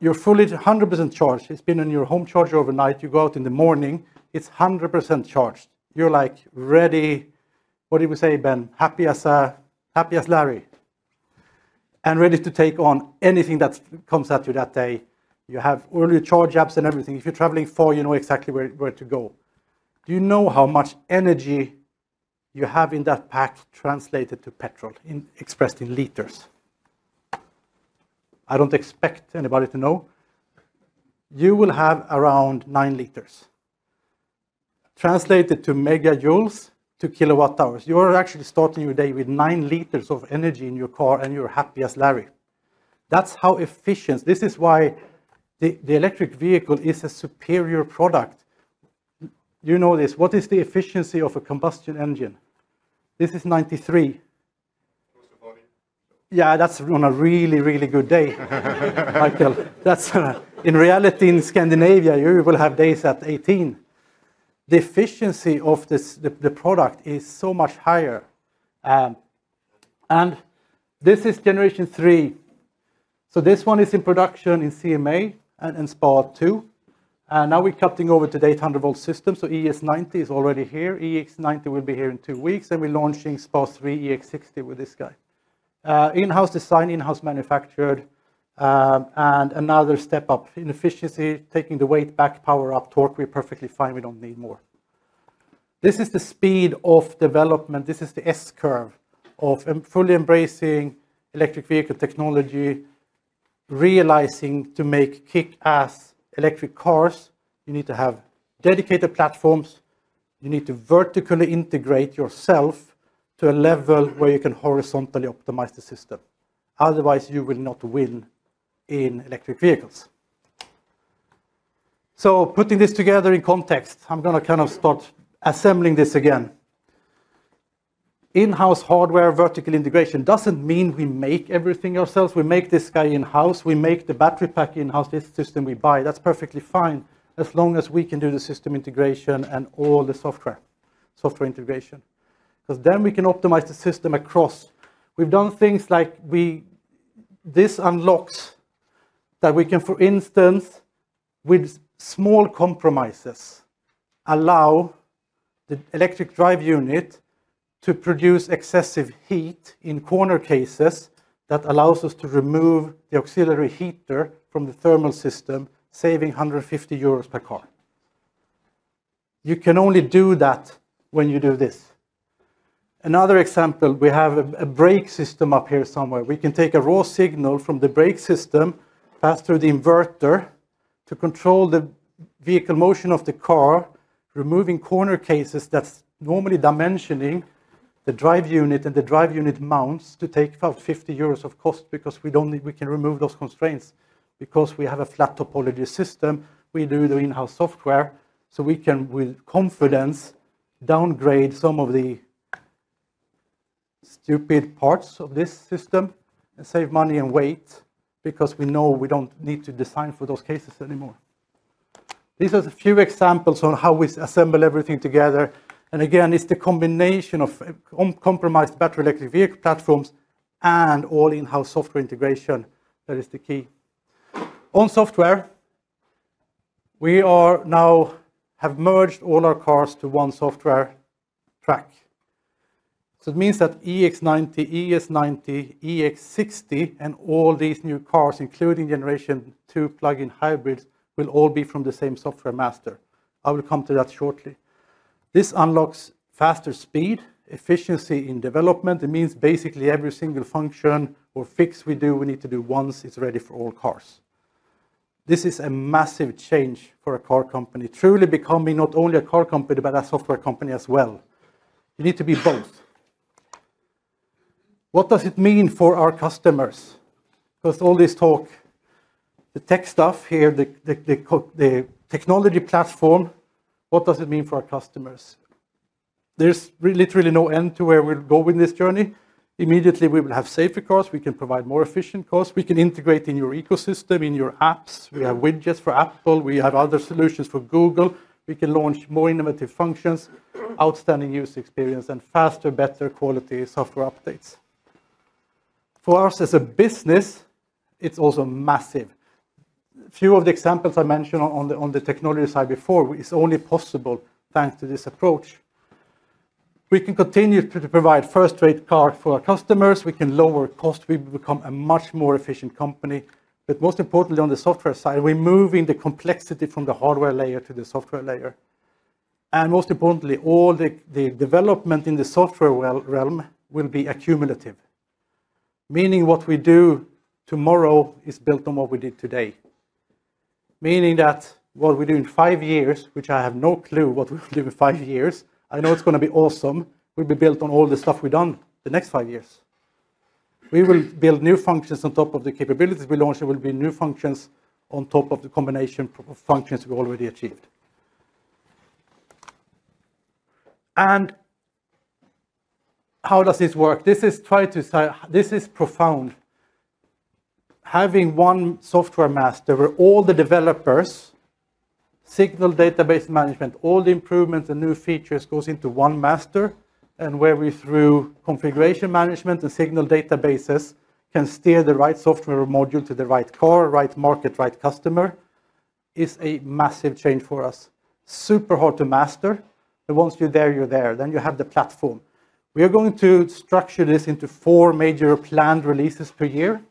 You're fully 100% charged. It's been on your home charger overnight. You go out in the morning. It's 100% charged. You're ready, what do we say, Ben? Happy as Larry. Ready to take on anything that comes at you that day. You have early charge apps and everything. If you're traveling far, you know exactly where to go. Do you know how much energy you have in that pack translated to petrol, expressed in liters? I don't expect anybody to know. You will have around 9 L. Translated to megajoules to kilowatt-hours. You are actually starting your day with 9 L of energy in your car and you're happy as Larry. That's how efficient. This is why. The electric vehicle is a superior product. You know this. What is the efficiency of a combustion engine? This is 93%. Yeah, that's on a really, really good day, Michael. In reality, in Scandinavia, you will have days at 18. The efficiency of the product is so much higher. And this is generation three. So this one is in production in CMA and Spot 2. Now we're cutting over to the 800 V system. ES90 is already here. EX90 will be here in two weeks. We're launching Spot 3 EX60 with this guy. In-house design, in-house manufactured. Another step up in efficiency, taking the weight back, power up, torque. We're perfectly fine. We don't need more. This is the speed of development. This is the S-curve of fully embracing electric vehicle technology, realizing to make kick-ass electric cars, you need to have dedicated platforms. You need to vertically integrate yourself to a level where you can horizontally optimize the system. Otherwise, you will not win in electric vehicles. Putting this together in context, I'm going to kind of start assembling this again. In-house hardware vertical integration doesn't mean we make everything ourselves. We make this guy in-house. We make the battery pack in-house. This system we buy. That's perfectly fine as long as we can do the system integration and all the software, software integration. Because then we can optimize the system across. We've done things like we. This unlocked that we can, for instance. With small compromises. Allow. The electric drive unit to produce excessive heat in corner cases that allows us to remove the auxiliary heater from the thermal system, saving 150 euros per car. You can only do that when you do this. Another example, we have a brake system up here somewhere. We can take a raw signal from the brake system passed through the inverter to control the vehicle motion of the car, removing corner cases that are normally dimensioning the drive unit and the drive unit mounts to take about 50 euros of cost because we can remove those constraints. Because we have a flat topology system, we do the in-house software. So we can, with confidence, downgrade some of the stupid parts of this system and save money and weight because we know we do not need to design for those cases anymore. These are a few examples on how we assemble everything together. It is the combination of uncompromised battery electric vehicle platforms and all in-house software integration that is the key. On software, we now have merged all our cars to one software track. It means that EX90, ES90, EX60, and all these new cars, including generation two plug-in hybrids, will all be from the same software master. I will come to that shortly. This unlocks faster speed, efficiency in development. It means basically every single function or fix we do, we need to do once it is ready for all cars. This is a massive change for a car company, truly becoming not only a car company but a software company as well. You need to be both. What does it mean for our customers? Because all this talk. The tech stuff here, the technology platform, what does it mean for our customers? There's literally no end to where we'll go with this journey. Immediately, we will have safer cars. We can provide more efficient cars. We can integrate in your ecosystem, in your apps. We have widgets for Apple. We have other solutions for Google. We can launch more innovative functions, outstanding user experience, and faster, better quality software updates. For us as a business, it's also massive. A few of the examples I mentioned on the technology side before is only possible thanks to this approach. We can continue to provide first-rate cars for our customers. We can lower cost. We become a much more efficient company. Most importantly, on the software side, we're moving the complexity from the hardware layer to the software layer. Most importantly, all the development in the software realm will be accumulative, meaning what we do tomorrow is built on what we did today. Meaning that what we do in five years, which I have no clue what we will do in five years, I know it's going to be awesome, will be built on all the stuff we've done the next five years. We will build new functions on top of the capabilities we launched. There will be new functions on top of the combination of functions we already achieved. How does this work? This is trying to say, this is profound. Having one software master where all the developers, signal database management, all the improvements and new features go into one master, and where we through configuration management and signal databases can steer the right software module to the right car, right market, right customer, is a massive change for us. Super hard to master. Once you're there, you're there. You have the platform. We are going to structure this into four major planned releases per year.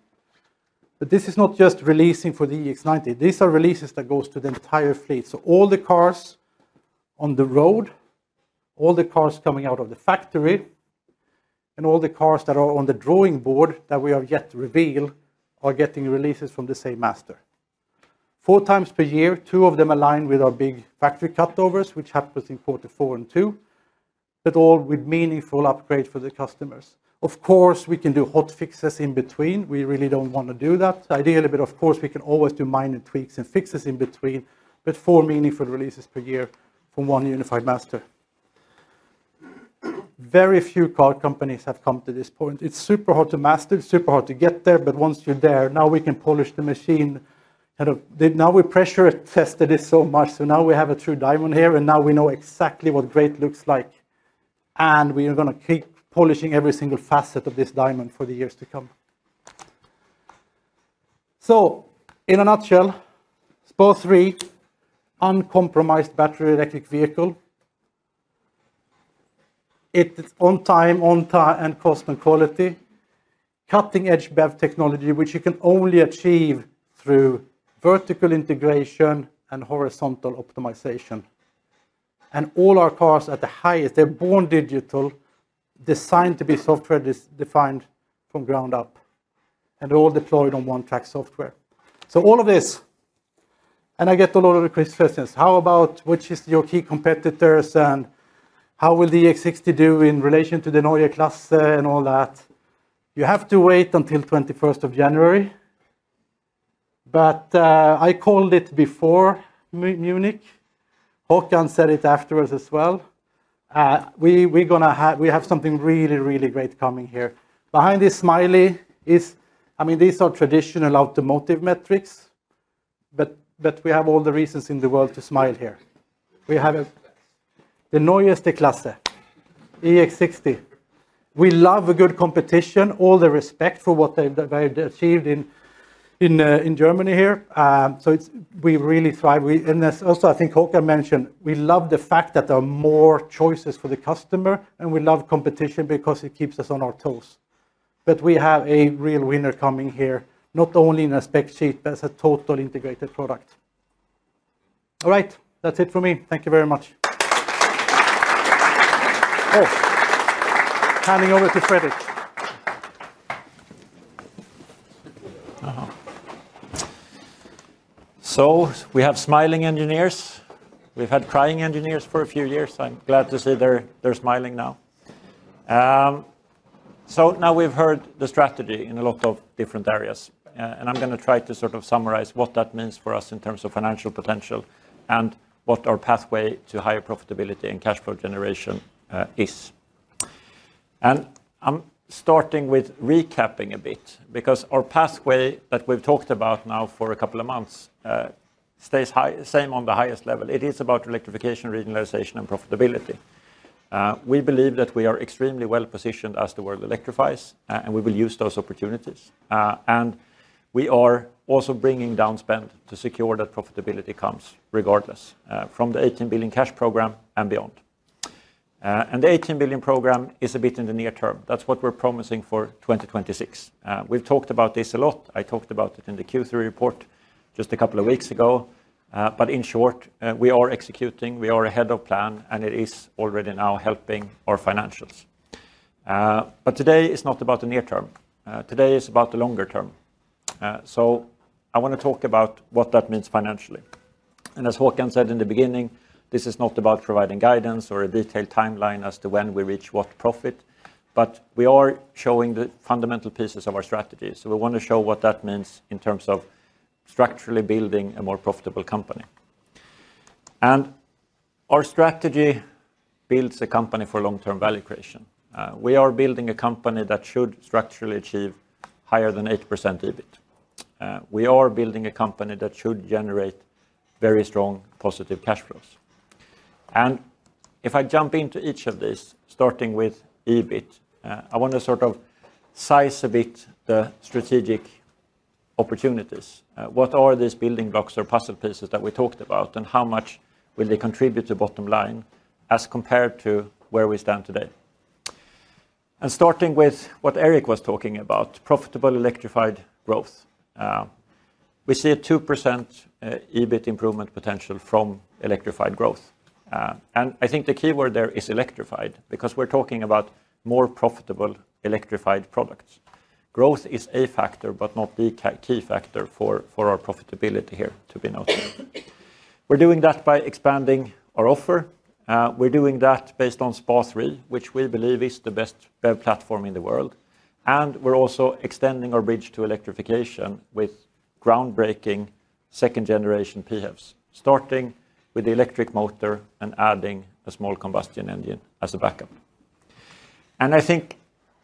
This is not just releasing for the EX90. These are releases that go to the entire fleet. All the cars on the road, all the cars coming out of the factory, and all the cars that are on the drawing board that we have yet to reveal are getting releases from the same master. Four times per year, two of them align with our big factory cutovers, which happens in quarter four and two, all with meaningful upgrades for the customers. Of course, we can do hot fixes in between. We really do not want to do that ideally, but of course, we can always do minor tweaks and fixes in between, but four meaningful releases per year from one unified master. Very few car companies have come to this point. It's super hard to master. It's super hard to get there, but once you're there, now we can polish the machine. Now we pressure tested it so much. Now we have a true diamond here, and now we know exactly what great looks like. We are going to keep polishing every single facet of this diamond for the years to come. In a nutshell, SPA3. Uncompromised battery electric vehicle. It's on time, on time, and cost and quality. Cutting-edge BEV technology, which you can only achieve through vertical integration and horizontal optimization. All our cars at the highest, they're born digital, designed to be software defined from ground up, and all deployed on one-track software. All of this. I get a lot of questions. How about which is your key competitors and how will the EX60 do in relation to the Neue Klasse and all that? You have to wait until 21st of January. I called it before. Munich. Håkan said it afterwards as well. We have something really, really great coming here. Behind this smiley is, I mean, these are traditional automotive metrics, but we have all the reasons in the world to smile here. We have the Neue Klasse. EX60. We love a good competition, all the respect for what they've achieved in Germany here. We really thrive. I think Håkan mentioned, we love the fact that there are more choices for the customer, and we love competition because it keeps us on our toes. We have a real winner coming here, not only in a spec sheet, but as a totally integrated product. All right, that's it for me. Thank you very much. Oh. Handing over to Fredrik. So we have smiling engineers. We've had crying engineers for a few years. I'm glad to see they're smiling now. Now we've heard the strategy in a lot of different areas. I'm going to try to sort of summarize what that means for us in terms of financial potential and what our pathway to higher profitability and cash flow generation is. I'm starting with recapping a bit because our pathway that we've talked about now for a couple of months stays the same on the highest level. It is about electrification, regionalization, and profitability. We believe that we are extremely well positioned as the world electrifies and we will use those opportunities. We are also bringing down spend to secure that profitability comes regardless from the 18 billion cash program and beyond. The 18 billion program is a bit in the near term. That is what we are promising for 2026. We have talked about this a lot. I talked about it in the Q3 report just a couple of weeks ago. In short, we are executing. We are ahead of plan, and it is already now helping our financials. Today is not about the near term. Today is about the longer term. I want to talk about what that means financially. As Håkan said in the beginning, this is not about providing guidance or a detailed timeline as to when we reach what profit, but we are showing the fundamental pieces of our strategy. We want to show what that means in terms of structurally building a more profitable company. Our strategy builds a company for long-term value creation. We are building a company that should structurally achieve higher than 8% EBIT. We are building a company that should generate very strong positive cash flows. If I jump into each of these, starting with EBIT, I want to sort of size a bit the strategic opportunities. What are these building blocks or puzzle pieces that we talked about, and how much will they contribute to bottom line as compared to where we stand today? Starting with what Erik was talking about, profitable electrified growth. We see a 2% EBIT improvement potential from electrified growth. I think the keyword there is electrified because we're talking about more profitable electrified products. Growth is a factor, but not the key factor for our profitability here, to be noted. We're doing that by expanding our offer. We're doing that based on SPA3, which we believe is the best BEV platform in the world. We're also extending our bridge to electrification with groundbreaking second-generation PHEVs, starting with the electric motor and adding a small combustion engine as a backup. I think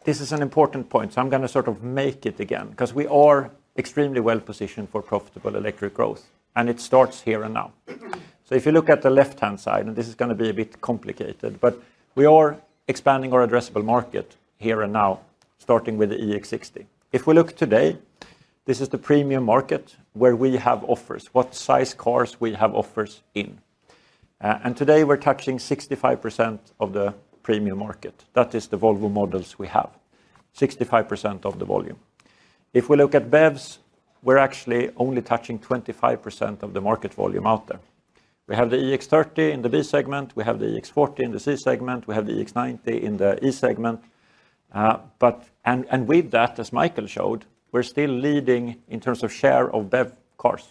this is an important point, so I'm going to sort of make it again because we are extremely well positioned for profitable electric growth, and it starts here and now. If you look at the left-hand side, and this is going to be a bit complicated, we are expanding our addressable market here and now, starting with the EX60. If we look today, this is the premium market where we have offers, what size cars we have offers in. Today we're touching 65% of the premium market. That is the Volvo models we have, 65% of the volume. If we look at BEVs, we're actually only touching 25% of the market volume out there. We have the EX30 in the B segment. We have the EX40 in the C segment. We have the EX90 in the E segment. With that, as Michael showed, we're still leading in terms of share of BEV cars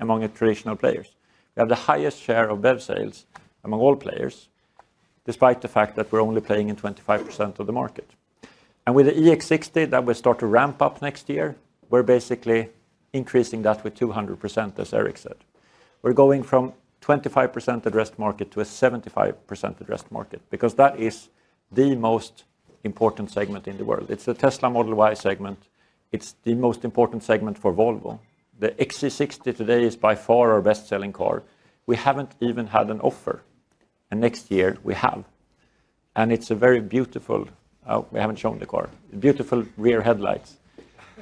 among traditional players. We have the highest share of BEV sales among all players, despite the fact that we're only playing in 25% of the market. With the EX60 that will start to ramp up next year, we're basically increasing that with 200%, as Erik said. We're going from 25% addressed market to a 75% addressed market because that is the most important segment in the world. It's the Tesla Model Y segment. It's the most important segment for Volvo. The XC60 today is by far our best-selling car. We haven't even had an offer, and next year we have. It is a very beautiful—we haven't shown the car—beautiful rear headlights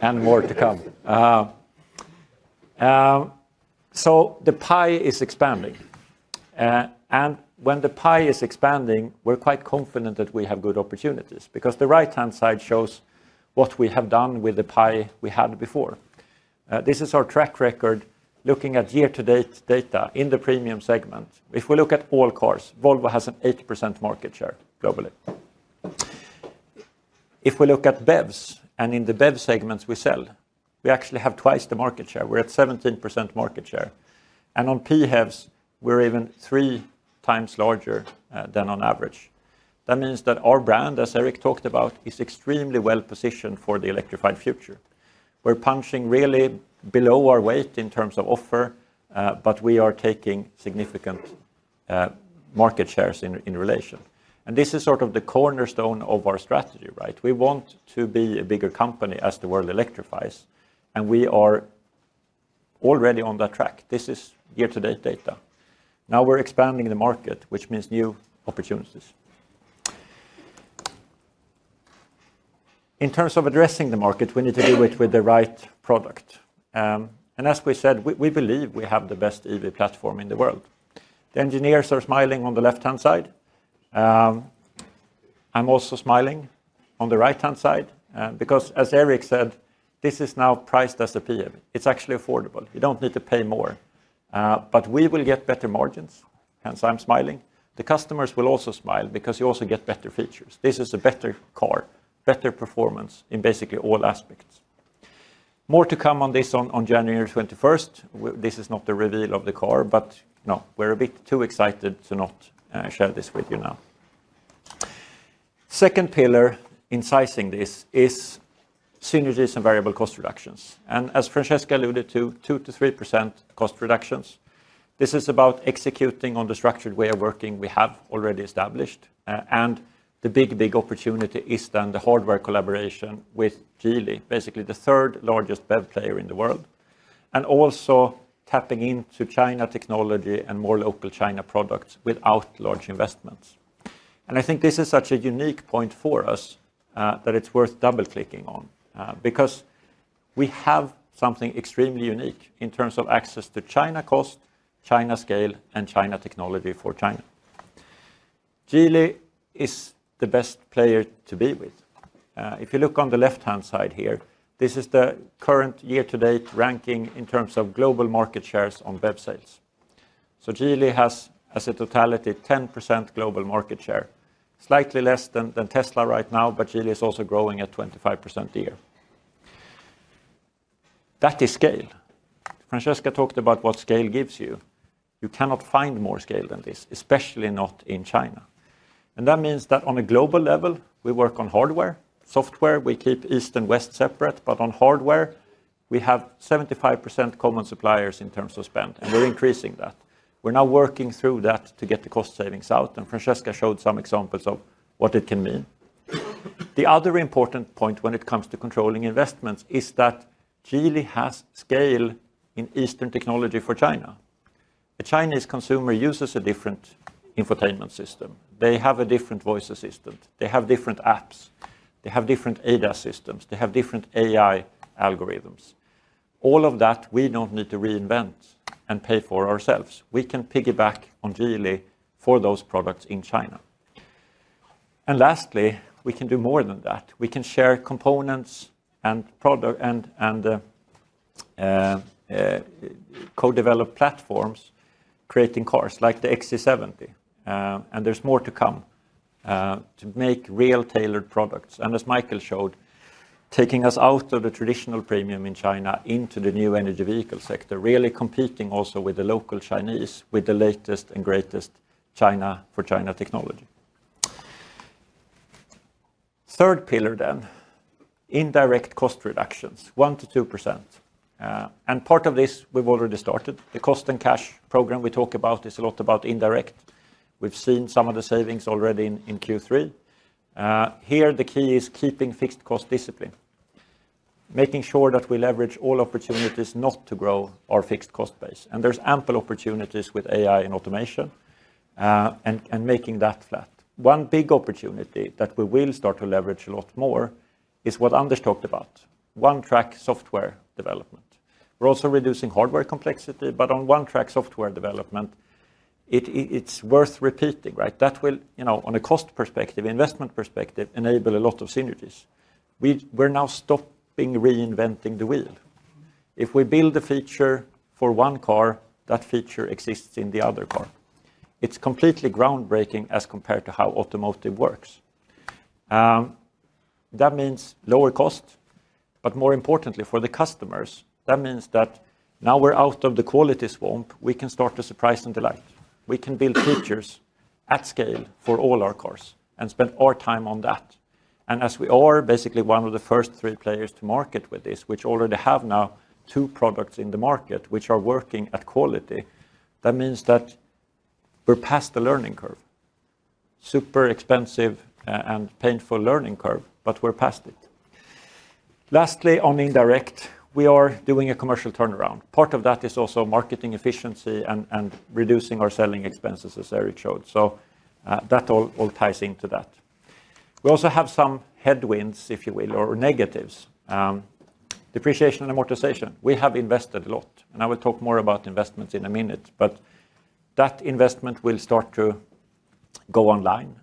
and more to come. The pie is expanding. When the pie is expanding, we're quite confident that we have good opportunities because the right-hand side shows what we have done with the pie we had before. This is our track record looking at year-to-date data in the premium segment. If we look at all cars, Volvo has an 8% market share globally. If we look at BEVs and in the BEV segments we sell, we actually have twice the market share. We're at 17% market share. On PEVs, we're even three times larger than on average. That means that our brand, as Erik talked about, is extremely well positioned for the electrified future. We're punching really below our weight in terms of offer, but we are taking significant market shares in relation. This is sort of the cornerstone of our strategy, right? We want to be a bigger company as the world electrifies. We are already on that track. This is year-to-date data. Now we're expanding the market, which means new opportunities. In terms of addressing the market, we need to do it with the right product. As we said, we believe we have the best EV platform in the world. The engineers are smiling on the left-hand side. I'm also smiling on the right-hand side because, as Erik said, this is now priced as a PHEV. It's actually affordable. You don't need to pay more. We will get better margins, hence I'm smiling. The customers will also smile because you also get better features. This is a better car, better performance in basically all aspects. More to come on this on January 21st. This is not the reveal of the car, but no, we are a bit too excited to not share this with you now. Second pillar in sizing this is synergies and variable cost reductions. As Francesca alluded to, 2%-3% cost reductions. This is about executing on the structured way of working we have already established. The big, big opportunity is then the hardware collaboration with Geely, basically the third largest BEV player in the world, and also tapping into China technology and more local China products without large investments. I think this is such a unique point for us that it is worth double-clicking on because we have something extremely unique in terms of access to China cost, China scale, and China technology for China. Geely is the best player to be with. If you look on the left-hand side here, this is the current year-to-date ranking in terms of global market shares on BEV sales. Geely has, as a totality, 10% global market share, slightly less than Tesla right now, but Geely is also growing at 25% a year. That is scale. Francesca talked about what scale gives you. You cannot find more scale than this, especially not in China. That means that on a global level, we work on hardware. Software, we keep east and west separate, but on hardware, we have 75% common suppliers in terms of spend, and we're increasing that. We're now working through that to get the cost savings out, and Francesca showed some examples of what it can mean. The other important point when it comes to controlling investments is that Geely has scale in Eastern technology for China. A Chinese consumer uses a different infotainment system. They have a different voice assistant. They have different apps. They have different ADAS systems. They have different AI algorithms. All of that, we do not need to reinvent and pay for ourselves. We can piggyback on Geely for those products in China. Lastly, we can do more than that. We can share components and co-develop platforms, creating cars like the XC70. There is more to come to make real tailored products. As Michael showed, taking us out of the traditional premium in China into the new energy vehicle sector, really competing also with the local Chinese with the latest and greatest China for China technology. Third pillar then, indirect cost reductions, 1%-2%. Part of this we have already started. The cost and cash program we talk about is a lot about indirect. We have seen some of the savings already in Q3. Here, the key is keeping fixed cost discipline. Making sure that we leverage all opportunities not to grow our fixed cost base. There are ample opportunities with AI and automation. Making that flat. One big opportunity that we will start to leverage a lot more is what Anders talked about, one-track software development. We are also reducing hardware complexity, but on one-track software development. It is worth repeating, right? That will, on a cost perspective, investment perspective, enable a lot of synergies. We are now stopping reinventing the wheel. If we build a feature for one car, that feature exists in the other car. It is completely groundbreaking as compared to how automotive works. That means lower cost, but more importantly, for the customers, that means that now we're out of the quality swamp. We can start as a price and delight. We can build features at scale for all our cars and spend our time on that. As we are basically one of the first three players to market with this, which already have now two products in the market which are working at quality, that means that we're past the learning curve. Super expensive and painful learning curve, but we're past it. Lastly, on indirect, we are doing a commercial turnaround. Part of that is also marketing efficiency and reducing our selling expenses, as Erik showed. That all ties into that. We also have some headwinds, if you will, or negatives. Depreciation and amortization. We have invested a lot, and I will talk more about investments in a minute, but that investment will start to go online.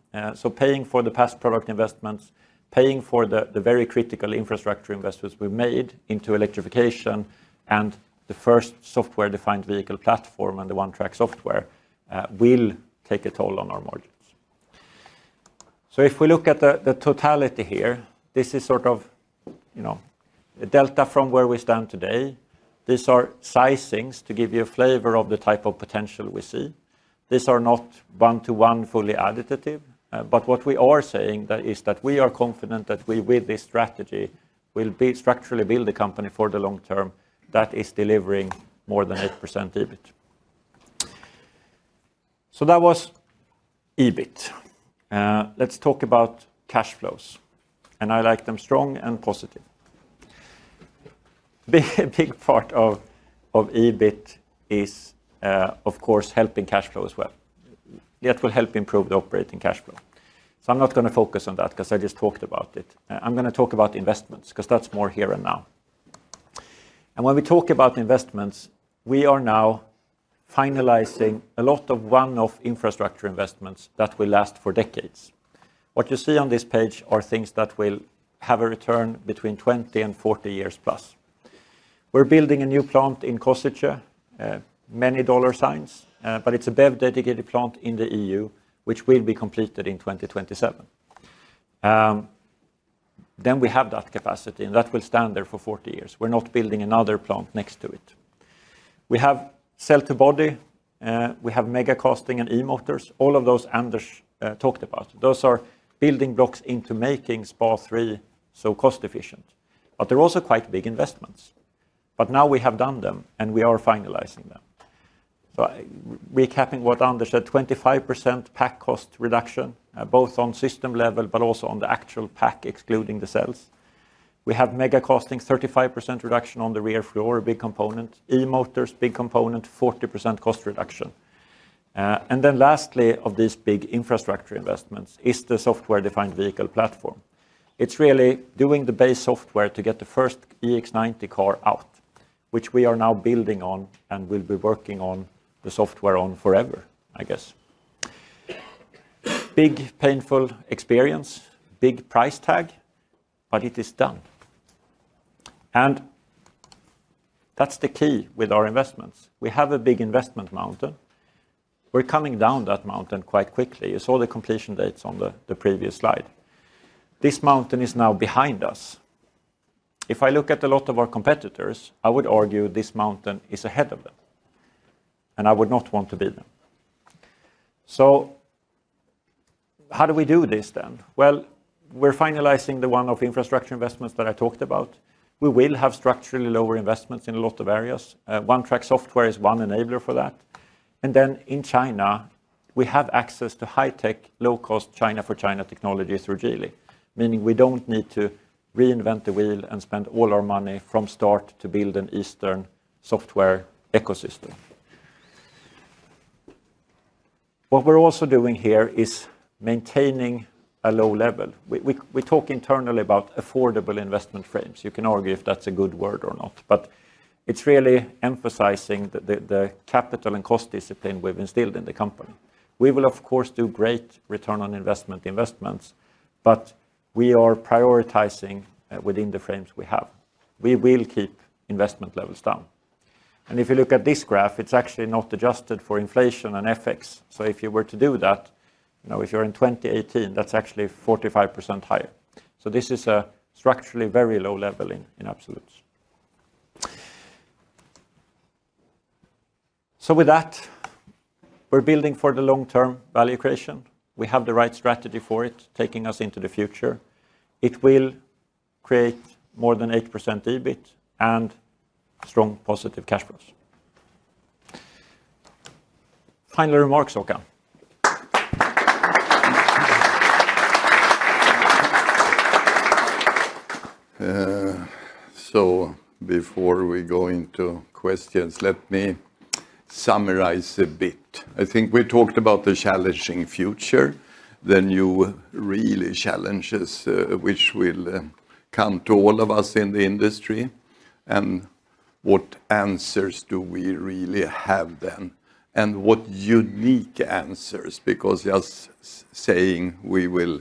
Paying for the past product investments, paying for the very critical infrastructure investments we made into electrification and the first software-defined vehicle platform and the one-track software will take a toll on our margins. If we look at the totality here, this is sort of a delta from where we stand today. These are sizings to give you a flavor of the type of potential we see. These are not one-to-one fully additive, but what we are saying is that we are confident that we, with this strategy, will structurally build a company for the long term that is delivering more than 8% EBIT. That was EBIT. Let's talk about cash flows, and I like them strong and positive. A big part of EBIT is, of course, helping cash flow as well. That will help improve the operating cash flow. I am not going to focus on that because I just talked about it. I am going to talk about investments because that is more here and now. When we talk about investments, we are now finalizing a lot of one-off infrastructure investments that will last for decades. What you see on this page are things that will have a return between 20 and 40+ years. We are building a new plant in Košice. Many dollar signs, but it is a BEV-dedicated plant in the EU, which will be completed in 2027. We have that capacity, and that will stand there for 40 years. We are not building another plant next to it. We have cell-to-body. We have mega casting and e-motors. All of those Anders talked about. Those are building blocks into making SPA3 so cost-efficient. They're also quite big investments. Now we have done them, and we are finalizing them. Recapping what Anders said, 25% pack cost reduction, both on system level, but also on the actual pack, excluding the cells. We have mega casting, 35% reduction on the rear floor, a big component. E-motors, big component, 40% cost reduction. Lastly of these big infrastructure investments is the software-defined vehicle platform. It's really doing the base software to get the first EX90 car out, which we are now building on and will be working on the software on forever, I guess. Big, painful experience, big price tag, but it is done. That's the key with our investments. We have a big investment mountain. We're coming down that mountain quite quickly. You saw the completion dates on the previous slide. This mountain is now behind us. If I look at a lot of our competitors, I would argue this mountain is ahead of them. I would not want to be them. How do we do this then? We are finalizing the one-off infrastructure investments that I talked about. We will have structurally lower investments in a lot of areas. One-track software is one enabler for that. In China, we have access to high-tech, low-cost China for China technology through Geely, meaning we do not need to reinvent the wheel and spend all our money from start to build an Eastern software ecosystem. What we are also doing here is maintaining a low level. We talk internally about affordable investment frames. You can argue if that is a good word or not, but it is really emphasizing the capital and cost discipline we have instilled in the company. We will, of course, do great return on investment investments, but we are prioritizing within the frames we have. We will keep investment levels down. If you look at this graph, it is actually not adjusted for inflation and FX. If you were to do that, if you are in 2018, that is actually 45% higher. This is a structurally very low level in absolutes. With that, we are building for the long-term value creation. We have the right strategy for it, taking us into the future. It will create more than 8% EBIT and strong positive cash flows. Final remarks, Håkan. Before we go into questions, let me summarize a bit. I think we talked about the challenging future, the new really challenges which will come to all of us in the industry, and what answers do we really have then? What unique answers, because just saying we will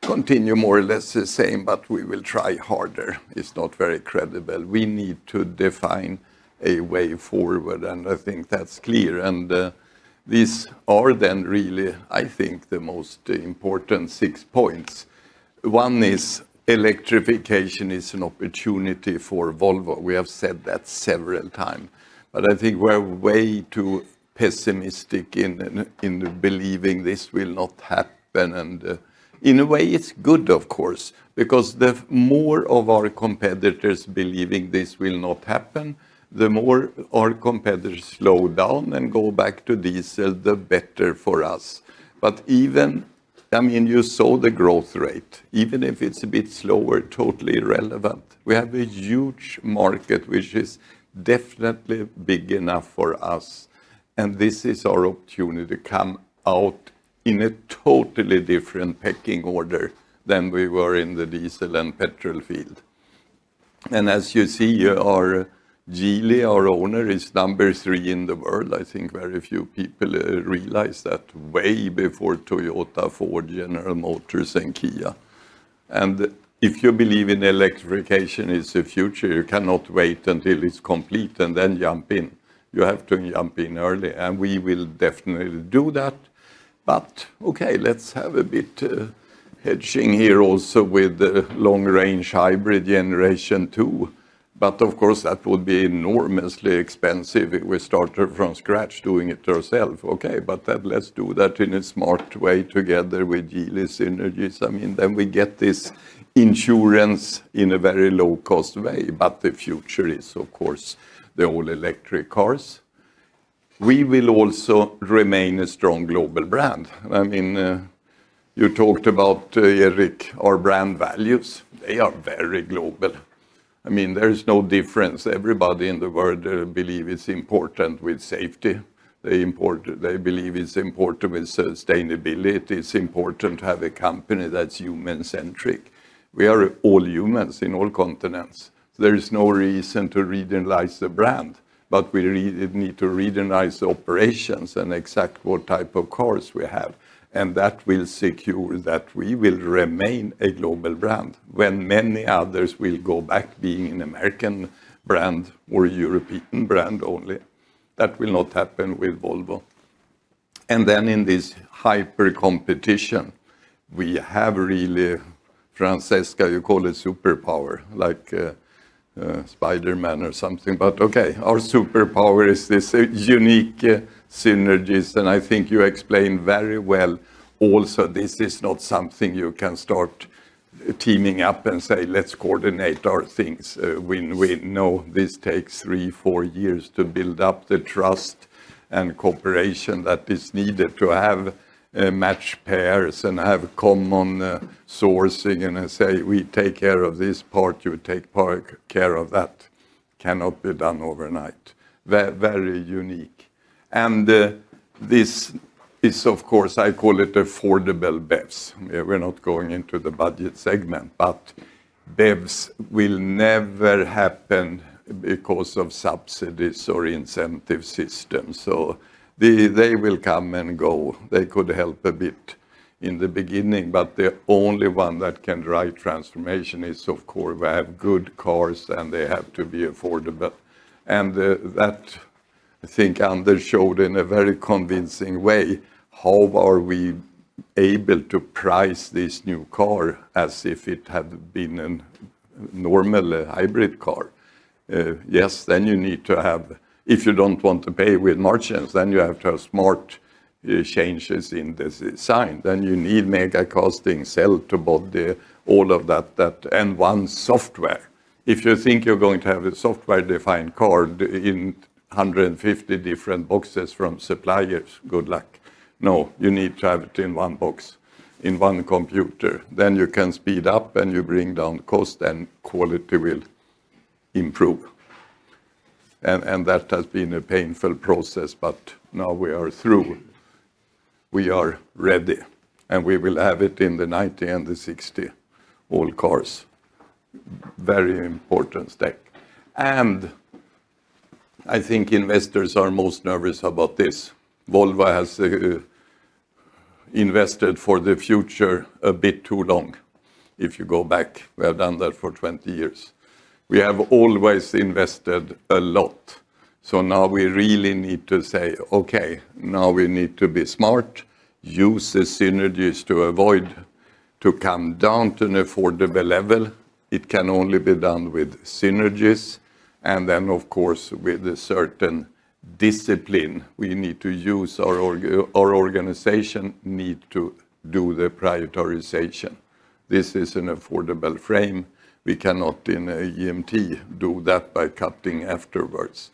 continue more or less the same, but we will try harder, is not very credible. We need to define a way forward, and I think that's clear. These are then really, I think, the most important six points. One is electrification is an opportunity for Volvo. We have said that several times, but I think we're way too pessimistic in believing this will not happen. In a way, it's good, of course, because the more of our competitors believing this will not happen, the more our competitors slow down and go back to diesel, the better for us. Even, I mean, you saw the growth rate. Even if it's a bit slower, totally irrelevant. We have a huge market, which is definitely big enough for us. This is our opportunity to come out in a totally different pecking order than we were in the diesel and petrol field. As you see, our Geely, our owner, is number three in the world. I think very few people realize that, way before Toyota, Ford, General Motors, and Kia. If you believe in electrification as a future, you cannot wait until it is complete and then jump in. You have to jump in early, and we will definitely do that. Okay, let's have a bit of hedging here also with the long-range hybrid generation two. Of course, that would be enormously expensive if we started from scratch doing it ourselves. Let's do that in a smart way together with Geely synergies. I mean, then we get this insurance in a very low-cost way. The future is, of course, the all-electric cars. We will also remain a strong global brand. I mean, you talked about, Erik, our brand values. They are very global. I mean, there is no difference. Everybody in the world believes it is important with safety. They believe it is important with sustainability. It is important to have a company that is human-centric. We are all humans in all continents. There is no reason to regionalize the brand, but we need to regionalize the operations and exact what type of cars we have. That will secure that we will remain a global brand when many others will go back being an American brand or European brand only. That will not happen with Volvo. In this hyper-competition, we have really, Francesca, you call it superpower, like Spider-Man or something. Okay, our superpower is this unique synergies. I think you explained very well also, this is not something you can start. Teaming up and say, "Let's coordinate our things." We know this takes three to four years to build up the trust and cooperation that is needed to have match pairs and have common sourcing and say, "We take care of this part. You take care of that." It cannot be done overnight. Very unique. This is, of course, I call it affordable BEVs. We're not going into the budget segment, but BEVs will never happen because of subsidies or incentive systems. They will come and go. They could help a bit in the beginning, but the only one that can drive transformation is, of course, we have good cars and they have to be affordable. That, I think Anders showed in a very convincing way, how are we able to price this new car as if it had been a normal hybrid car? Yes, then you need to have, if you don't want to pay with merchants, then you have to have smart changes in the design. Then you need mega casting, cell-to-body, all of that, and one software. If you think you're going to have a software-defined car in 150 different boxes from suppliers, good luck. No, you need to have it in one box, in one computer. You can speed up and you bring down cost and quality will improve. That has been a painful process, but now we are through. We are ready, and we will have it in the 90 and the 60, all cars. Very important step. I think investors are most nervous about this. Volvo has invested for the future a bit too long. If you go back, we have done that for 20 years. We have always invested a lot. Now we really need to say, "Okay, now we need to be smart. Use the synergies to come down to an affordable level." It can only be done with synergies. Of course, with a certain discipline, we need to use our organization, need to do the prioritization. This is an affordable frame. We cannot in EMT do that by cutting afterwards.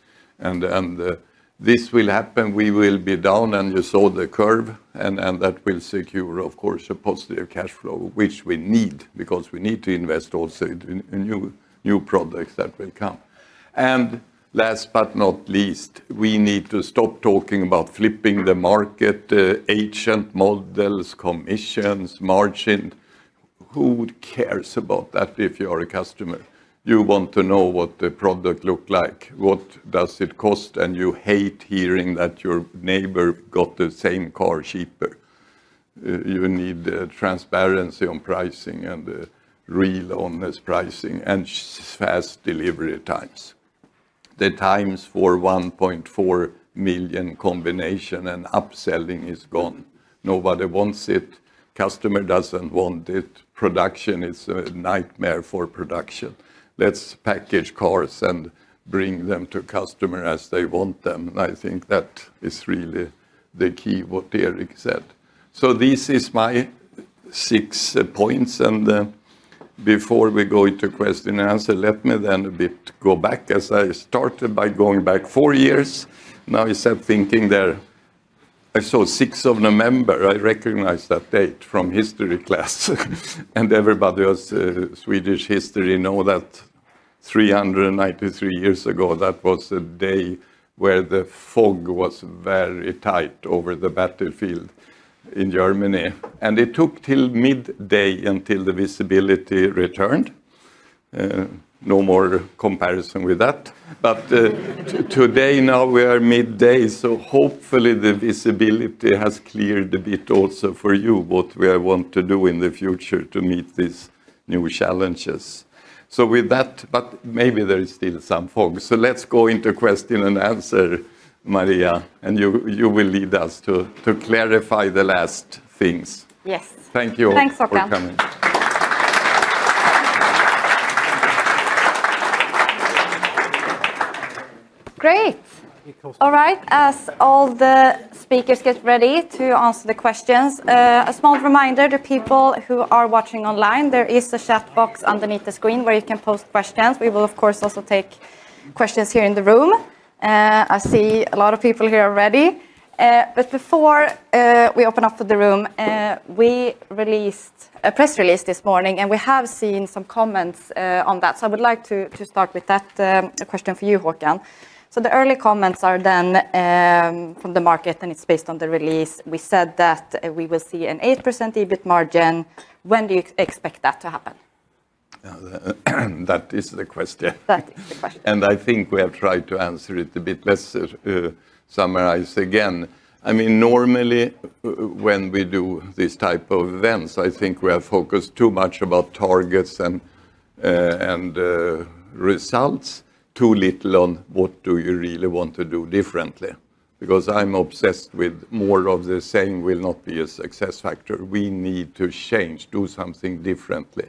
This will happen. We will be down, and you saw the curve, and that will secure, of course, a positive cash flow, which we need because we need to invest also in new products that will come. Last but not least, we need to stop talking about flipping the market. Agent models, commissions, margin. Who cares about that if you are a customer? You want to know what the product looks like, what does it cost, and you hate hearing that your neighbor got the same car cheaper. You need transparency on pricing and real honest pricing and fast delivery times. The times for 1.4 million combinations and upselling is gone. Nobody wants it. Customer does not want it. Production is a nightmare for production. Let's package cars and bring them to customers as they want them. I think that is really the key, what Erik said. This is my six points. Before we go into question and answer, let me then a bit go back as I started by going back four years. Now I start thinking there. I saw six of November. I recognize that date from history class. Everybody who has Swedish history knows that. 393 years ago, that was the day where the fog was very tight over the battlefield in Germany. It took till midday until the visibility returned. No more comparison with that. Today, now we are midday, so hopefully the visibility has cleared a bit also for you, what we want to do in the future to meet these new challenges. With that, but maybe there is still some fog. Let's go into question and answer, Maria, and you will lead us to clarify the last things. Yes. Thank you for coming. Thanks, Håkan. Great. All right. As all the speakers get ready to answer the questions, a small reminder to people who are watching online, there is a chat box underneath the screen where you can post questions. We will, of course, also take questions here in the room. I see a lot of people here already. Before we open up for the room, we released a press release this morning, and we have seen some comments on that. I would like to start with that question for you, Håkan. The early comments are from the market, and it is based on the release. We said that we will see an 8% EBIT margin. When do you expect that to happen? That is the question. That is the question. I think we have tried to answer it a bit better. Summarize again. I mean, normally when we do this type of events, I think we have focused too much on targets and results, too little on what do you really want to do differently. I am obsessed with more of the same will not be a success factor. We need to change, do something differently.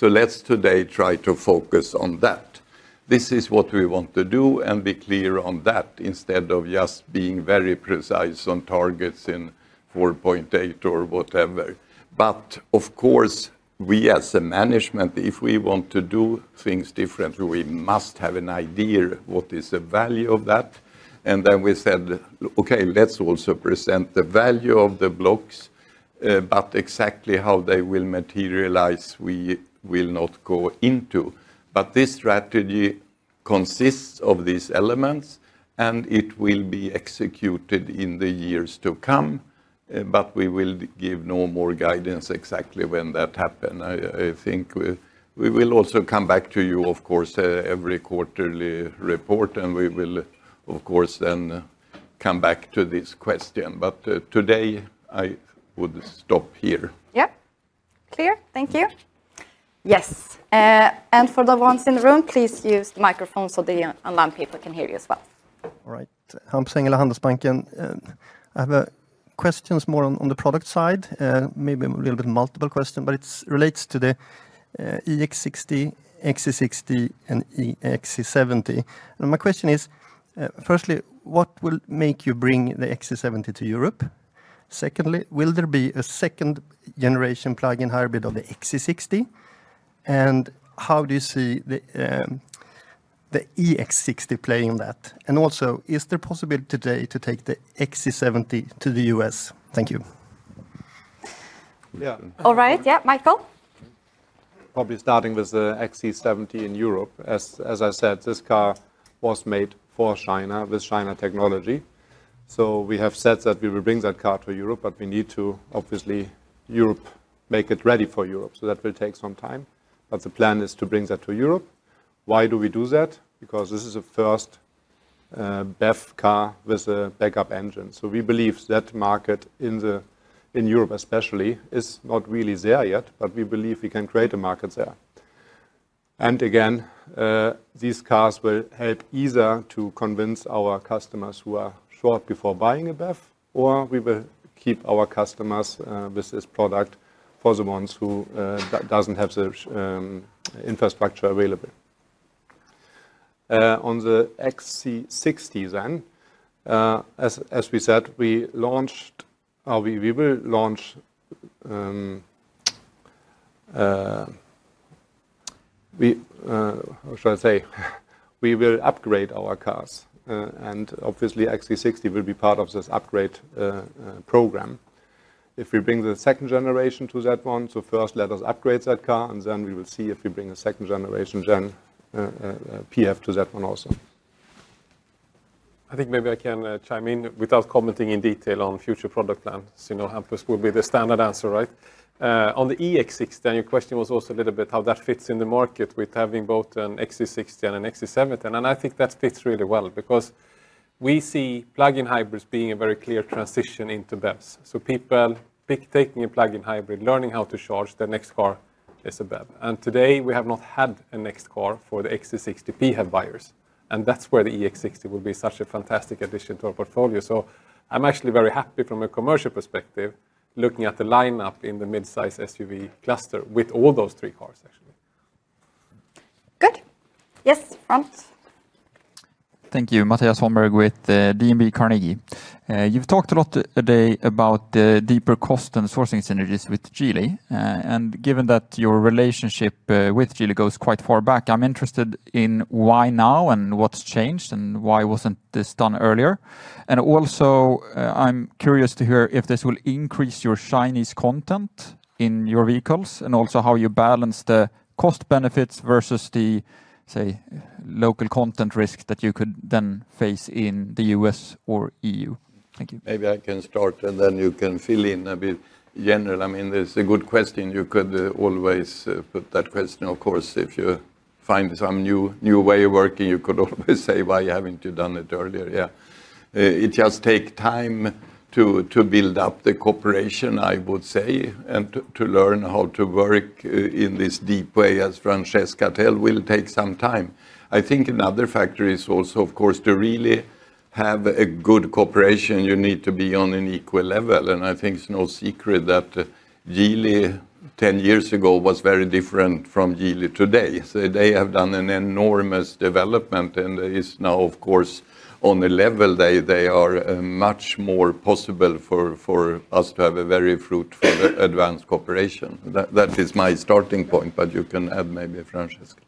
Let's today try to focus on that. This is what we want to do and be clear on that instead of just being very precise on targets in 4.8 or whatever. Of course, we as a management, if we want to do things differently, we must have an idea of what is the value of that. Then we said, "Okay, let's also present the value of the blocks, but exactly how they will materialize, we will not go into." This strategy consists of these elements, and it will be executed in the years to come. We will give no more guidance exactly when that happens. I think we will also come back to you, of course, every quarterly report, and we will, of course, then come back to this question. Today, I would stop here. Yep. Clear? Thank you. Yes. For the ones in the room, please use the microphone so the online people can hear you as well. All right. Hampus Engellau at Handelsbanken. I have a question this morning on the product side. Maybe a little bit multiple question, but it relates to the EX60, XC60, and XC70. My question is, firstly, what will make you bring the XC70 to Europe? Secondly, will there be a second-generation plug-in hybrid of the XC60? How do you see the EX60 playing that? Also, is there a possibility today to take the XC70 to the U.S.? Thank you. All right. Yeah, Michael? Probably starting with the XC70 in Europe. As I said, this car was made for China with China technology. We have said that we will bring that car to Europe, but we need to, obviously, make it ready for Europe. That will take some time. The plan is to bring that to Europe. Why do we do that? Because this is a first BEV car with a backup engine. We believe that market in Europe especially is not really there yet, but we believe we can create a market there. Again, these cars will help either to convince our customers who are short before buying a BEV, or we will keep our customers with this product for the ones who do not have the infrastructure available. On the XC60 then, as we said, we launched, or we will launch—how should I say? We will upgrade our cars, and obviously, XC60 will be part of this upgrade program. If we bring the second generation to that one, first let us upgrade that car, and then we will see if we bring a second generation Gen. PF to that one also. I think maybe I can chime in without commenting in detail on future product plans. Will be the standard answer, right? On the EX60, your question was also a little bit how that fits in the market with having both an XC60 and an XC70. I think that fits really well because we see plug-in hybrids being a very clear transition into BEVs. People taking a plug-in hybrid, learning how to charge, their next car is a BEV. Today, we have not had a next car for the XC60 PHEV buyers. That is where the EX60 will be such a fantastic addition to our portfolio. I am actually very happy from a commercial perspective looking at the lineup in the mid-size SUV cluster with all those three cars, actually. Good. Yes, [front]. Thank you. Mattias Holmberg with DNB Carnegie. You've talked a lot today about the deeper cost and sourcing synergies with Geely. Given that your relationship with Geely goes quite far back, I'm interested in why now and what's changed and why wasn't this done earlier. I'm curious to hear if this will increase your Chinese content in your vehicles and also how you balance the cost benefits versus the, say, local content risk that you could then face in the U.S. or EU. Thank you. Maybe I can start and then you can fill in a bit general. I mean, that's a good question. You could always put that question, of course. If you find some new way of working, you could always say, "Why haven't you done it earlier?" Yeah. It just takes time to build up the cooperation, I would say, and to learn how to work in this deep way, as Francesca will take some time. I think another factor is also, of course, to really have a good cooperation. You need to be on an equal level. I think it's no secret that Geely 10 years ago was very different from Geely today. They have done an enormous development, and it is now, of course, on a level they are much more possible for us to have a very fruitful advanced cooperation. That is my starting point, but you can add maybe, Francesca.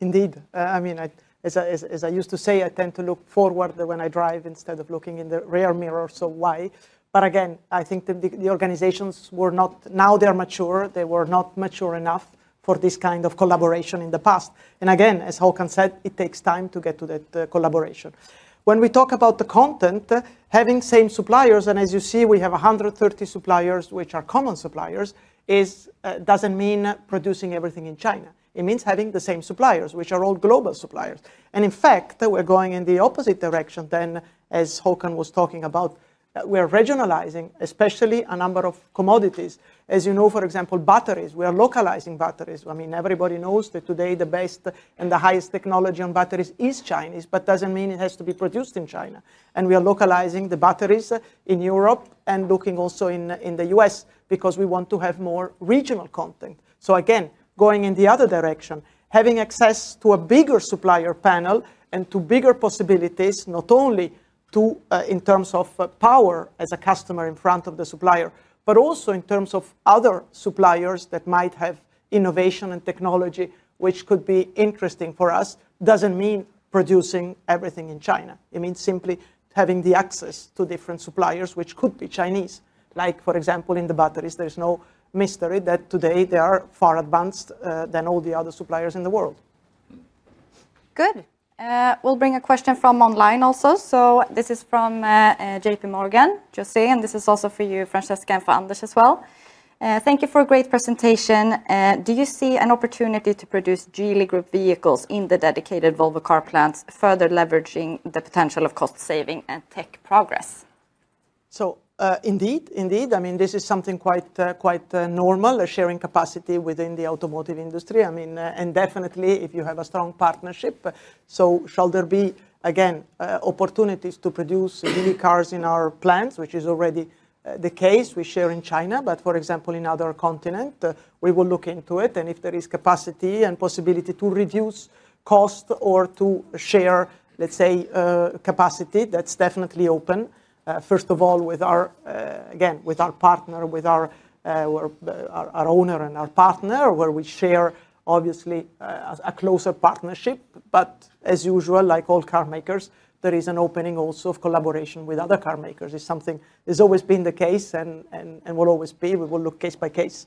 Indeed. I mean, as I used to say, I tend to look forward when I drive instead of looking in the rear mirror. Why? Again, I think the organizations were not, now they are mature. They were not mature enough for this kind of collaboration in the past. Again, as Håkan said, it takes time to get to that collaboration. When we talk about the content, having same suppliers, and as you see, we have 130 suppliers, which are common suppliers, it does not mean producing everything in China. It means having the same suppliers, which are all global suppliers. In fact, we are going in the opposite direction then, as Håkan was talking about. We are regionalizing, especially a number of commodities. As you know, for example, batteries. We are localizing batteries. I mean, everybody knows that today the best and the highest technology on batteries is Chinese, but it does not mean it has to be produced in China. We are localizing the batteries in Europe and looking also in the US because we want to have more regional content. Again, going in the other direction, having access to a bigger supplier panel and to bigger possibilities, not only in terms of power as a customer in front of the supplier, but also in terms of other suppliers that might have innovation and technology, which could be interesting for us, does not mean producing everything in China. It means simply having the access to different suppliers, which could be Chinese. Like, for example, in the batteries, there is no mystery that today they are far advanced than all the other suppliers in the world. Good. We will bring a question from online also. This is from JPMorgan, José, and this is also for you, Francesca, and for Anders as well. Thank you for a great presentation. Do you see an opportunity to produce Geely Group vehicles in the dedicated Volvo Car plants, further leveraging the potential of cost saving and tech progress? Indeed, indeed. I mean, this is something quite normal, sharing capacity within the automotive industry. I mean, and definitely if you have a strong partnership. Should there be, again, opportunities to produce Geely cars in our plants, which is already the case we share in China, for example, in other continents, we will look into it. If there is capacity and possibility to reduce cost or to share, let's say, capacity, that's definitely open. First of all, again, with our partner, with our owner and our partner, where we share, obviously, a closer partnership. As usual, like all carmakers, there is an opening also of collaboration with other carmakers. It's something that has always been the case and will always be. We will look case by case.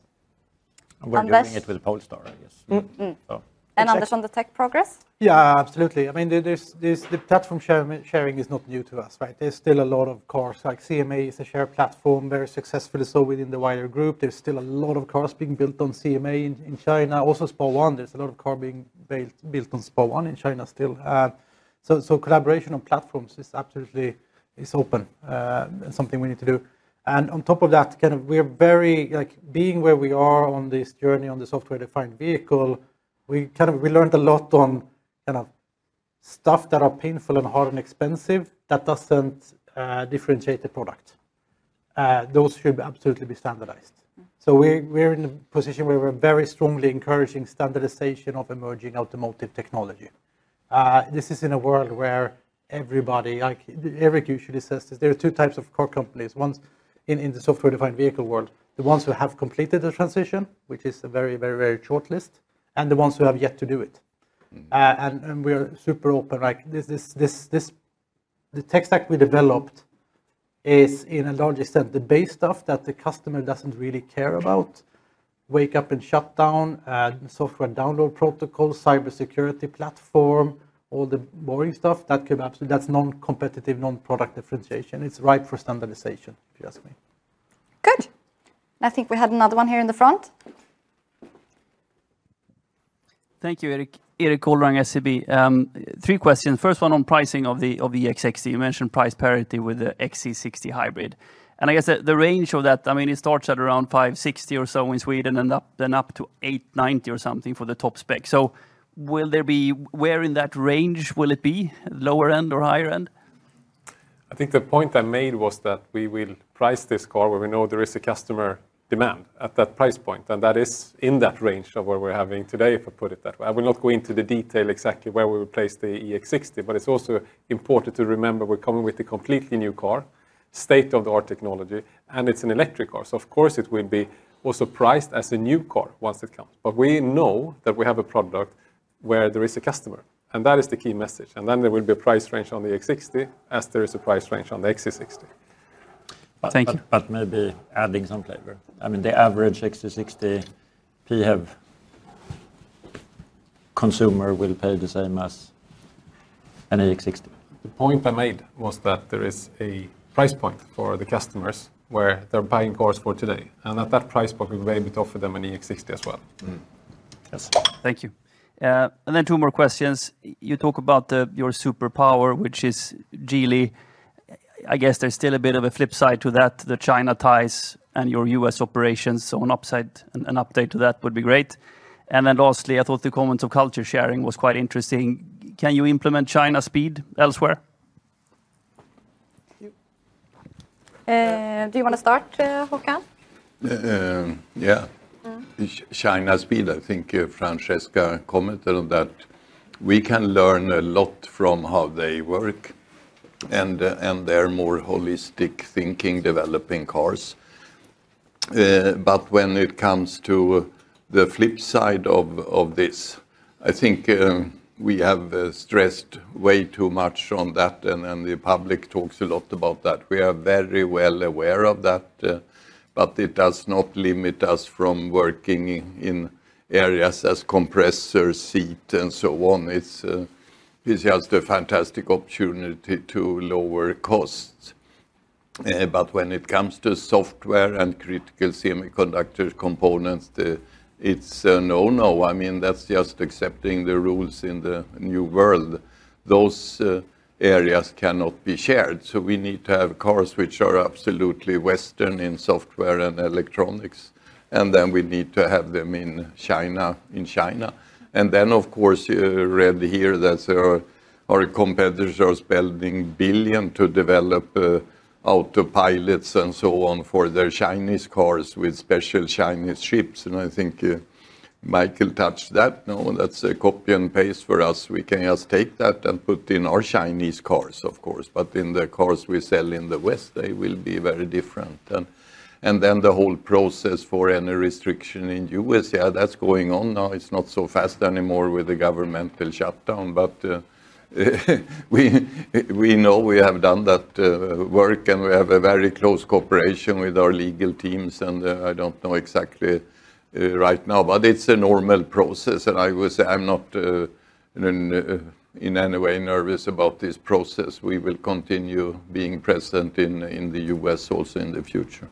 We're doing it with Polestar, I guess. Anders, on the tech progress? Yeah, absolutely. I mean, the platform sharing is not new to us, right? There's still a lot of cars, like CMA is a shared platform, very successfully so within the Volvo Group. There's still a lot of cars being built on CMA in China. Also, SPA1, there's a lot of cars being built on SPA1 in China still. Collaboration on platforms is absolutely open. It's something we need to do. On top of that, being where we are on this journey on the software-defined vehicle, we kind of learned a lot on stuff that are painful and hard and expensive that doesn't differentiate the product. Those should absolutely be standardized. We are in a position where we are very strongly encouraging standardization of emerging automotive technology. This is in a world where everybody, like Erik usually says this, there are two types of car companies. Ones in the software-defined vehicle world, the ones who have completed the transition, which is a very, very, very short list, and the ones who have yet to do it. We are super open. The tech stack we developed is, to a large extent, the base stuff that the customer does not really care about. Wake up and shut down, software download protocol, cybersecurity platform, all the boring stuff. That is non-competitive, non-product differentiation. It is ripe for standardization, if you ask me. Good. I think we had another one here in the front. Thank you, Erik Golrang, SEB. Three questions. First one on pricing of the EX60. You mentioned price parity with the XC60 hybrid. I guess the range of that, I mean, it starts at around 560,000 or so in Sweden and then up to 890,000 or something for the top spec. Will there be, where in that range will it be, lower end or higher end? I think the point I made was that we will price this car where we know there is a customer demand at that price point. That is in that range of what we're having today, if I put it that way. I will not go into the detail exactly where we will place the EX60, but it's also important to remember we're coming with a completely new car, state-of-the-art technology, and it's an electric car. Of course, it will be also priced as a new car once it comes. We know that we have a product where there is a customer. That is the key message. There will be a price range on the EX60 as there is a price range on the XC60. Thank you. Maybe adding some flavor, I mean, the average XC60 PHEV consumer will pay the same as an EX60. The point I made was that there is a price point for the customers where they're buying cars for today. At that price point, we maybe offer them an EX60 as well. Yes. Thank you. Two more questions. You talk about your superpower, which is Geely. I guess there's still a bit of a flip side to that, the China ties and your U.S. operations. An upside and update to that would be great. Lastly, I thought the comments of culture sharing were quite interesting. Can you implement China speed elsewhere? Do you want to start, Håkan? Yeah. China speed, I think Francesca commented on that. We can learn a lot from how they work, and their more holistic thinking, developing cars. When it comes to the flip side of this, I think we have stressed way too much on that, and the public talks a lot about that. We are very well aware of that. It does not limit us from working in areas as compressor seat and so on. It's just a fantastic opportunity to lower costs. When it comes to software and critical semiconductor components, it's a no-no. I mean, that's just accepting the rules in the new world. Those areas cannot be shared. We need to have cars which are absolutely Western in software and electronics. Then we need to have them in China. Of course, you read here that there are competitors spending billions to develop autopilots and so on for their Chinese cars with special Chinese chips. I think Michael touched that. No, that's a copy and paste for us. We can just take that and put it in our Chinese cars, of course. In the cars we sell in the West, they will be very different. The whole process for any restriction in the U.S., yeah, that's going on now. It's not so fast anymore with the governmental shutdown. We know we have done that work, and we have a very close cooperation with our legal teams. I don't know exactly right now, but it's a normal process. I would say I'm not in any way nervous about this process. We will continue being present in the U.S. also in the future.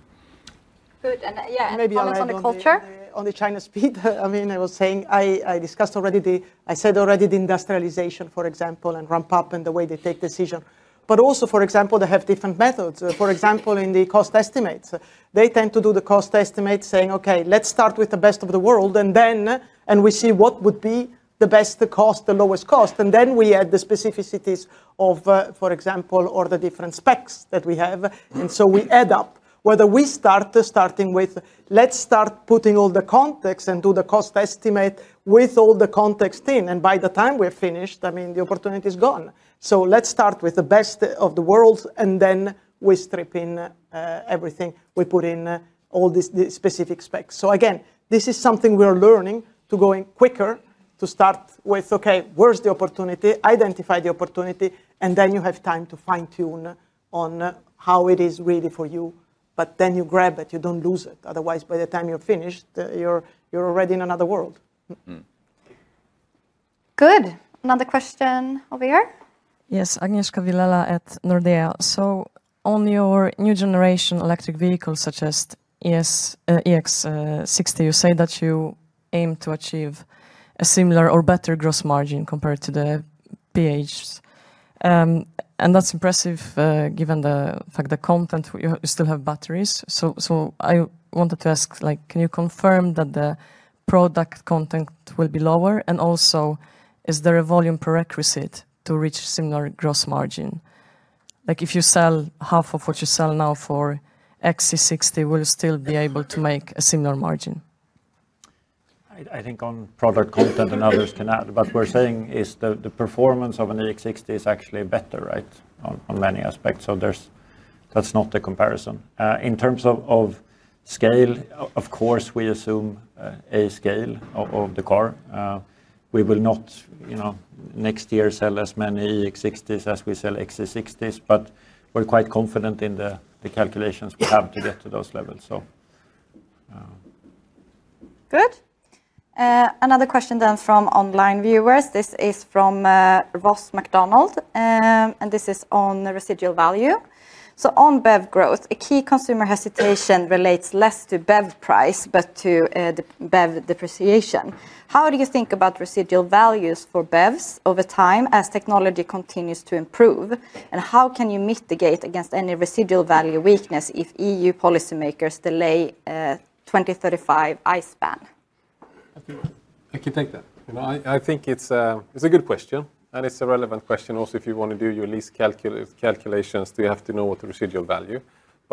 Good. Yeah, any comments on the culture? On the China speed, I mean, I discussed already the, I said already the industrialization, for example, and ramp up and the way they take decision. Also, for example, they have different methods. For example, in the cost estimates, they tend to do the cost estimates saying, okay, let's start with the best of the world, and then we see what would be the best cost, the lowest cost. Then we add the specificities of, for example, or the different specs that we have. So we add up, whether we start starting with, let's start putting all the context and do the cost estimate with all the context in. By the time we're finished, I mean, the opportunity is gone. Let's start with the best of the world, and then we strip in everything. We put in all these specific specs. Again, this is something we are learning to go quicker to start with, okay, where's the opportunity? Identify the opportunity, and then you have time to fine-tune on how it is really for you. You grab it. You don't lose it. Otherwise, by the time you're finished, you're already in another world. Good. Another question over here. Yes. Agnieszka Vilela at Nordea. On your new generation electric vehicles, such as EX60, you say that you aim to achieve a similar or better gross margin compared to the PHEVs. That's impressive given the fact that the content, you still have batteries. I wanted to ask, can you confirm that the product content will be lower? Also, is there a volume prerequisite to reach similar gross margin? If you sell half of what you sell now for XC60, will you still be able to make a similar margin? I think on product content and others cannot. What we're saying is the performance of an EX60 is actually better, right, on many aspects. That's not the comparison. In terms of scale, of course, we assume a scale of the car. We will not next year sell as many EX60s as we sell XC60s, but we're quite confident in the calculations we have to get to those levels. Good. Another question then from online viewers. This is from Ross McDonald. This is on residual value. On BEV growth, a key consumer hesitation relates less to BEV price but to the BEV depreciation. How do you think about residual values for BEVs over time as technology continues to improve? How can you mitigate against any residual value weakness if EU policymakers delay the 2035 ICE ban? I can take that. I think it's a good question. It's a relevant question also if you want to do your lease calculations, you have to know what the residual value is.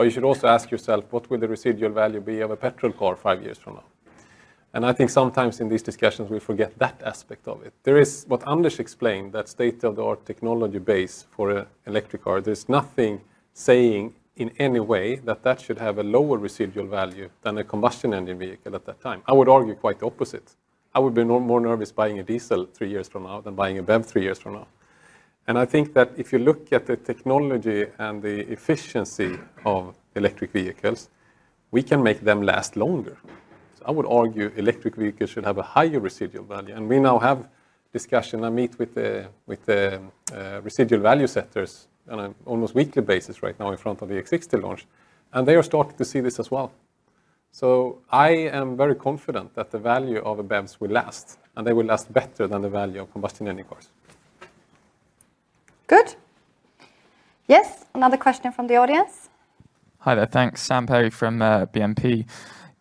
You should also ask yourself, what will the residual value be of a petrol car five years from now? I think sometimes in these discussions, we forget that aspect of it. There is, what Anders explained, that state-of-the-art technology base for an electric car. There's nothing saying in any way that that should have a lower residual value than a combustion engine vehicle at that time. I would argue quite the opposite. I would be more nervous buying a diesel three years from now than buying a BEV three years from now. I think that if you look at the technology and the efficiency of electric vehicles, we can make them last longer. I would argue electric vehicles should have a higher residual value. We now have discussions. I meet with residual value setters on an almost weekly basis right now in front of the EX60 launch. They are starting to see this as well. I am very confident that the value of BEVs will last, and they will last better than the value of combustion engine cars. Good. Yes. Another question from the audience. Hi there. Thanks. Sam Perry from BNP.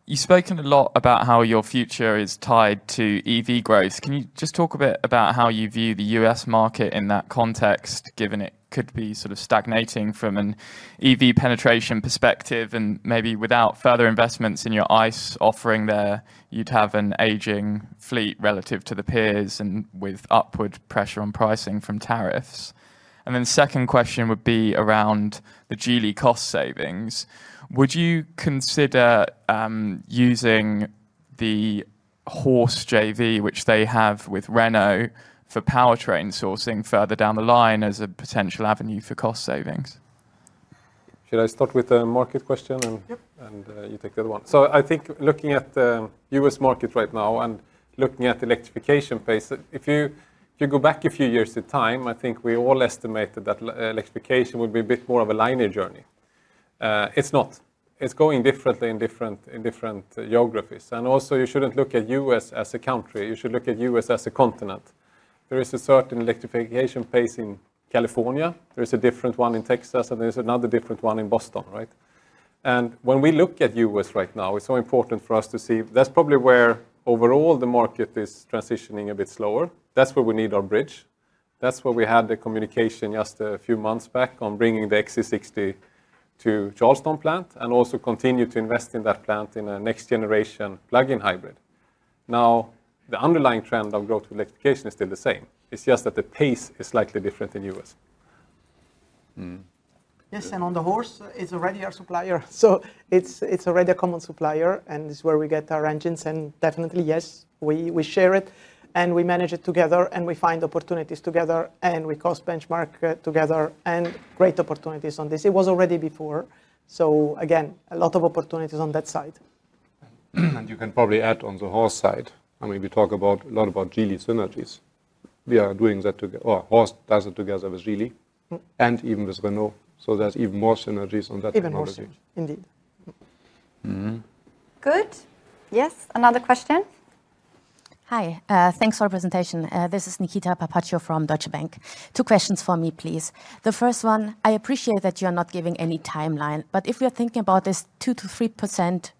You've spoken a lot about how your future is tied to EV growth. Can you just talk a bit about how you view the U.S. market in that context, given it could be sort of stagnating from an EV penetration perspective and maybe without further investments in your ICE offering there, you'd have an aging fleet relative to the peers and with upward pressure on pricing from tariffs. The second question would be around the Geely cost savings. Would you consider using the Horse JV, which they have with Renault, for powertrain sourcing further down the line as a potential avenue for cost savings? Should I start with the market question and you take that one? I think looking at the U.S. market right now and looking at the electrification pace, if you go back a few years in time, I think we all estimated that electrification would be a bit more of a linear journey. It's not. It's going differently in different geographies. Also, you shouldn't look at the U.S. as a country. You should look at the U.S. as a continent. There is a certain electrification pace in California. There is a different one in Texas, and there's another different one in Boston, right? When we look at the U.S. right now, it's so important for us to see that's probably where overall the market is transitioning a bit slower. That's where we need our bridge. That's where we had the communication just a few months back on bringing the XC60 to the Charleston plant and also continue to invest in that plant in a next-generation plug-in hybrid. Now, the underlying trend of growth with electrification is still the same. It's just that the pace is slightly different in the U.S. Yes. On the Horse, it's already our supplier. It's already a common supplier, and it's where we get our engines. Definitely, yes, we share it, and we manage it together, and we find opportunities together, and we cost-benchmark together, and great opportunities on this. It was already before. Again, a lot of opportunities on that side. You can probably add on the Horse side. I mean, we talk a lot about Geely synergies. We are doing that together. Horse does it together with Geely and even with Renault. There are even more synergies on that Horse side. Even more synergies. Indeed. Good. Yes. Another question. Hi. Thanks for the presentation. This is Nikita Papaccio from Deutsche Bank. Two questions for me, please. The first one, I appreciate that you are not giving any timeline, but if we are thinking about this 2%-3%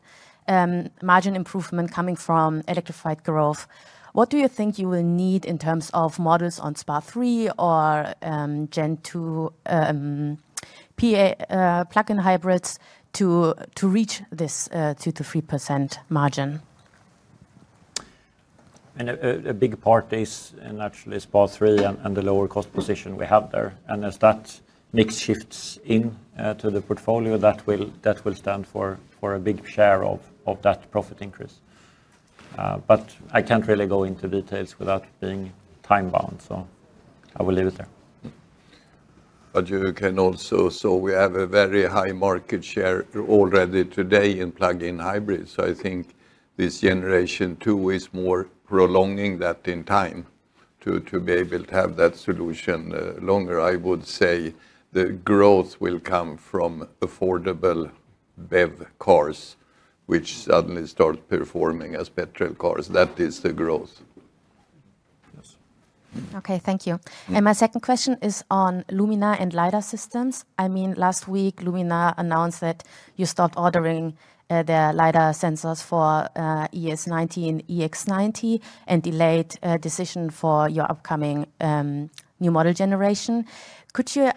margin improvement coming from electrified growth, what do you think you will need in terms of models on SPA3 or Gen 2 plug-in hybrids to reach this 2%-3% margin? A big part is naturally SPA3 and the lower cost position we have there. As that mix shifts into the portfolio, that will stand for a big share of that profit increase. I cannot really go into details without being time-bound, so I will leave it there. You can also say we have a very high market share already today in plug-in hybrids. I think this generation two is more prolonging that in time to be able to have that solution longer. I would say the growth will come from affordable BEV cars, which suddenly start performing as petrol cars. That is the growth. Okay. Thank you. My second question is on Luminar and LiDAR systems. I mean, last week, Luminar announced that you stopped ordering the LiDAR sensors for ES90, EX90, and delayed a decision for your upcoming new model generation.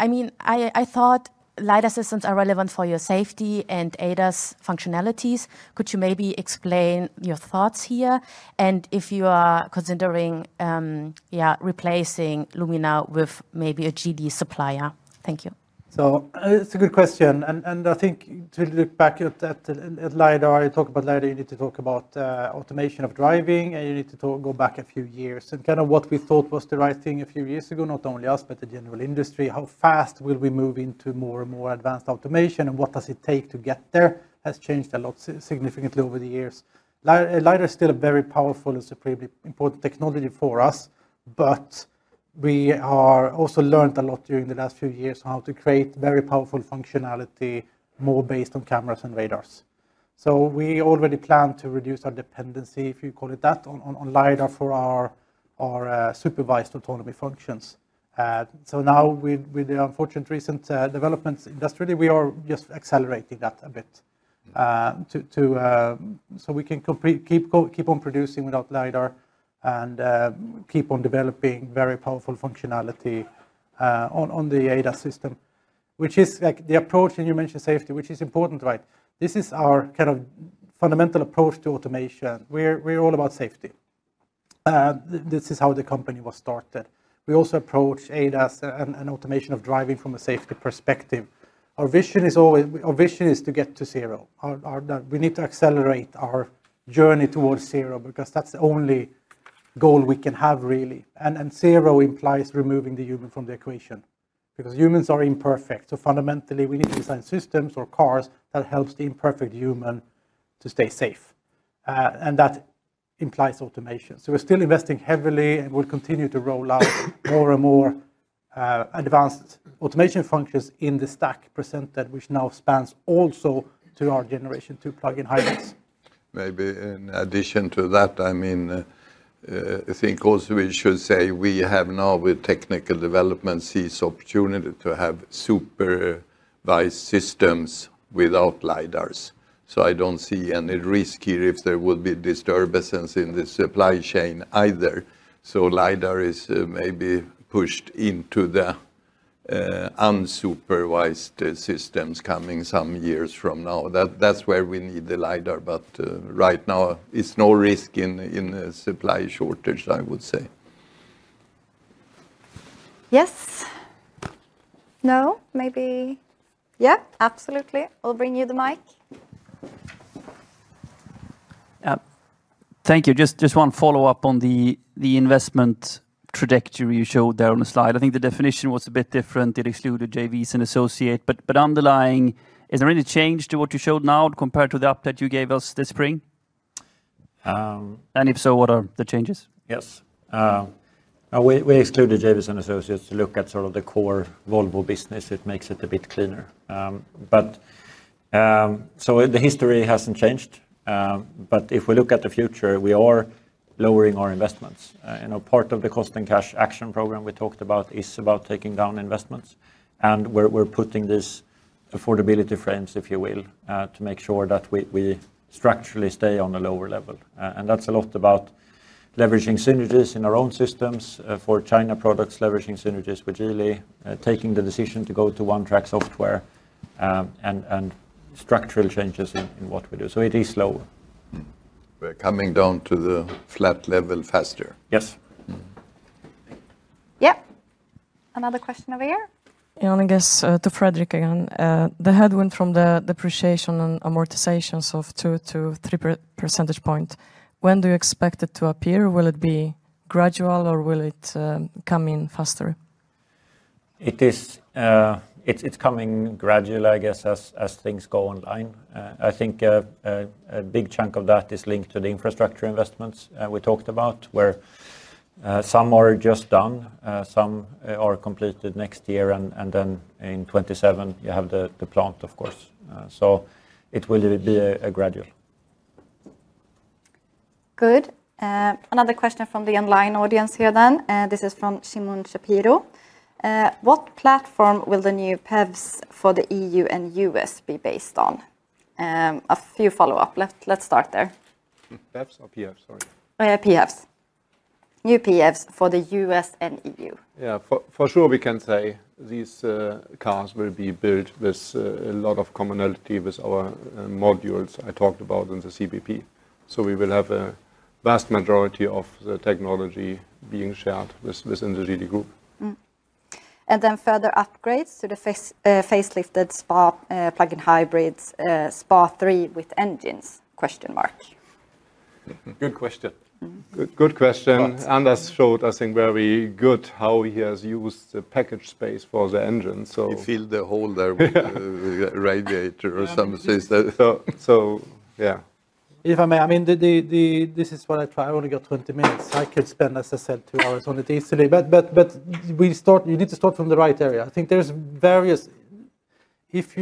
I mean, I thought LiDAR systems are relevant for your safety and ADAS functionalities. Could you maybe explain your thoughts here? And if you are considering replacing Luminar with maybe a Geely supplier? Thank you. It's a good question. I think to look back at LiDAR, you talk about LiDAR, you need to talk about automation of driving, and you need to go back a few years. Kind of what we thought was the right thing a few years ago, not only us, but the general industry, how fast will we move into more and more advanced automation and what does it take to get there has changed a lot significantly over the years. LiDAR is still a very powerful and supremely important technology for us. We have also learned a lot during the last few years on how to create very powerful functionality more based on cameras and radars. We already plan to reduce our dependency, if you call it that, on LiDAR for our supervised autonomy functions. Now, with the unfortunate recent developments, industrially, we are just accelerating that a bit. We can keep on producing without LiDAR and keep on developing very powerful functionality. On the ADAS system, which is the approach, and you mentioned safety, which is important, right? This is our kind of fundamental approach to automation. We're all about safety. This is how the company was started. We also approach ADAS and automation of driving from a safety perspective. Our vision is to get to zero. We need to accelerate our journey towards zero because that's the only goal we can have, really. And zero implies removing the human from the equation because humans are imperfect. Fundamentally, we need to design systems or cars that help the imperfect human to stay safe. That implies automation. We're still investing heavily, and we'll continue to roll out more and more advanced automation functions in the stack presented, which now spans also to our generation two plug-in hybrids. Maybe in addition to that, I mean, I think also we should say we have now with technical developments seized opportunity to have supervised systems without LiDARs. I do not see any risk here if there would be disturbances in the supply chain either. LiDAR is maybe pushed into the unsupervised systems coming some years from now. That is where we need the LiDAR, but right now, it is no risk in the supply shortage, I would say. Yes. No, maybe. Yep, absolutely. We will bring you the mic. Thank you. Just one follow-up on the investment trajectory you showed there on the slide. I think the definition was a bit different. It excluded JVs and associates, but underlying, is there any change to what you showed now compared to the update you gave us this spring? If so, what are the changes? Yes. We excluded JVs and associates to look at sort of the core Volvo business. It makes it a bit cleaner. The history has not changed. If we look at the future, we are lowering our investments. Part of the cost and cash action program we talked about is about taking down investments. We are putting these affordability frames, if you will, to make sure that we structurally stay on a lower level. That is a lot about leveraging synergies in our own systems for China products, leveraging synergies with Geely, taking the decision to go to one-track software, and structural changes in what we do. It is slower. We're coming down to the flat level faster. Yes. Yep. Another question over here. Yeah, and I guess to Fredrik again. The headwind from the depreciation and amortizations of 2-3 percentage points, when do you expect it to appear? Will it be gradual or will it come in faster? It's coming gradually, I guess, as things go online. I think. A big chunk of that is linked to the infrastructure investments we talked about, where some are just done, some are completed next year, and then in 2027, you have the plant, of course. So it will be gradual. Good. Another question from the online audience here then. This is from Simon Shapiro. What platform will the new PEVs for the EU and U.S. be based on? A few follow-ups. Let's start there. PEVs or PFs, sorry? PEVs. New PEVs for the U.S. and EU. Yeah, for sure, we can say these cars will be built with a lot of commonality with our modules I talked about in the CBP. We will have a vast majority of the technology being shared within the Geely Group. Further upgrades to the facelifted SPA plug-in hybrids, SPA3 with engines? Good question. Good question. Anders showed, I think, very well how he has used the package space for the engines. You fill the hole there with the radiator or something. Yeah. If I may, I mean, this is what I try. I only got 20 minutes. I could spend, as I said, two hours on it easily. You need to start from the right area. I think there's various—if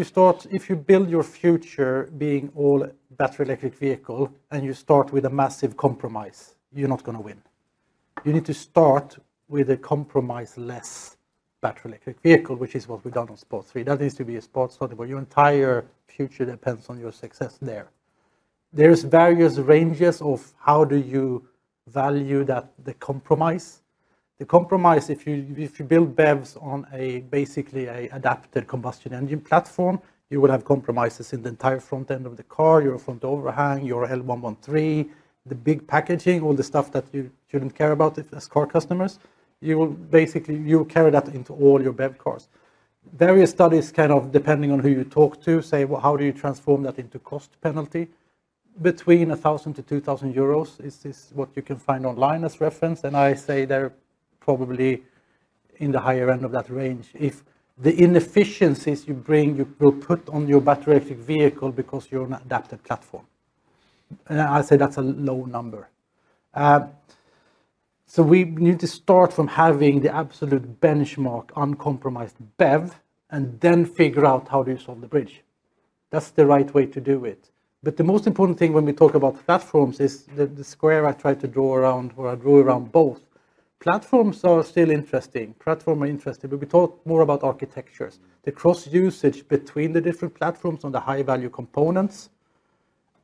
you build your future being all battery electric vehicle and you start with a massive compromise, you're not going to win. You need to start with a compromise-less battery electric vehicle, which is what we've done on SPA3. That needs to be a sports automobile. Your entire future depends on your success there. There are various ranges of how do you value the compromise. The compromise, if you build BEVs on basically an adapted combustion engine platform, you will have compromises in the entire front end of the car, your front overhang, your L113, the big packaging, all the stuff that you should not care about as car customers. You will carry that into all your BEV cars. Various studies, kind of depending on who you talk to, say, how do you transform that into cost penalty? Between 1,000-2,000 euros is what you can find online as reference. I say they're probably in the higher end of that range if the inefficiencies you bring, you will put on your battery electric vehicle because you're on an adapted platform. I say that's a low number. We need to start from having the absolute benchmark uncompromised BEV and then figure out how do you solve the bridge. That's the right way to do it. The most important thing when we talk about platforms is the square I tried to draw around or I drew around both. Platforms are still interesting. Platforms are interesting. We talk more about architectures, the cross-usage between the different platforms on the high-value components,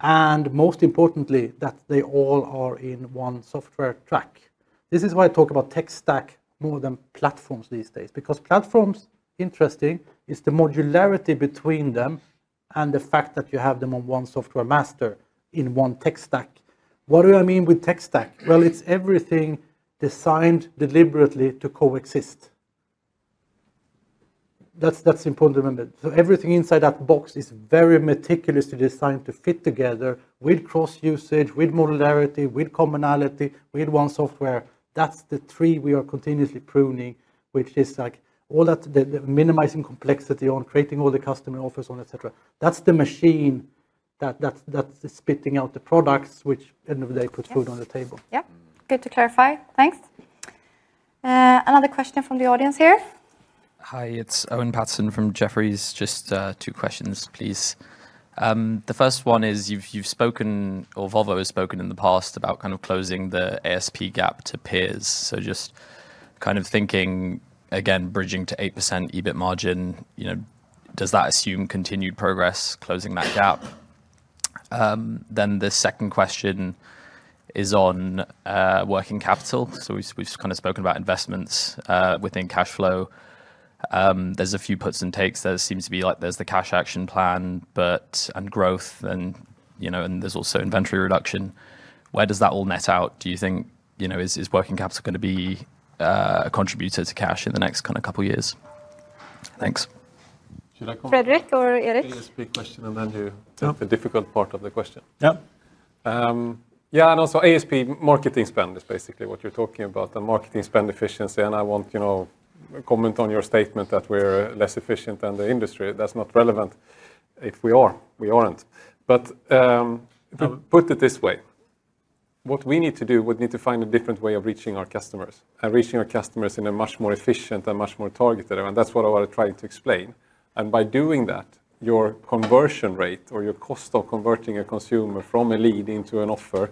and most importantly, that they all are in one software track. This is why I talk about tech stack more than platforms these days. Because platforms, interesting, is the modularity between them and the fact that you have them on one software master in one tech stack. What do I mean with tech stack? It is everything designed deliberately to coexist. That is important to remember. Everything inside that box is very meticulously designed to fit together with cross-usage, with modularity, with commonality, with one software. That is the tree we are continuously pruning, which is like all that minimizing complexity on creating all the customer offers on, etc. That is the machine that is spitting out the products, which at the end of the day, puts food on the table. Yep. Good to clarify. Thanks. Another question from the audience here. Hi, it is Owen Paterson from Jefferies. Just two questions, please. The first one is you have spoken, or Volvo has spoken in the past about kind of closing the ASP gap to peers. Just kind of thinking, again, bridging to 8% EBIT margin, does that assume continued progress closing that gap? The second question is on working capital. We've kind of spoken about investments within cash flow. There are a few puts and takes. There seems to be the cash action plan and growth, and there's also inventory reduction. Where does that all net out, do you think? Is working capital going to be a contributor to cash in the next couple of years? Thanks. Should I come, Fredrik or Erik? This is a big question, and then you take the difficult part of the question. Yeah, and also ASP marketing spend is basically what you're talking about, the marketing spend efficiency. I want a comment on your statement that we're less efficient than the industry. That's not relevant. If we are, we aren't. But. Put it this way. What we need to do, we need to find a different way of reaching our customers and reaching our customers in a much more efficient and much more targeted way. That is what I want to try to explain. By doing that, your conversion rate or your cost of converting a consumer from a lead into an offer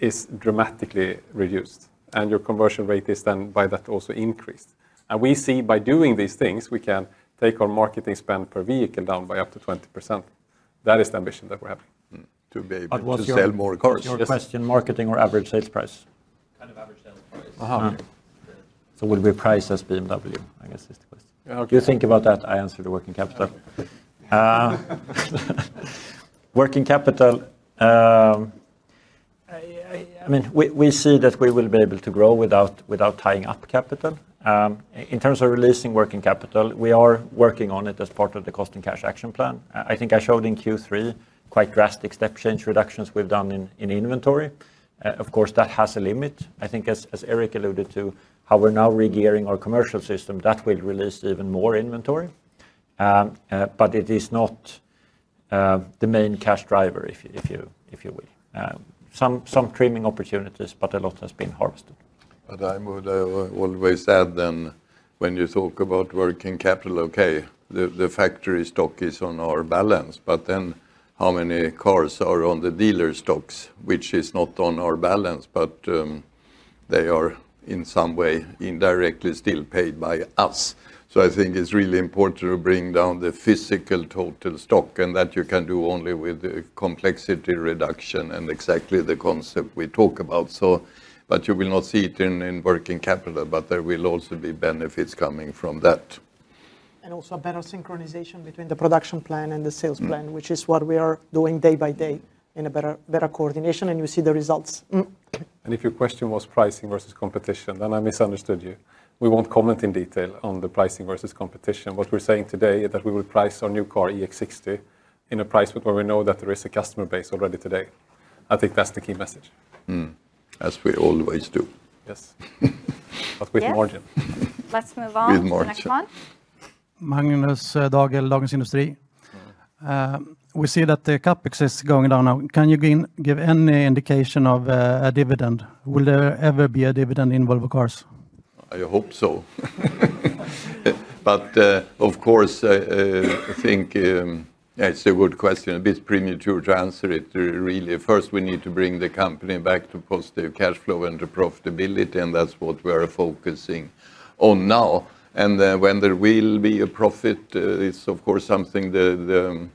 is dramatically reduced. Your conversion rate is then by that also increased. We see by doing these things, we can take our marketing spend per vehicle down by up to 20%. That is the ambition that we're having. To be able to sell more cars. Your question, marketing or average sales price? Kind of average sales price. Would we price as BMW? I guess it's the question. You think about that, I answer the working capital. Working capital. I mean, we see that we will be able to grow without tying up capital. In terms of releasing working capital, we are working on it as part of the cost and cash action plan. I think I showed in Q3 quite drastic step-change reductions we've done in inventory. Of course, that has a limit. I think, as Erik alluded to, how we're now regearing our commercial system, that will release even more inventory. It is not the main cash driver, if you will. Some trimming opportunities, but a lot has been harvested. I would always add then when you talk about working capital, okay, the factory stock is on our balance, but then how many cars are on the dealer stocks, which is not on our balance, but they are in some way indirectly still paid by us. I think it's really important to bring down the physical total stock, and that you can do only with the complexity reduction and exactly the concept we talk about. You will not see it in working capital, but there will also be benefits coming from that. Also a better synchronization between the production plan and the sales plan, which is what we are doing day by day in a better coordination, and you see the results. If your question was pricing versus competition, then I misunderstood you. We won't comment in detail on the pricing versus competition. What we're saying today is that we will price our new car EX60 in a price where we know that there is a customer base already today. I think that's the key message. As we always do. Yes. But with margin. Let's move on to the next one. We see that the CapEx is going down now. Can you give any indication of a dividend? Will there ever be a dividend in Volvo Cars? I hope so. Of course, I think. It's a good question, a bit premature to answer it, really. First, we need to bring the company back to positive cash flow and to profitability, and that's what we are focusing on now. When there will be a profit, it's of course something the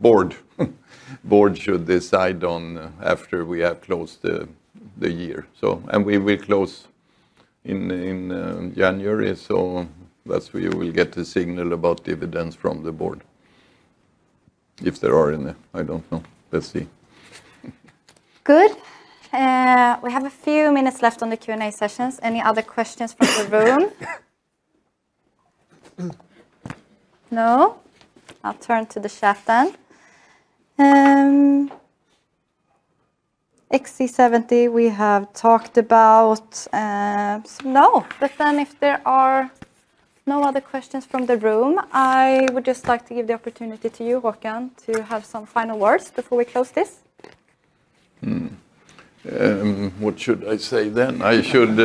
board should decide on after we have closed the year. We will close in January, so we will get a signal about dividends from the board. If there are any, I don't know. Let's see. Good. We have a few minutes left on the Q&A sessions. Any other questions from the room? No? I'll turn to the chat then. XC70, we have talked about. No, but if there are no other questions from the room, I would just like to give the opportunity to you, Håkan, to have some final words before we close this. What should I say then? I should.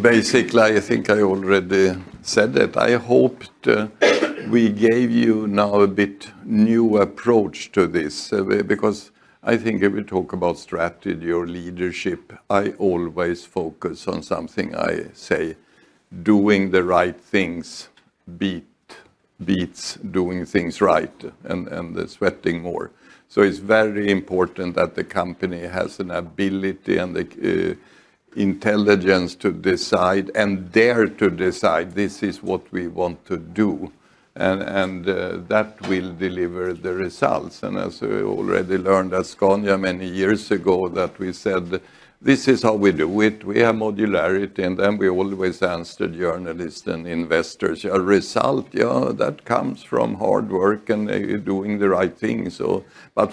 Basically, I think I already said that. I hoped we gave you now a bit new approach to this because I think if we talk about strategy or leadership, I always focus on something I say. Doing the right things beats doing things right and sweating more. It is very important that the company has an ability and the intelligence to decide and dare to decide, this is what we want to do. That will deliver the results. As we already learned at Scania many years ago, we said, this is how we do it. We have modularity, and then we always answered journalists and investors. A result, yeah, that comes from hard work and doing the right things.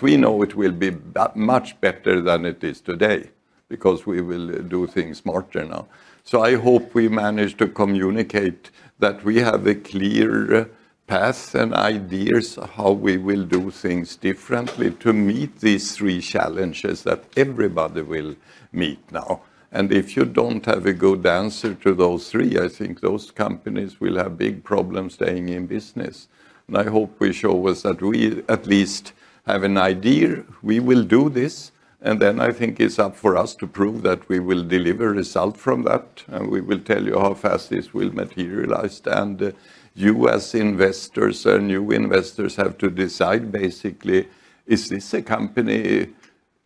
We know it will be much better than it is today because we will do things smarter now. I hope we manage to communicate that we have a clear path and ideas how we will do things differently to meet these three challenges that everybody will meet now. If you do not have a good answer to those three, I think those companies will have big problems staying in business. I hope we show us that we at least have an idea, we will do this, and then I think it is up for us to prove that we will deliver results from that, and we will tell you how fast this will materialize. You as investors, new investors have to decide basically, is this a company.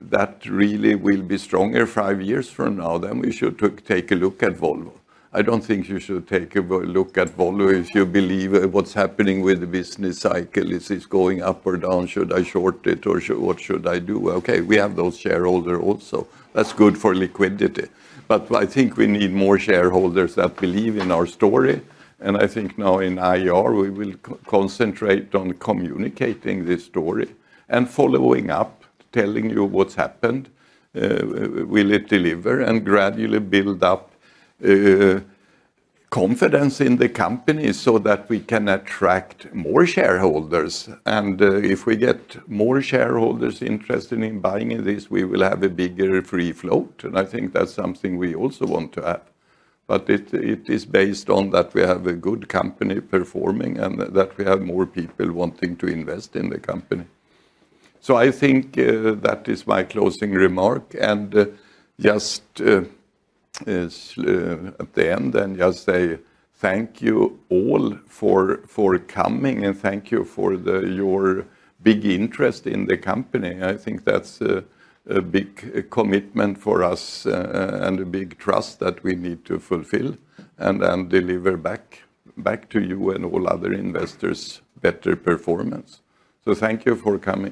That really will be stronger five years from now, then we should take a look at Volvo. I don't think you should take a look at Volvo if you believe what's happening with the business cycle. Is this going up or down? Should I short it or what should I do? Okay, we have those shareholders also. That's good for liquidity. I think we need more shareholders that believe in our story. I think now in IR, we will concentrate on communicating this story and following up, telling you what's happened. Will it deliver and gradually build up confidence in the company so that we can attract more shareholders? If we get more shareholders interested in buying this, we will have a bigger free float. I think that's something we also want to have. It is based on that we have a good company performing and that we have more people wanting to invest in the company. I think that is my closing remark. Just at the end, I'll say thank you all for coming and thank you for your big interest in the company. I think that's a big commitment for us and a big trust that we need to fulfill and then deliver back to you and all other investors better performance. Thank you for coming.